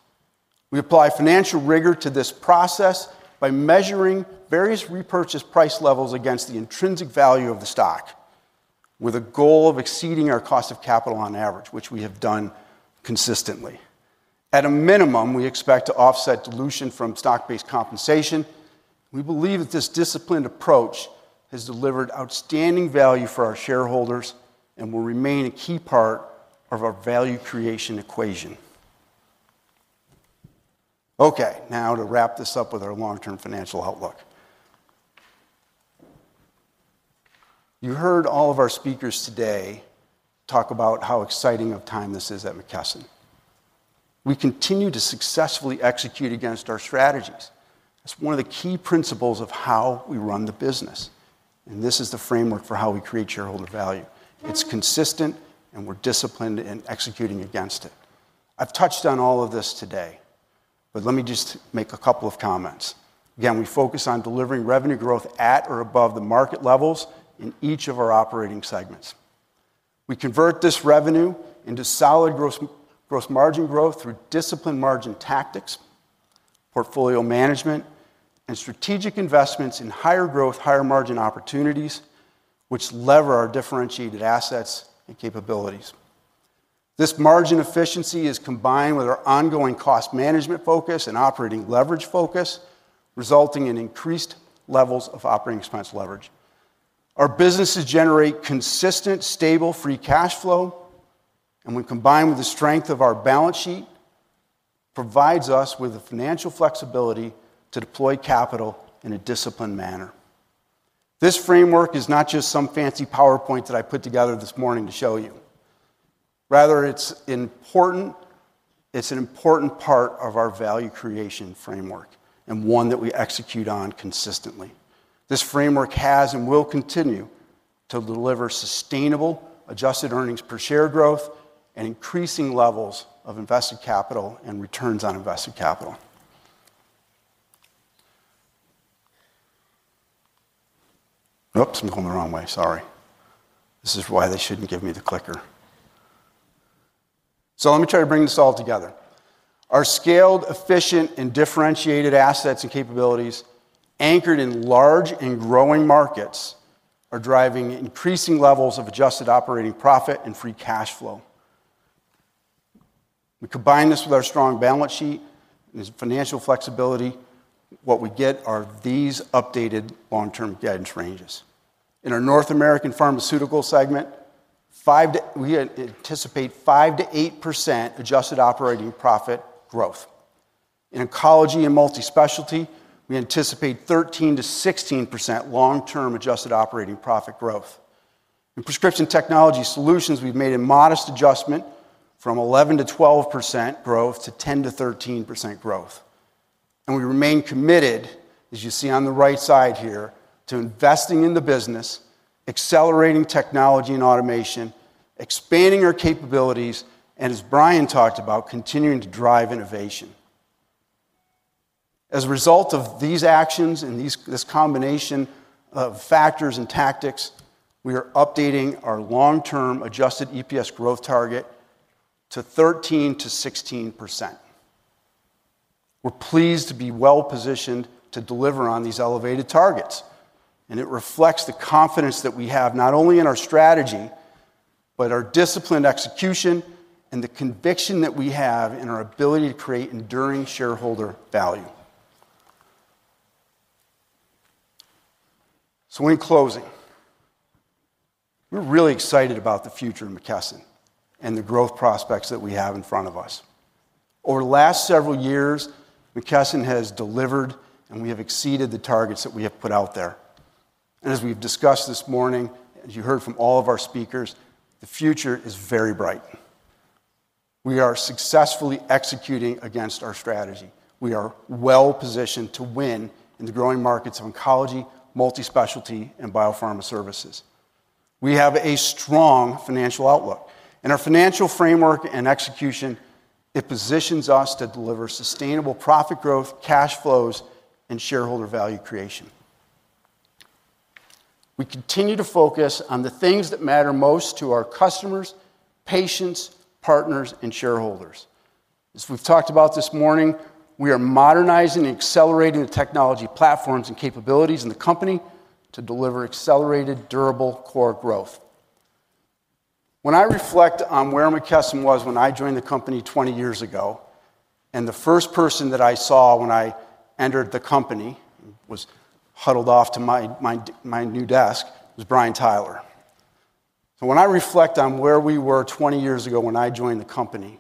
We apply financial rigor to this process by measuring various repurchase price levels against the intrinsic value of the stock, with a goal of exceeding our cost of capital on average, which we have done consistently. At a minimum, we expect to offset dilution from stock-based compensation. We believe that this disciplined approach has delivered outstanding value for our shareholders and will remain a key part of our value creation equation. Okay, now to wrap this up with our long-term financial outlook. You heard all of our speakers today talk about how exciting of a time this is at McKesson. We continue to successfully execute against our strategies. That is one of the key principles of how we run the business. This is the framework for how we create shareholder value. It is consistent, and we are disciplined in executing against it. I've touched on all of this today, but let me just make a couple of comments. Again, we focus on delivering revenue growth at or above the market levels in each of our operating segments. We convert this revenue into solid gross margin growth through disciplined margin tactics, portfolio management, and strategic investments in higher growth, higher margin opportunities, which lever our differentiated assets and capabilities. This margin efficiency is combined with our ongoing cost management focus and operating leverage focus, resulting in increased levels of operating expense leverage. Our businesses generate consistent, stable free cash flow, and when combined with the strength of our balance sheet, it provides us with the financial flexibility to deploy capital in a disciplined manner. This framework is not just some fancy PowerPoint that I put together this morning to show you. Rather, it's important. It's an important part of our value creation framework and one that we execute on consistently. This framework has and will continue to deliver sustainable adjusted earnings per share growth and increasing levels of invested capital and returns on invested capital. Oops, I'm holding the wrong way. Sorry. This is why they shouldn't give me the clicker. Let me try to bring this all together. Our scaled, efficient, and differentiated assets and capabilities, anchored in large and growing markets, are driving increasing levels of adjusted operating profit and free cash flow. We combine this with our strong balance sheet and financial flexibility. What we get are these updated long-term guidance ranges. In our North American Pharmaceutical segment, we anticipate 5%-8% adjusted operating profit growth. In Oncology and Multi-Specialty, we anticipate 13%-16% long-term adjusted operating profit growth. In Prescription Technology Solutions, we've made a modest adjustment from 11%-12% growth to 10%-13% growth. We remain committed, as you see on the right side here, to investing in the business, accelerating technology and automation, expanding our capabilities, and as Brian talked about, continuing to drive innovation. As a result of these actions and this combination of factors and tactics, we are updating our long-term adjusted EPS growth target to 13%-16%. We're pleased to be well positioned to deliver on these elevated targets, and it reflects the confidence that we have not only in our strategy, but our disciplined execution and the conviction that we have in our ability to create enduring shareholder value. In closing, we're really excited about the future of McKesson and the growth prospects that we have in front of us. Over the last several years, McKesson has delivered, and we have exceeded the targets that we have put out there. As we've discussed this morning, as you heard from all of our speakers, the future is very bright. We are successfully executing against our strategy. We are well positioned to win in the growing markets of Oncology, Multi-Specialty, and biopharma services. We have a strong financial outlook. In our financial framework and execution, it positions us to deliver sustainable profit growth, cash flows, and shareholder value creation. We continue to focus on the things that matter most to our customers, patients, partners, and shareholders. As we've talked about this morning, we are modernizing and accelerating the technology platforms and capabilities in the company to deliver accelerated, durable core growth. When I reflect on where McKesson was when I joined the company 20 years ago, and the first person that I saw when I entered the company was huddled off to my new desk was Brian Tyler. When I reflect on where we were 20 years ago when I joined the company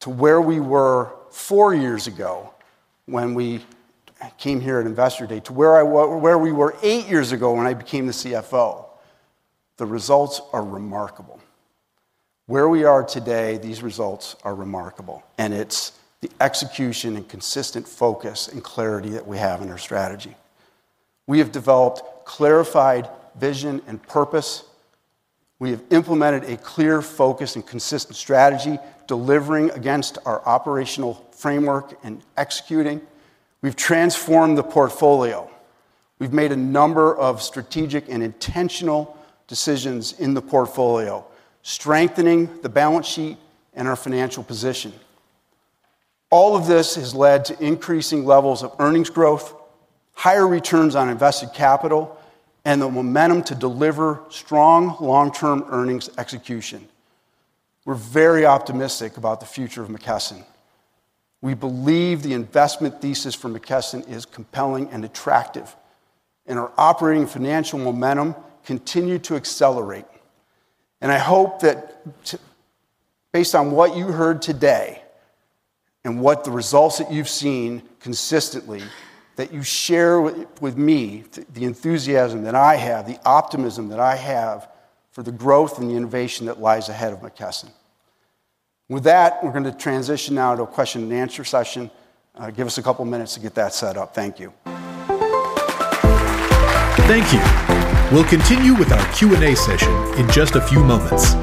to where we were four years ago when we came here at Investor Day, to where we were eight years ago when I became the CFO, the results are remarkable. Where we are today, these results are remarkable, and it's the execution and consistent focus and clarity that we have in our strategy. We have developed clarified vision and purpose. We have implemented a clear focus and consistent strategy, delivering against our operational framework and executing. We've transformed the portfolio. We've made a number of strategic and intentional decisions in the portfolio, strengthening the balance sheet and our financial position. All of this has led to increasing levels of earnings growth, higher returns on invested capital, and the momentum to deliver strong long-term earnings execution. We're very optimistic about the future of McKesson. We believe the investment thesis for McKesson is compelling and attractive, and our operating financial momentum continues to accelerate. I hope that based on what you heard today and what the results that you've seen consistently, that you share with me the enthusiasm that I have, the optimism that I have for the growth and the innovation that lies ahead of McKesson. With that, we're going to transition now to a question and answer session. Give us a couple of minutes to get that set up. Thank you. Thank you. We'll continue with our Q&A session in just a few moments.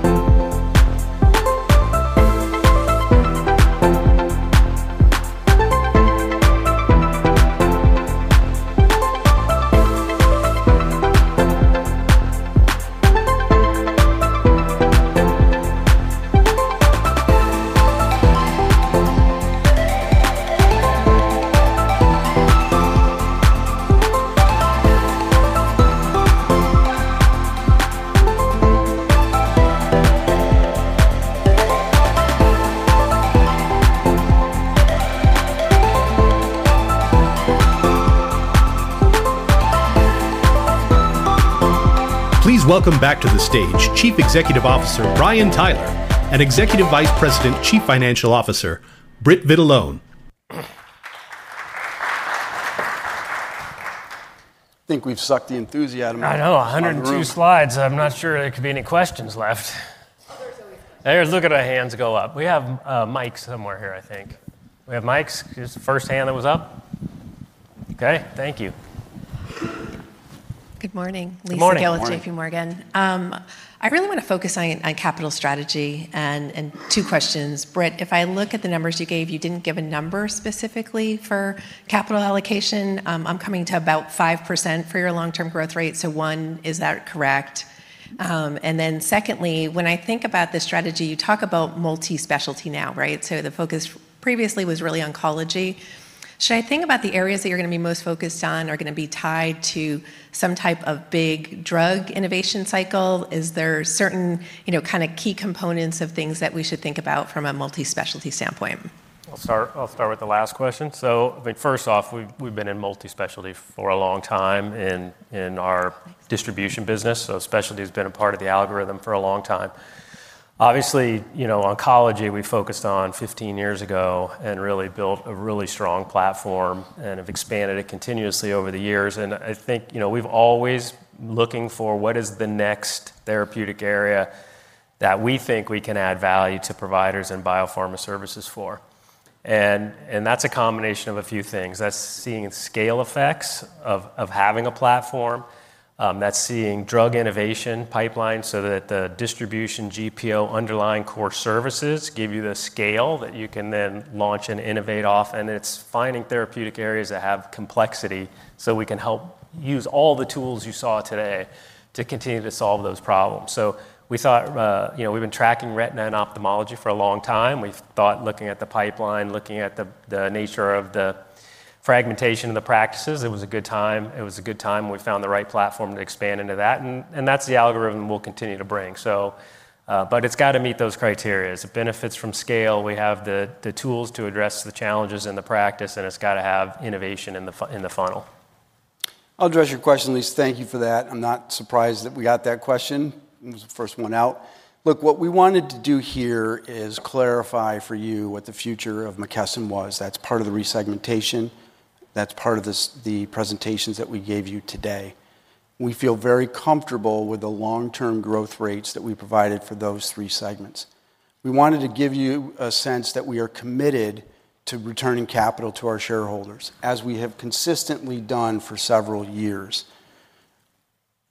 Please welcome back to the stage Chief Executive Officer, Brian Tyler, and Executive Vice President, Chief Financial Officer, Britt Vitalone. I think we've sucked the enthusiasm out of everyone. I know, 102 slides. I'm not sure there could be any questions left. Look at our hands go up. We have mics somewhere here, I think. We have mics. First hand that was up. Okay, thank you. Good morning. Lisa Gill at JPMorgan. I really want to focus on capital strategy and two questions. Britt, if I look at the numbers you gave, you didn't give a number specifically for capital allocation. I'm coming to about 5% for your long-term growth rate. Is that correct? When I think about the strategy, you talk about multispecialty now, right? The focus previously was really oncology. Should I think about the areas that you're going to be most focused on or going to be tied to some type of big drug innovation cycle? Are there certain key components of things that we should think about from a multispecialty standpoint? I'll start with the last question. I think first off, we've been in multispecialty for a long time in our distribution business. Specialty has been a part of the algorithm for a long time. Obviously, you know, oncology we focused on 15 years ago and really built a really strong platform and have expanded it continuously over the years. I think, you know, we've always been looking for what is the next therapeutic area that we think we can add value to providers and biopharma services for. That's a combination of a few things. That's seeing scale effects of having a platform. That's seeing drug innovation pipelines so that the distribution GPO underlying core services give you the scale that you can then launch and innovate off. It's finding therapeutic areas that have complexity so we can help use all the tools you saw today to continue to solve those problems. We thought, you know, we've been tracking retina and ophthalmology for a long time. We thought looking at the pipeline, looking at the nature of the fragmentation of the practices, it was a good time. It was a good time when we found the right platform to expand into that. That's the algorithm we'll continue to bring. It's got to meet those criteria. It benefits from scale. We have the tools to address the challenges in the practice, and it's got to have innovation in the funnel. I'll address your question, Lisa. Thank you for that. I'm not surprised that we got that question. It was the first one out. Look, what we wanted to do here is clarify for you what the future of McKesson was. That's part of the resegmentation. That's part of the presentations that we gave you today. We feel very comfortable with the long-term growth rates that we provided for those three segments. We wanted to give you a sense that we are committed to returning capital to our shareholders, as we have consistently done for several years.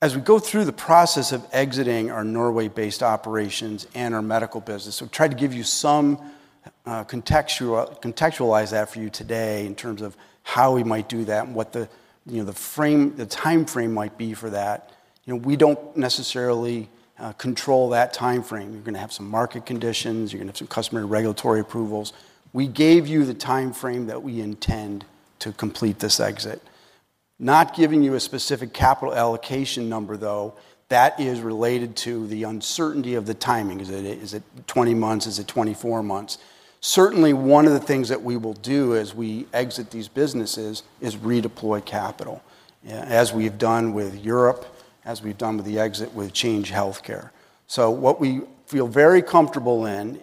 As we go through the process of exiting our Norway-based operations and our medical business, we tried to contextualize that for you today in terms of how we might do that and what the timeframe might be for that. We don't necessarily control that timeframe. You're going to have some market conditions. You're going to have some customary regulatory approvals. We gave you the timeframe that we intend to complete this exit. Not giving you a specific capital allocation number, though, that is related to the uncertainty of the timing. Is it 20 months? Is it 24 months? Certainly, one of the things that we will do as we exit these businesses is redeploy capital, as we've done with Europe, as we've done with the exit with Change Healthcare. We feel very comfortable in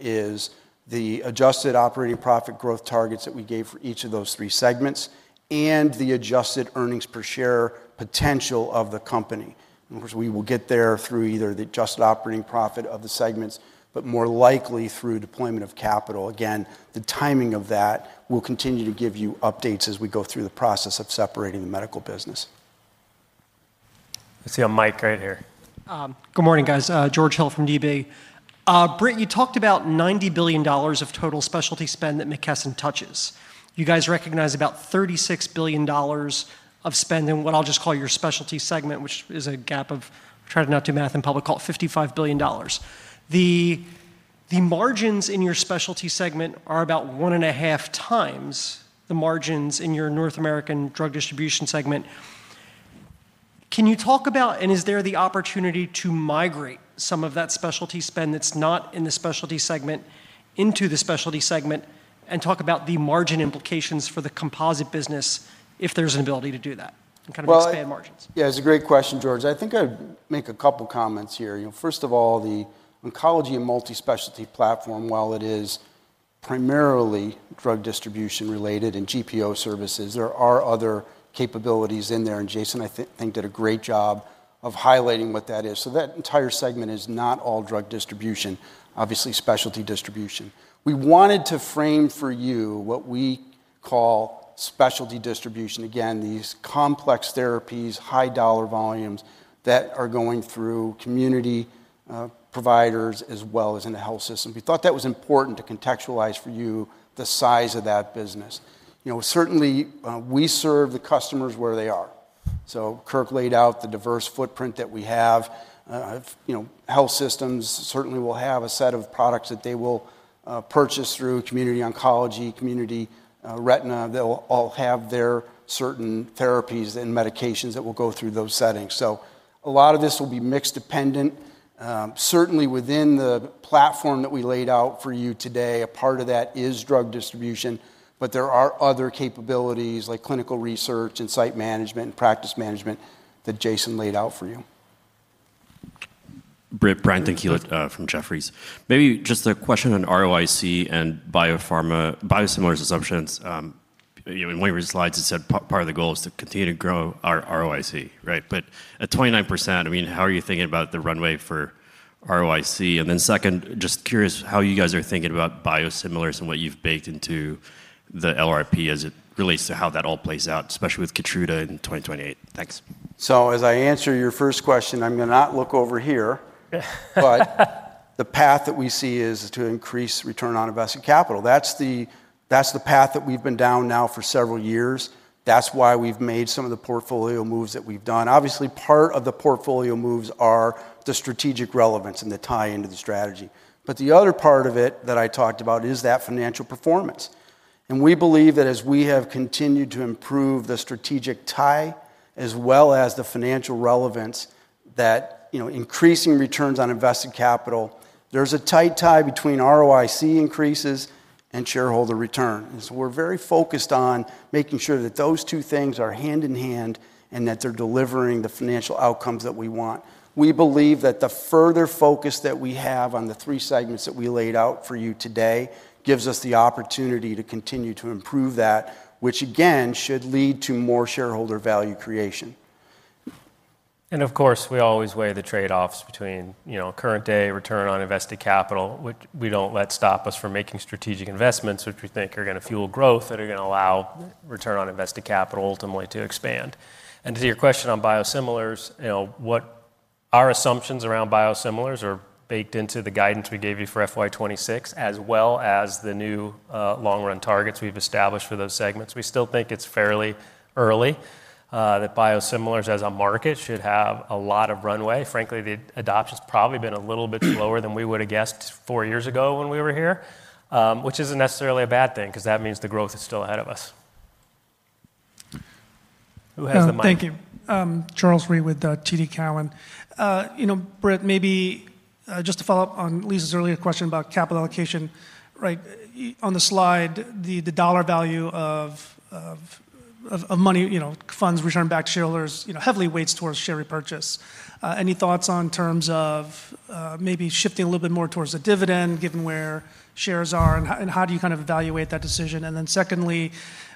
the adjusted operating profit growth targets that we gave for each of those three segments and the adjusted earnings per share potential of the company. Of course, we will get there through either the adjusted operating profit of the segments, but more likely through deployment of capital. The timing of that will continue to give you updates as we go through the process of separating the medical business. I see a mic right here. Good morning, guys. George Hill from DB. Britt, you talked about $90 billion of total specialty spend that McKesson touches. You guys recognize about $36 billion of spend in what I'll just call your specialty segment, which is a gap of, try to not do math in public, call it $55 billion. The margins in your specialty segment are about one and a half times the margins in your North American drug distribution segment. Can you talk about, and is there the opportunity to migrate some of that specialty spend that's not in the specialty segment into the specialty segment and talk about the margin implications for the composite business if there's an ability to do that? I'm kind of expand margins. Yeah, it's a great question, George. I think I'd make a couple of comments here. First of all, the oncology and multi-specialty platform, while it is primarily drug distribution related and GPO services, there are other capabilities in there. Jason, I think, did a great job of highlighting what that is. That entire segment is not all drug distribution, obviously specialty distribution. We wanted to frame for you what we call specialty distribution. Again, these complex therapies, high dollar volumes that are going through community providers as well as in the health system. We thought that was important to contextualize for you the size of that business. Certainly we serve the customers where they are. Kirk laid out the diverse footprint that we have. Health systems certainly will have a set of products that they will purchase through community oncology, community retina. They'll all have their certain therapies and medications that will go through those settings. A lot of this will be mixed dependent. Certainly within the platform that we laid out for you today, a part of that is drug distribution, but there are other capabilities like clinical research and site management and practice management that Jason laid out for you. Britt, [Brian Dinkel] from Jefferies. Maybe just a question on ROIC and biosimilars. In one of your slides, it said part of the goal is to continue to grow our ROIC, right? At 29%, how are you thinking about the runway for ROIC? Second, just curious how you guys are thinking about biosimilars and what you've baked into the LRP as it relates to how that all plays out, especially with Keytruda in 2028. Thanks. As I answer your first question, I'm going to not look over here, but the path that we see is to increase return on invested capital. That's the path that we've been down now for several years. That's why we've made some of the portfolio moves that we've done. Obviously, part of the portfolio moves are the strategic relevance and the tie into the strategy. The other part of it that I talked about is that financial performance. We believe that as we have continued to improve the strategic tie as well as the financial relevance, increasing returns on invested capital, there's a tight tie between ROIC increases and shareholder return. We are very focused on making sure that those two things are hand in hand and that they're delivering the financial outcomes that we want. We believe that the further focus that we have on the three segments that we laid out for you today gives us the opportunity to continue to improve that, which again should lead to more shareholder value creation. Of course, we always weigh the trade-offs between current day return on invested capital, which we don't let stop us from making strategic investments, which we think are going to fuel growth that are going to allow return on invested capital ultimately to expand. To your question on biosimilars, our assumptions around biosimilars are baked into the guidance we gave you for FY 2026, as well as the new long-run targets we've established for those segments. We still think it's fairly early that biosimilars as a market should have a lot of runway. Frankly, the adoption has probably been a little bit slower than we would have guessed four years ago when we were here, which isn't necessarily a bad thing because that means the growth is still ahead of us. Thank you. Charles Rhyee with TD Cowen. Britt, maybe just to follow up on Lisa's earlier question about capital allocation, right? On the slide, the dollar value of money, funds returned back to shareholders, heavily weighs towards share repurchase. Any thoughts in terms of maybe shifting a little bit more towards a dividend given where shares are and how do you kind of evaluate that decision? Secondly,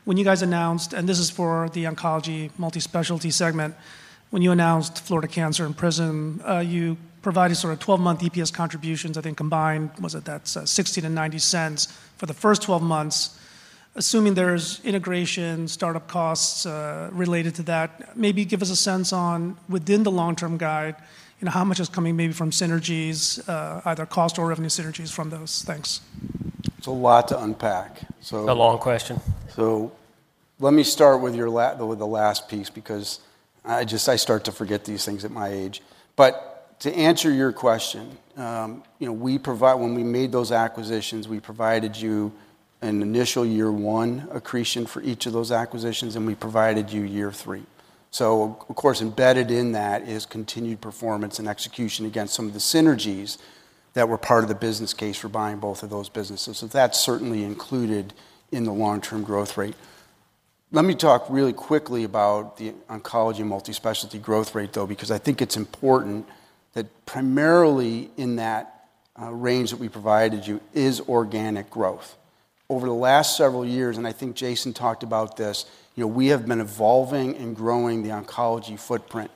when you guys announced, and this is for the oncology multispecialty segment, when you announced Florida Cancer Specialists and Prism, you provided sort of 12-month EPS contributions, I think combined, was it that $0.60-$0.90 for the first 12 months, assuming there's integration, startup costs related to that. Maybe give us a sense on within the long-term guide, how much is coming maybe from synergies, either cost or revenue synergies from those things. It's a lot to unpack. A long question. Let me start with the last piece because I just start to forget these things at my age. To answer your question, when we made those acquisitions, we provided you an initial year one accretion for each of those acquisitions, and we provided you year three. Of course, embedded in that is continued performance and execution against some of the synergies that were part of the business case for buying both of those businesses. That is certainly included in the long-term growth rate. Let me talk really quickly about the oncology multi-specialty growth rate, though, because I think it's important that primarily in that range that we provided you is organic growth. Over the last several years, and I think Jason talked about this, we have been evolving and growing the oncology footprint.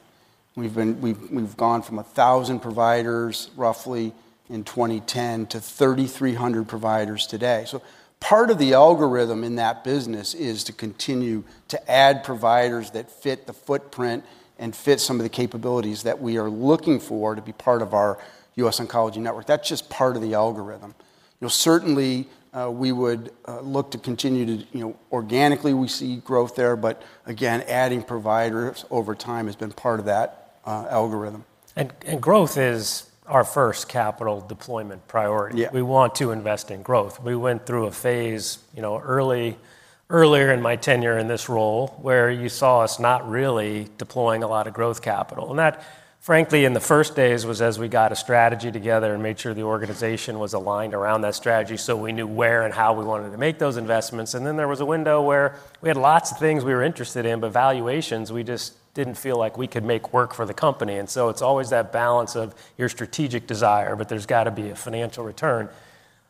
We've gone from 1,000 providers roughly in 2010 to 3,300 providers today. Part of the algorithm in that business is to continue to add providers that fit the footprint and fit some of the capabilities that we are looking for to be part of our US Oncology Network. That is just part of the algorithm. Certainly, we would look to continue to, organically we see growth there, but again, adding providers over time has been part of that algorithm. Growth is our first capital deployment priority. We want to invest in growth. We went through a phase earlier in my tenure in this role where you saw us not really deploying a lot of growth capital. That, frankly, in the first days was as we got a strategy together and made sure the organization was aligned around that strategy so we knew where and how we wanted to make those investments. There was a window where we had lots of things we were interested in, but valuations, we just didn't feel like we could make work for the company. It's always that balance of your strategic desire, but there's got to be a financial return.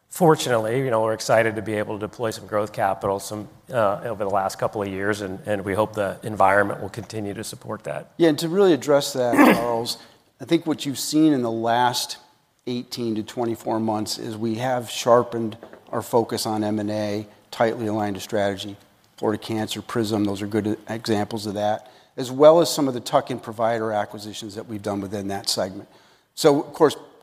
Fortunately, we're excited to be able to deploy some growth capital over the last couple of years, and we hope the environment will continue to support that. Yeah, and to really address that, Charles, I think what you've seen in the last 18 to 24 months is we have sharpened our focus on M&A, tightly aligned to strategy. Florida Cancer Specialists, Prism Vision Group, those are good examples of that, as well as some of the tuck-in provider acquisitions that we've done within that segment.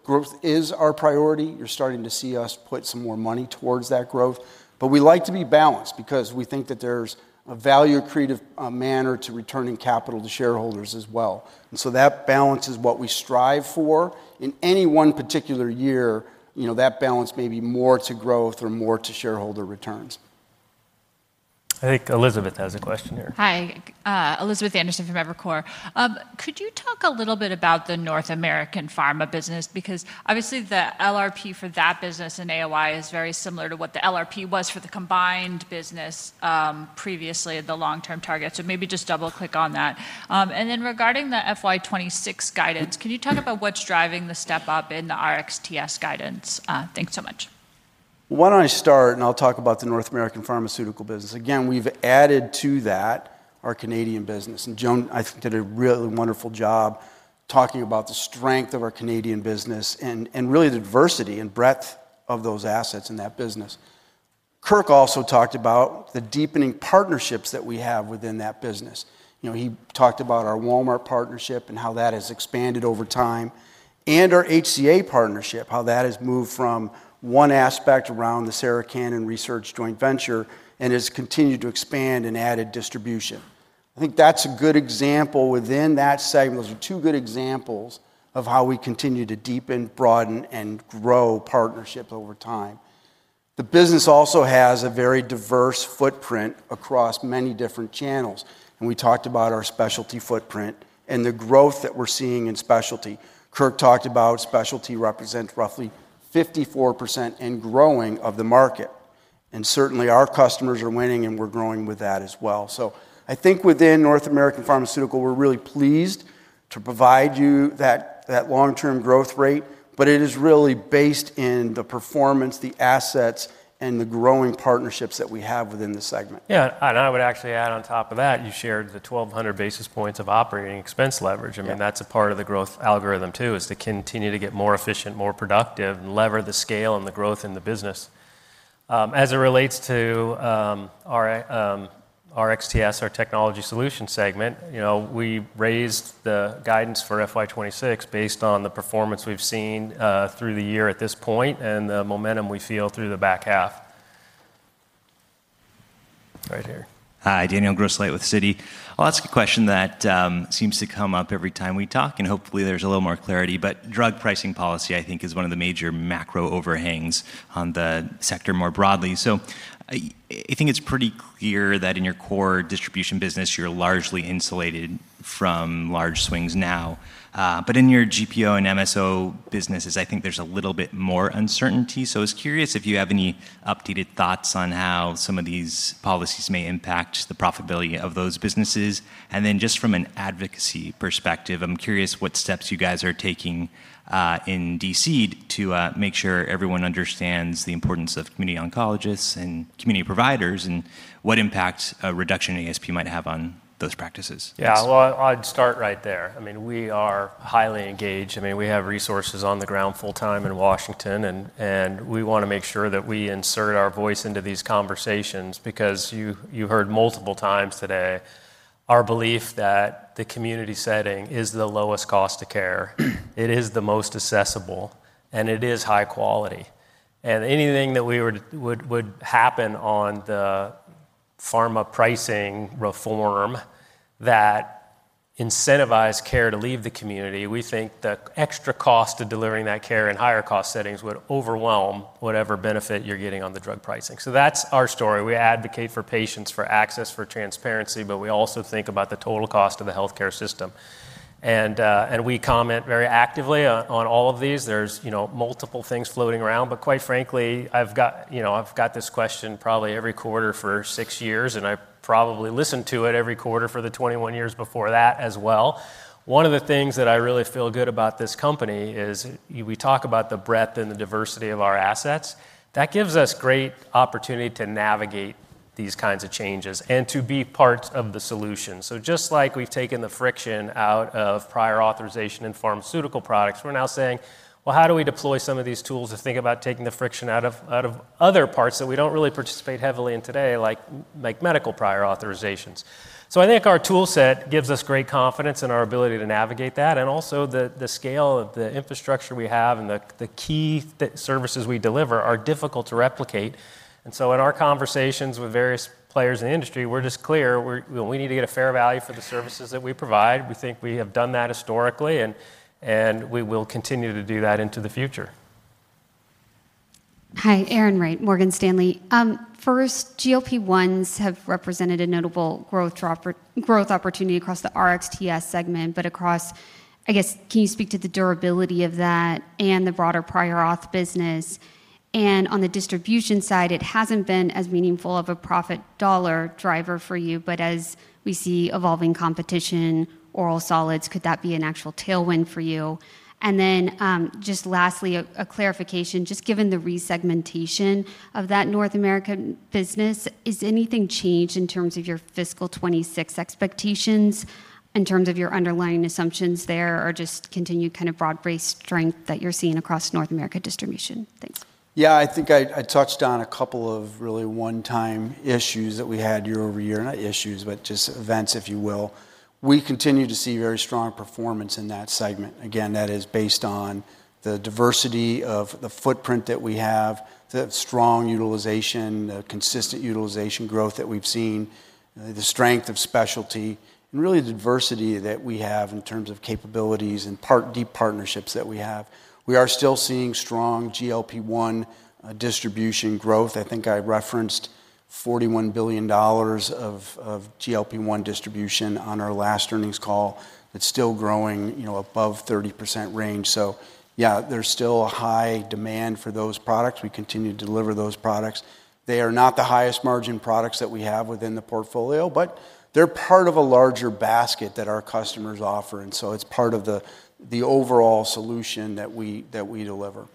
Growth is our priority. You're starting to see us put some more money towards that growth, but we like to be balanced because we think that there's a value-accretive manner to returning capital to shareholders as well. That balance is what we strive for in any one particular year. You know, that balance may be more to growth or more to shareholder returns. I think Elizabeth has a question here. Hi, Elizabeth Anderson from Evercore. Could you talk a little bit about the North American pharma business? Because obviously the LRP for that business and AOP is very similar to what the LRP was for the combined business previously in the long-term target. Maybe just double-click on that. Regarding the FY2026 guidance, can you talk about what's driving the step up in the RXTS guidance? Thanks so much. Why don't I start and I'll talk about the North American Pharmaceutical business? We've added to that our Canadian business. Joan, I think, did a really wonderful job talking about the strength of our Canadian business and the diversity and breadth of those assets in that business. Kirk also talked about the deepening partnerships that we have within that business. He talked about our Walmart partnership and how that has expanded over time, and our HCA partnership, how that has moved from one aspect around the Sarah Cannon Research Institute joint venture and has continued to expand and added distribution. I think that's a good example within that segment. Those are two good examples of how we continue to deepen, broaden, and grow partnerships over time. The business also has a very diverse footprint across many different channels. We talked about our specialty footprint and the growth that we're seeing in specialty. Kirk talked about specialty represents roughly 54% and growing of the market. Certainly, our customers are winning and we're growing with that as well. I think within North American Pharmaceutical, we're really pleased to provide you that long-term growth rate, but it is really based in the performance, the assets, and the growing partnerships that we have within the segment. Yeah, I would actually add on top of that, you shared the 1,200 basis points of operating expense leverage. I mean, that's a part of the growth algorithm too, to continue to get more efficient, more productive, and lever the scale and the growth in the business. As it relates to our RXTS, our technology solution segment, we raised the guidance for FY 2026 based on the performance we've seen through the year at this point and the momentum we feel through the back half. Right here. Hi, Daniel Grosslight with CITI. I'll ask a question that seems to come up every time we talk, and hopefully there's a little more clarity, but drug pricing policy, I think, is one of the major macro overhangs on the sector more broadly. I think it's pretty clear that in your core distribution business, you're largely insulated from large swings now. In your GPO and MSO businesses, I think there's a little bit more uncertainty. I was curious if you have any updated thoughts on how some of these policies may impact the profitability of those businesses. Just from an advocacy perspective, I'm curious what steps you guys are taking in DC to make sure everyone understands the importance of community oncologists and community providers and what impact a reduction in ASP might have on those practices. Yeah, I'd start right there. I mean, we are highly engaged. We have resources on the ground full-time in Washington, and we want to make sure that we insert our voice into these conversations because you heard multiple times today our belief that the community setting is the lowest cost of care, it is the most accessible, and it is high quality. Anything that would happen on the pharma pricing reform that incentivized care to leave the community, we think the extra cost of delivering that care in higher cost settings would overwhelm whatever benefit you're getting on the drug pricing. That's our story. We advocate for patients, for access, for transparency, but we also think about the total cost of the healthcare system. We comment very actively on all of these. There are multiple things floating around, but quite frankly, I've got this question probably every quarter for six years, and I probably listened to it every quarter for the 21 years before that as well. One of the things that I really feel good about this company is we talk about the breadth and the diversity of our assets. That gives us great opportunity to navigate these kinds of changes and to be parts of the solution. Just like we've taken the friction out of prior authorization in pharmaceutical products, we're now saying, how do we deploy some of these tools to think about taking the friction out of other parts that we don't really participate heavily in today, like medical prior authorizations. I think our tool set gives us great confidence in our ability to navigate that, and also the scale of the infrastructure we have and the key services we deliver are difficult to replicate. In our conversations with various players in the industry, we're just clear, we need to get a fair value for the services that we provide. We think we have done that historically, and we will continue to do that into the future. Hi, Erin Wright, Morgan Stanley. First, GLP-1 therapies have represented a notable growth opportunity across the RXTS segment, but across, I guess, can you speak to the durability of that and the broader prior auth business? On the distribution side, it hasn't been as meaningful of a profit dollar driver for you, but as we see evolving competition, oral solids, could that be an actual tailwind for you? Lastly, a clarification, just given the re-segmentation of that North America business, has anything changed in terms of your fiscal 2026 expectations, in terms of your underlying assumptions there, or just continued kind of broad-based strength that you're seeing across North America distribution? Thanks. Yeah, I think I touched on a couple of really one-time issues that we had year over year, not issues, but just events, if you will. We continue to see very strong performance in that segment. That is based on the diversity of the footprint that we have, the strong utilization, the consistent utilization growth that we've seen, the strength of specialty, and really the diversity that we have in terms of capabilities and deep partnerships that we have. We are still seeing strong GLP-1 distribution growth. I think I referenced $41 billion of GLP-1 distribution on our last earnings call that's still growing, you know, above 30% range. There's still a high demand for those products. We continue to deliver those products. They are not the highest margin products that we have within the portfolio, but they're part of a larger basket that our customers offer. It's part of the overall solution that we deliver.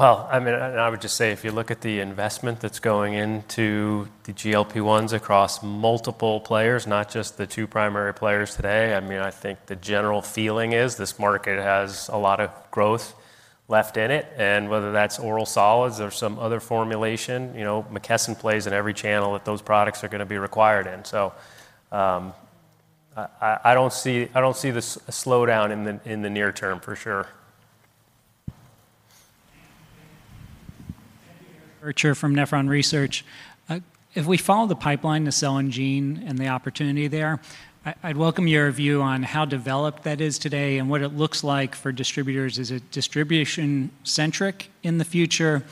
If you look at the investment that's going into the GLP-1 therapies across multiple players, not just the two primary players today, I think the general feeling is this market has a lot of growth left in it. Whether that's oral solids or some other formulation, McKesson plays in every channel that those products are going to be required in. I don't see a slowdown in the near term for sure. If we follow the pipeline to cell and gene and the opportunity there, I'd welcome your view on how developed that is today and what it looks like for distributors. Is it distribution-centric in the future?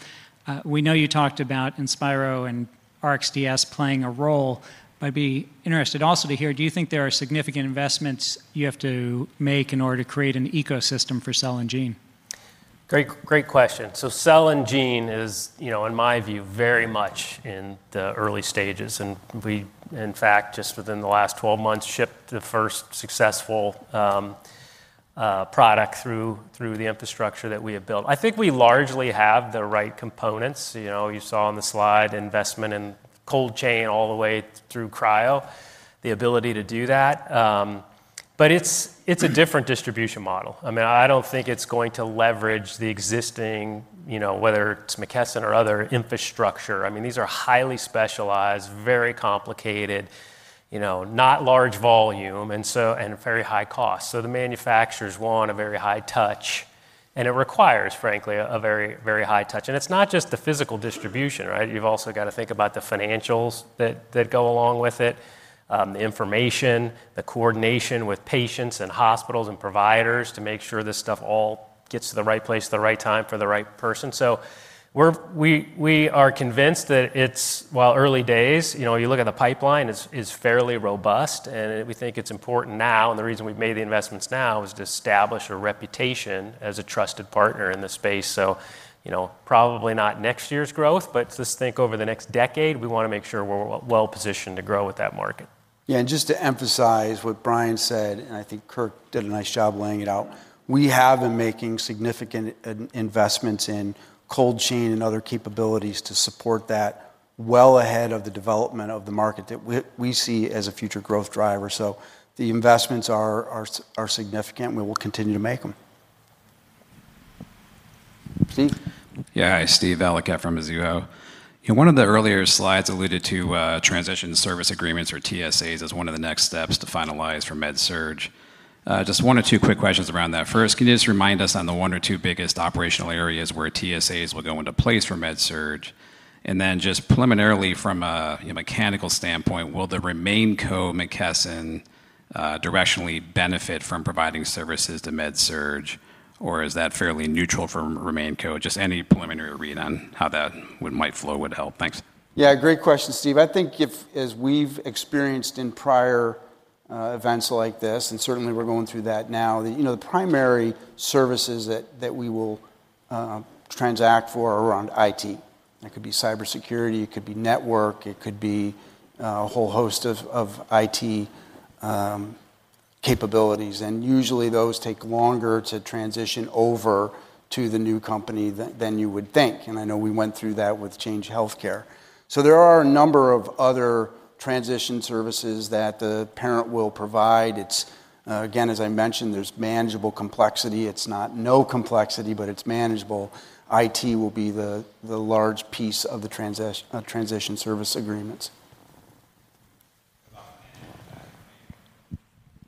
We know you talked about Inspiro and RXTS playing a role, but I'd be interested also to hear, do you think there are significant investments you have to make in order to create an ecosystem for cell and gene? Great question. Cell and gene is, you know, in my view, very much in the early stages. We, in fact, just within the last 12 months, shipped the first successful product through the infrastructure that we have built. I think we largely have the right components. You saw on the slide investment in cold chain all the way through cryo, the ability to do that. It is a different distribution model. I don't think it's going to leverage the existing, you know, whether it's McKesson or other infrastructure. These are highly specialized, very complicated, not large volume, and very high cost. The manufacturers want a very high touch, and it requires, frankly, a very, very high touch. It's not just the physical distribution, right? You've also got to think about the financials that go along with it, the information, the coordination with patients and hospitals and providers to make sure this stuff all gets to the right place at the right time for the right person. We are convinced that it's, while early days, you look at the pipeline, it's fairly robust, and we think it's important now. The reason we've made the investments now is to establish a reputation as a trusted partner in this space. Probably not next year's growth, but just think over the next decade, we want to make sure we're well positioned to grow with that market. Yeah, and just to emphasize what Brian said, and I think Kirk did a nice job laying it out, we have been making significant investments in cold chain and other capabilities to support that well ahead of the development of the market that we see as a future growth driver. The investments are significant, and we will continue to make them. Steve. Yeah, hi Steve Valiquette from Mizuho. One of the earlier slides alluded to transition service agreements or TSAs as one of the next steps to finalize for MedSurge. Just one or two quick questions around that. First, can you just remind us on the one or two biggest operational areas where TSAs will go into place for MedSurge? Then just preliminarily from a mechanical standpoint, will the RemainCo McKesson directionally benefit from providing services to MedSurge, or is that fairly neutral for RemainCo? Any preliminary read on how that might flow would help. Thanks. Yeah, great question, Steve. I think if, as we've experienced in prior events like this, and certainly we're going through that now, the primary services that we will transact for are around IT. That could be cybersecurity, it could be network, it could be a whole host of IT capabilities. Usually, those take longer to transition over to the new company than you would think. I know we went through that with Change Healthcare. There are a number of other transition services that the parent will provide. It's, again, as I mentioned, there's manageable complexity. It's not no complexity, but it's manageable. IT will be the large piece of the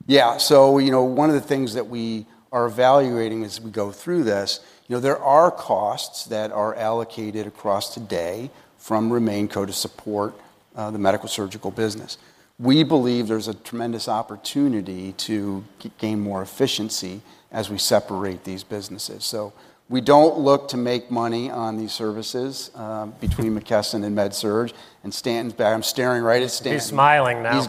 transition service agreements. One of the things that we are evaluating as we go through this, there are costs that are allocated across today from RemainCo to support the medical surgical business. We believe there's a tremendous opportunity to gain more efficiency as we separate these businesses. We don't look to make money on these services between McKesson and MedSurge. Stanton's back, I'm staring right at Stanton. He's smiling now.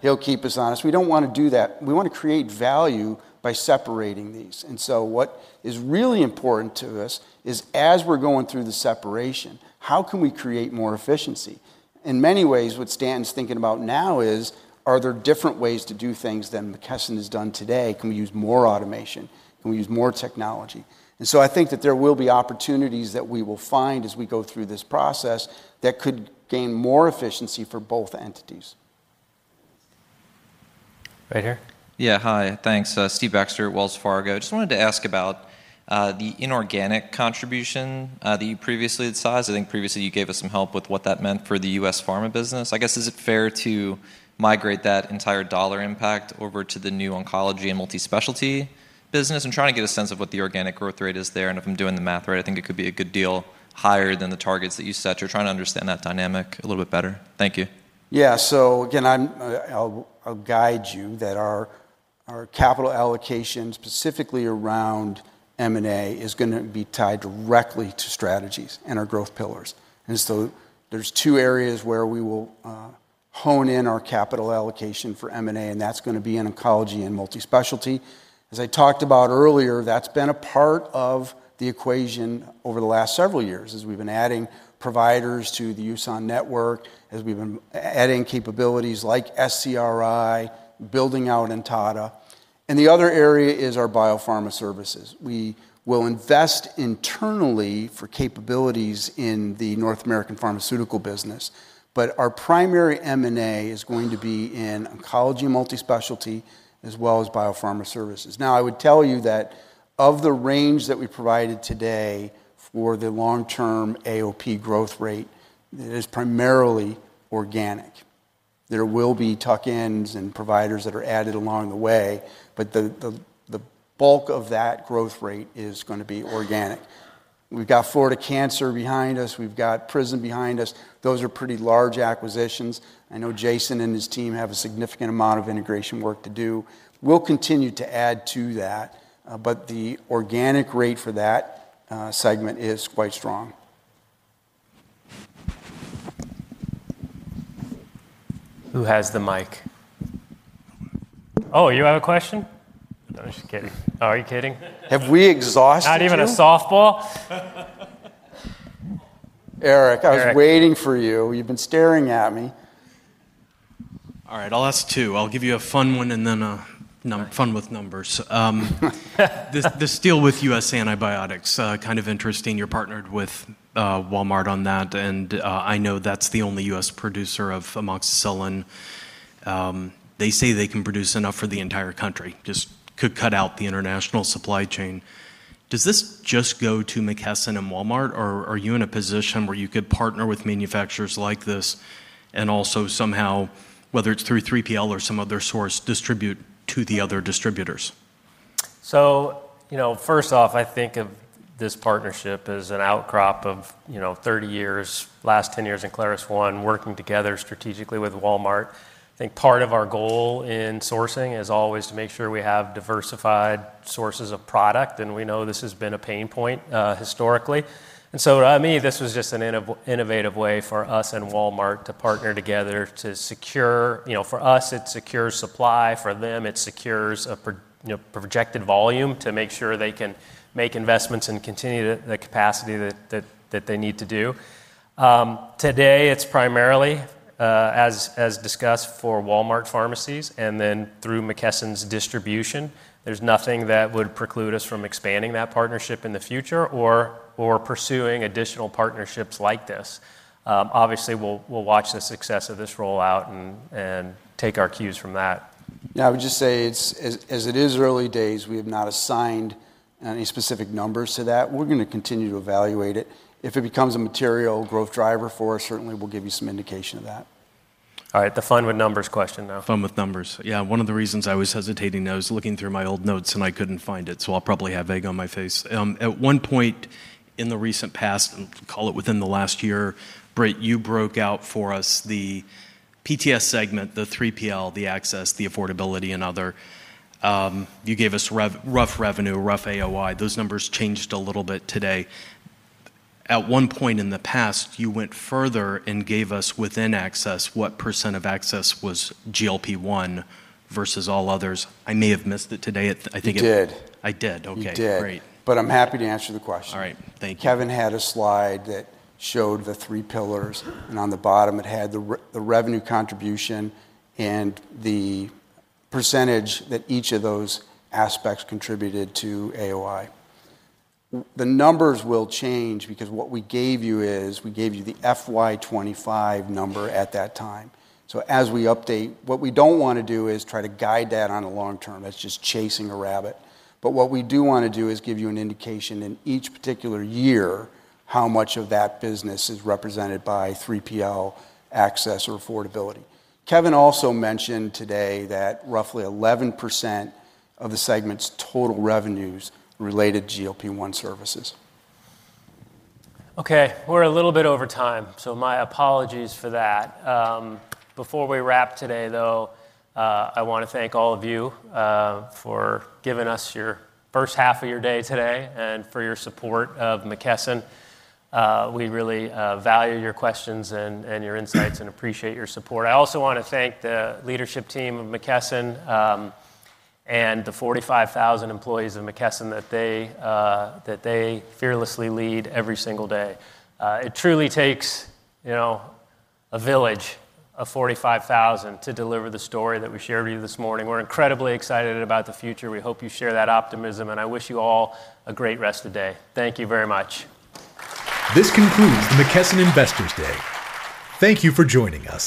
He'll keep us honest. We don't want to do that. We want to create value by separating these. What is really important to us is as we're going through the separation, how can we create more efficiency? In many ways, what Stanton's thinking about now is, are there different ways to do things than McKesson has done today? Can we use more automation? Can we use more technology? I think that there will be opportunities that we will find as we go through this process that could gain more efficiency for both entities. Right here. Yeah, hi, thanks. Steve Baxter at Wells Fargo. I just wanted to ask about the inorganic contribution that you previously saw. I think previously you gave us some help with what that meant for the U.S. pharma business. Is it fair to migrate that entire dollar impact over to the new oncology and multi-specialty business and trying to get a sense of what the organic growth rate is there? If I'm doing the math right, I think it could be a good deal higher than the targets that you set. I'm trying to understand that dynamic a little bit better. Thank you. Yeah, so again, I'll guide you that our capital allocation specifically around M&A is going to be tied directly to strategies and our growth pillars. There are two areas where we will hone in our capital allocation for M&A, and that's going to be in oncology and multi-specialty. As I talked about earlier, that's been a part of the equation over the last several years as we've been adding providers to the USON network, as we've been adding capabilities like Sarah Cannon Research Institute, building out Ontada. The other area is our biopharma services. We will invest internally for capabilities in the North American pharmaceutical business, but our primary M&A is going to be in oncology and multi-specialty as well as biopharma services. Now, I would tell you that of the range that we provided today or the long-term AOP growth rate, it is primarily organic. There will be tuck-ins and providers that are added along the way, but the bulk of that growth rate is going to be organic. We've got Florida Cancer Specialists behind us. We've got Prism Vision Group behind us. Those are pretty large acquisitions. I know Jason and his team have a significant amount of integration work to do. We'll continue to add to that, but the organic rate for that segment is quite strong. Who has the mic? Oh, you have a question? I was just kidding. Are you kidding? Have we exhausted? Not even a softball? Eric, I was waiting for you. You've been staring at me. All right, I'll ask two. I'll give you a fun one and then a fun with numbers. This deal with US antibiotics, kind of interesting. You're partnered with Walmart on that, and I know that's the only U.S. producer of amoxicillin. They say they can produce enough for the entire country, just could cut out the international supply chain. Does this just go to McKesson and Walmart, or are you in a position where you could partner with manufacturers like this and also somehow, whether it's through 3PL or some other source, distribute to the other distributors? First off, I think of this partnership as an outcrop of 30 years, last 10 years in Claris One, working together strategically with Walmart. I think part of our goal in sourcing is always to make sure we have diversified sources of product, and we know this has been a pain point historically. To me, this was just an innovative way for us and Walmart to partner together to secure, for us, it secures supply, for them, it secures a projected volume to make sure they can make investments and continue the capacity that they need to do. Today, it's primarily, as discussed, for Walmart pharmacies and then through McKesson's distribution. There's nothing that would preclude us from expanding that partnership in the future or pursuing additional partnerships like this. Obviously, we'll watch the success of this rollout and take our cues from that. Yeah, I would just say it's, as it is early days, we have not assigned any specific numbers to that. We're going to continue to evaluate it. If it becomes a material growth driver for us, certainly we'll give you some indication of that. All right, the fun with numbers question now. Fun with numbers. One of the reasons I was hesitating there was looking through my old notes and I couldn't find it, so I'll probably have egg on my face. At one point in the recent past, call it within the last year, Britt, you broke out for us the PTS segment, the 3PL, the access, the affordability, and other. You gave us rough revenue, rough AOP. Those numbers changed a little bit today. At one point in the past, you went further and gave us within access. What % of access was GLP-1 versus all others? I may have missed it today. You did. I did. Okay, great. I'm happy to answer the question. All right, thank you. Kevin had a slide that showed the three pillars, and on the bottom it had the revenue contribution and the percentage that each of those aspects contributed to AOP. The numbers will change because what we gave you is we gave you the FY 2025 number at that time. As we update, what we don't want to do is try to guide that on a long term. That's just chasing a rabbit. What we do want to do is give you an indication in each particular year how much of that business is represented by 3PL access or affordability. Kevin also mentioned today that roughly 11% of the segment's total revenues related to GLP-1 therapies. Okay, we're a little bit over time, so my apologies for that. Before we wrap today, though, I want to thank all of you for giving us your first half of your day today and for your support of McKesson. We really value your questions and your insights and appreciate your support. I also want to thank the leadership team of McKesson and the 45,000 employees of McKesson that they fearlessly lead every single day. It truly takes a village of 45,000 to deliver the story that we shared with you this morning. We're incredibly excited about the future. We hope you share that optimism, and I wish you all a great rest of the day. Thank you very much. This concludes the McKesson Investors Day. Thank you for joining us.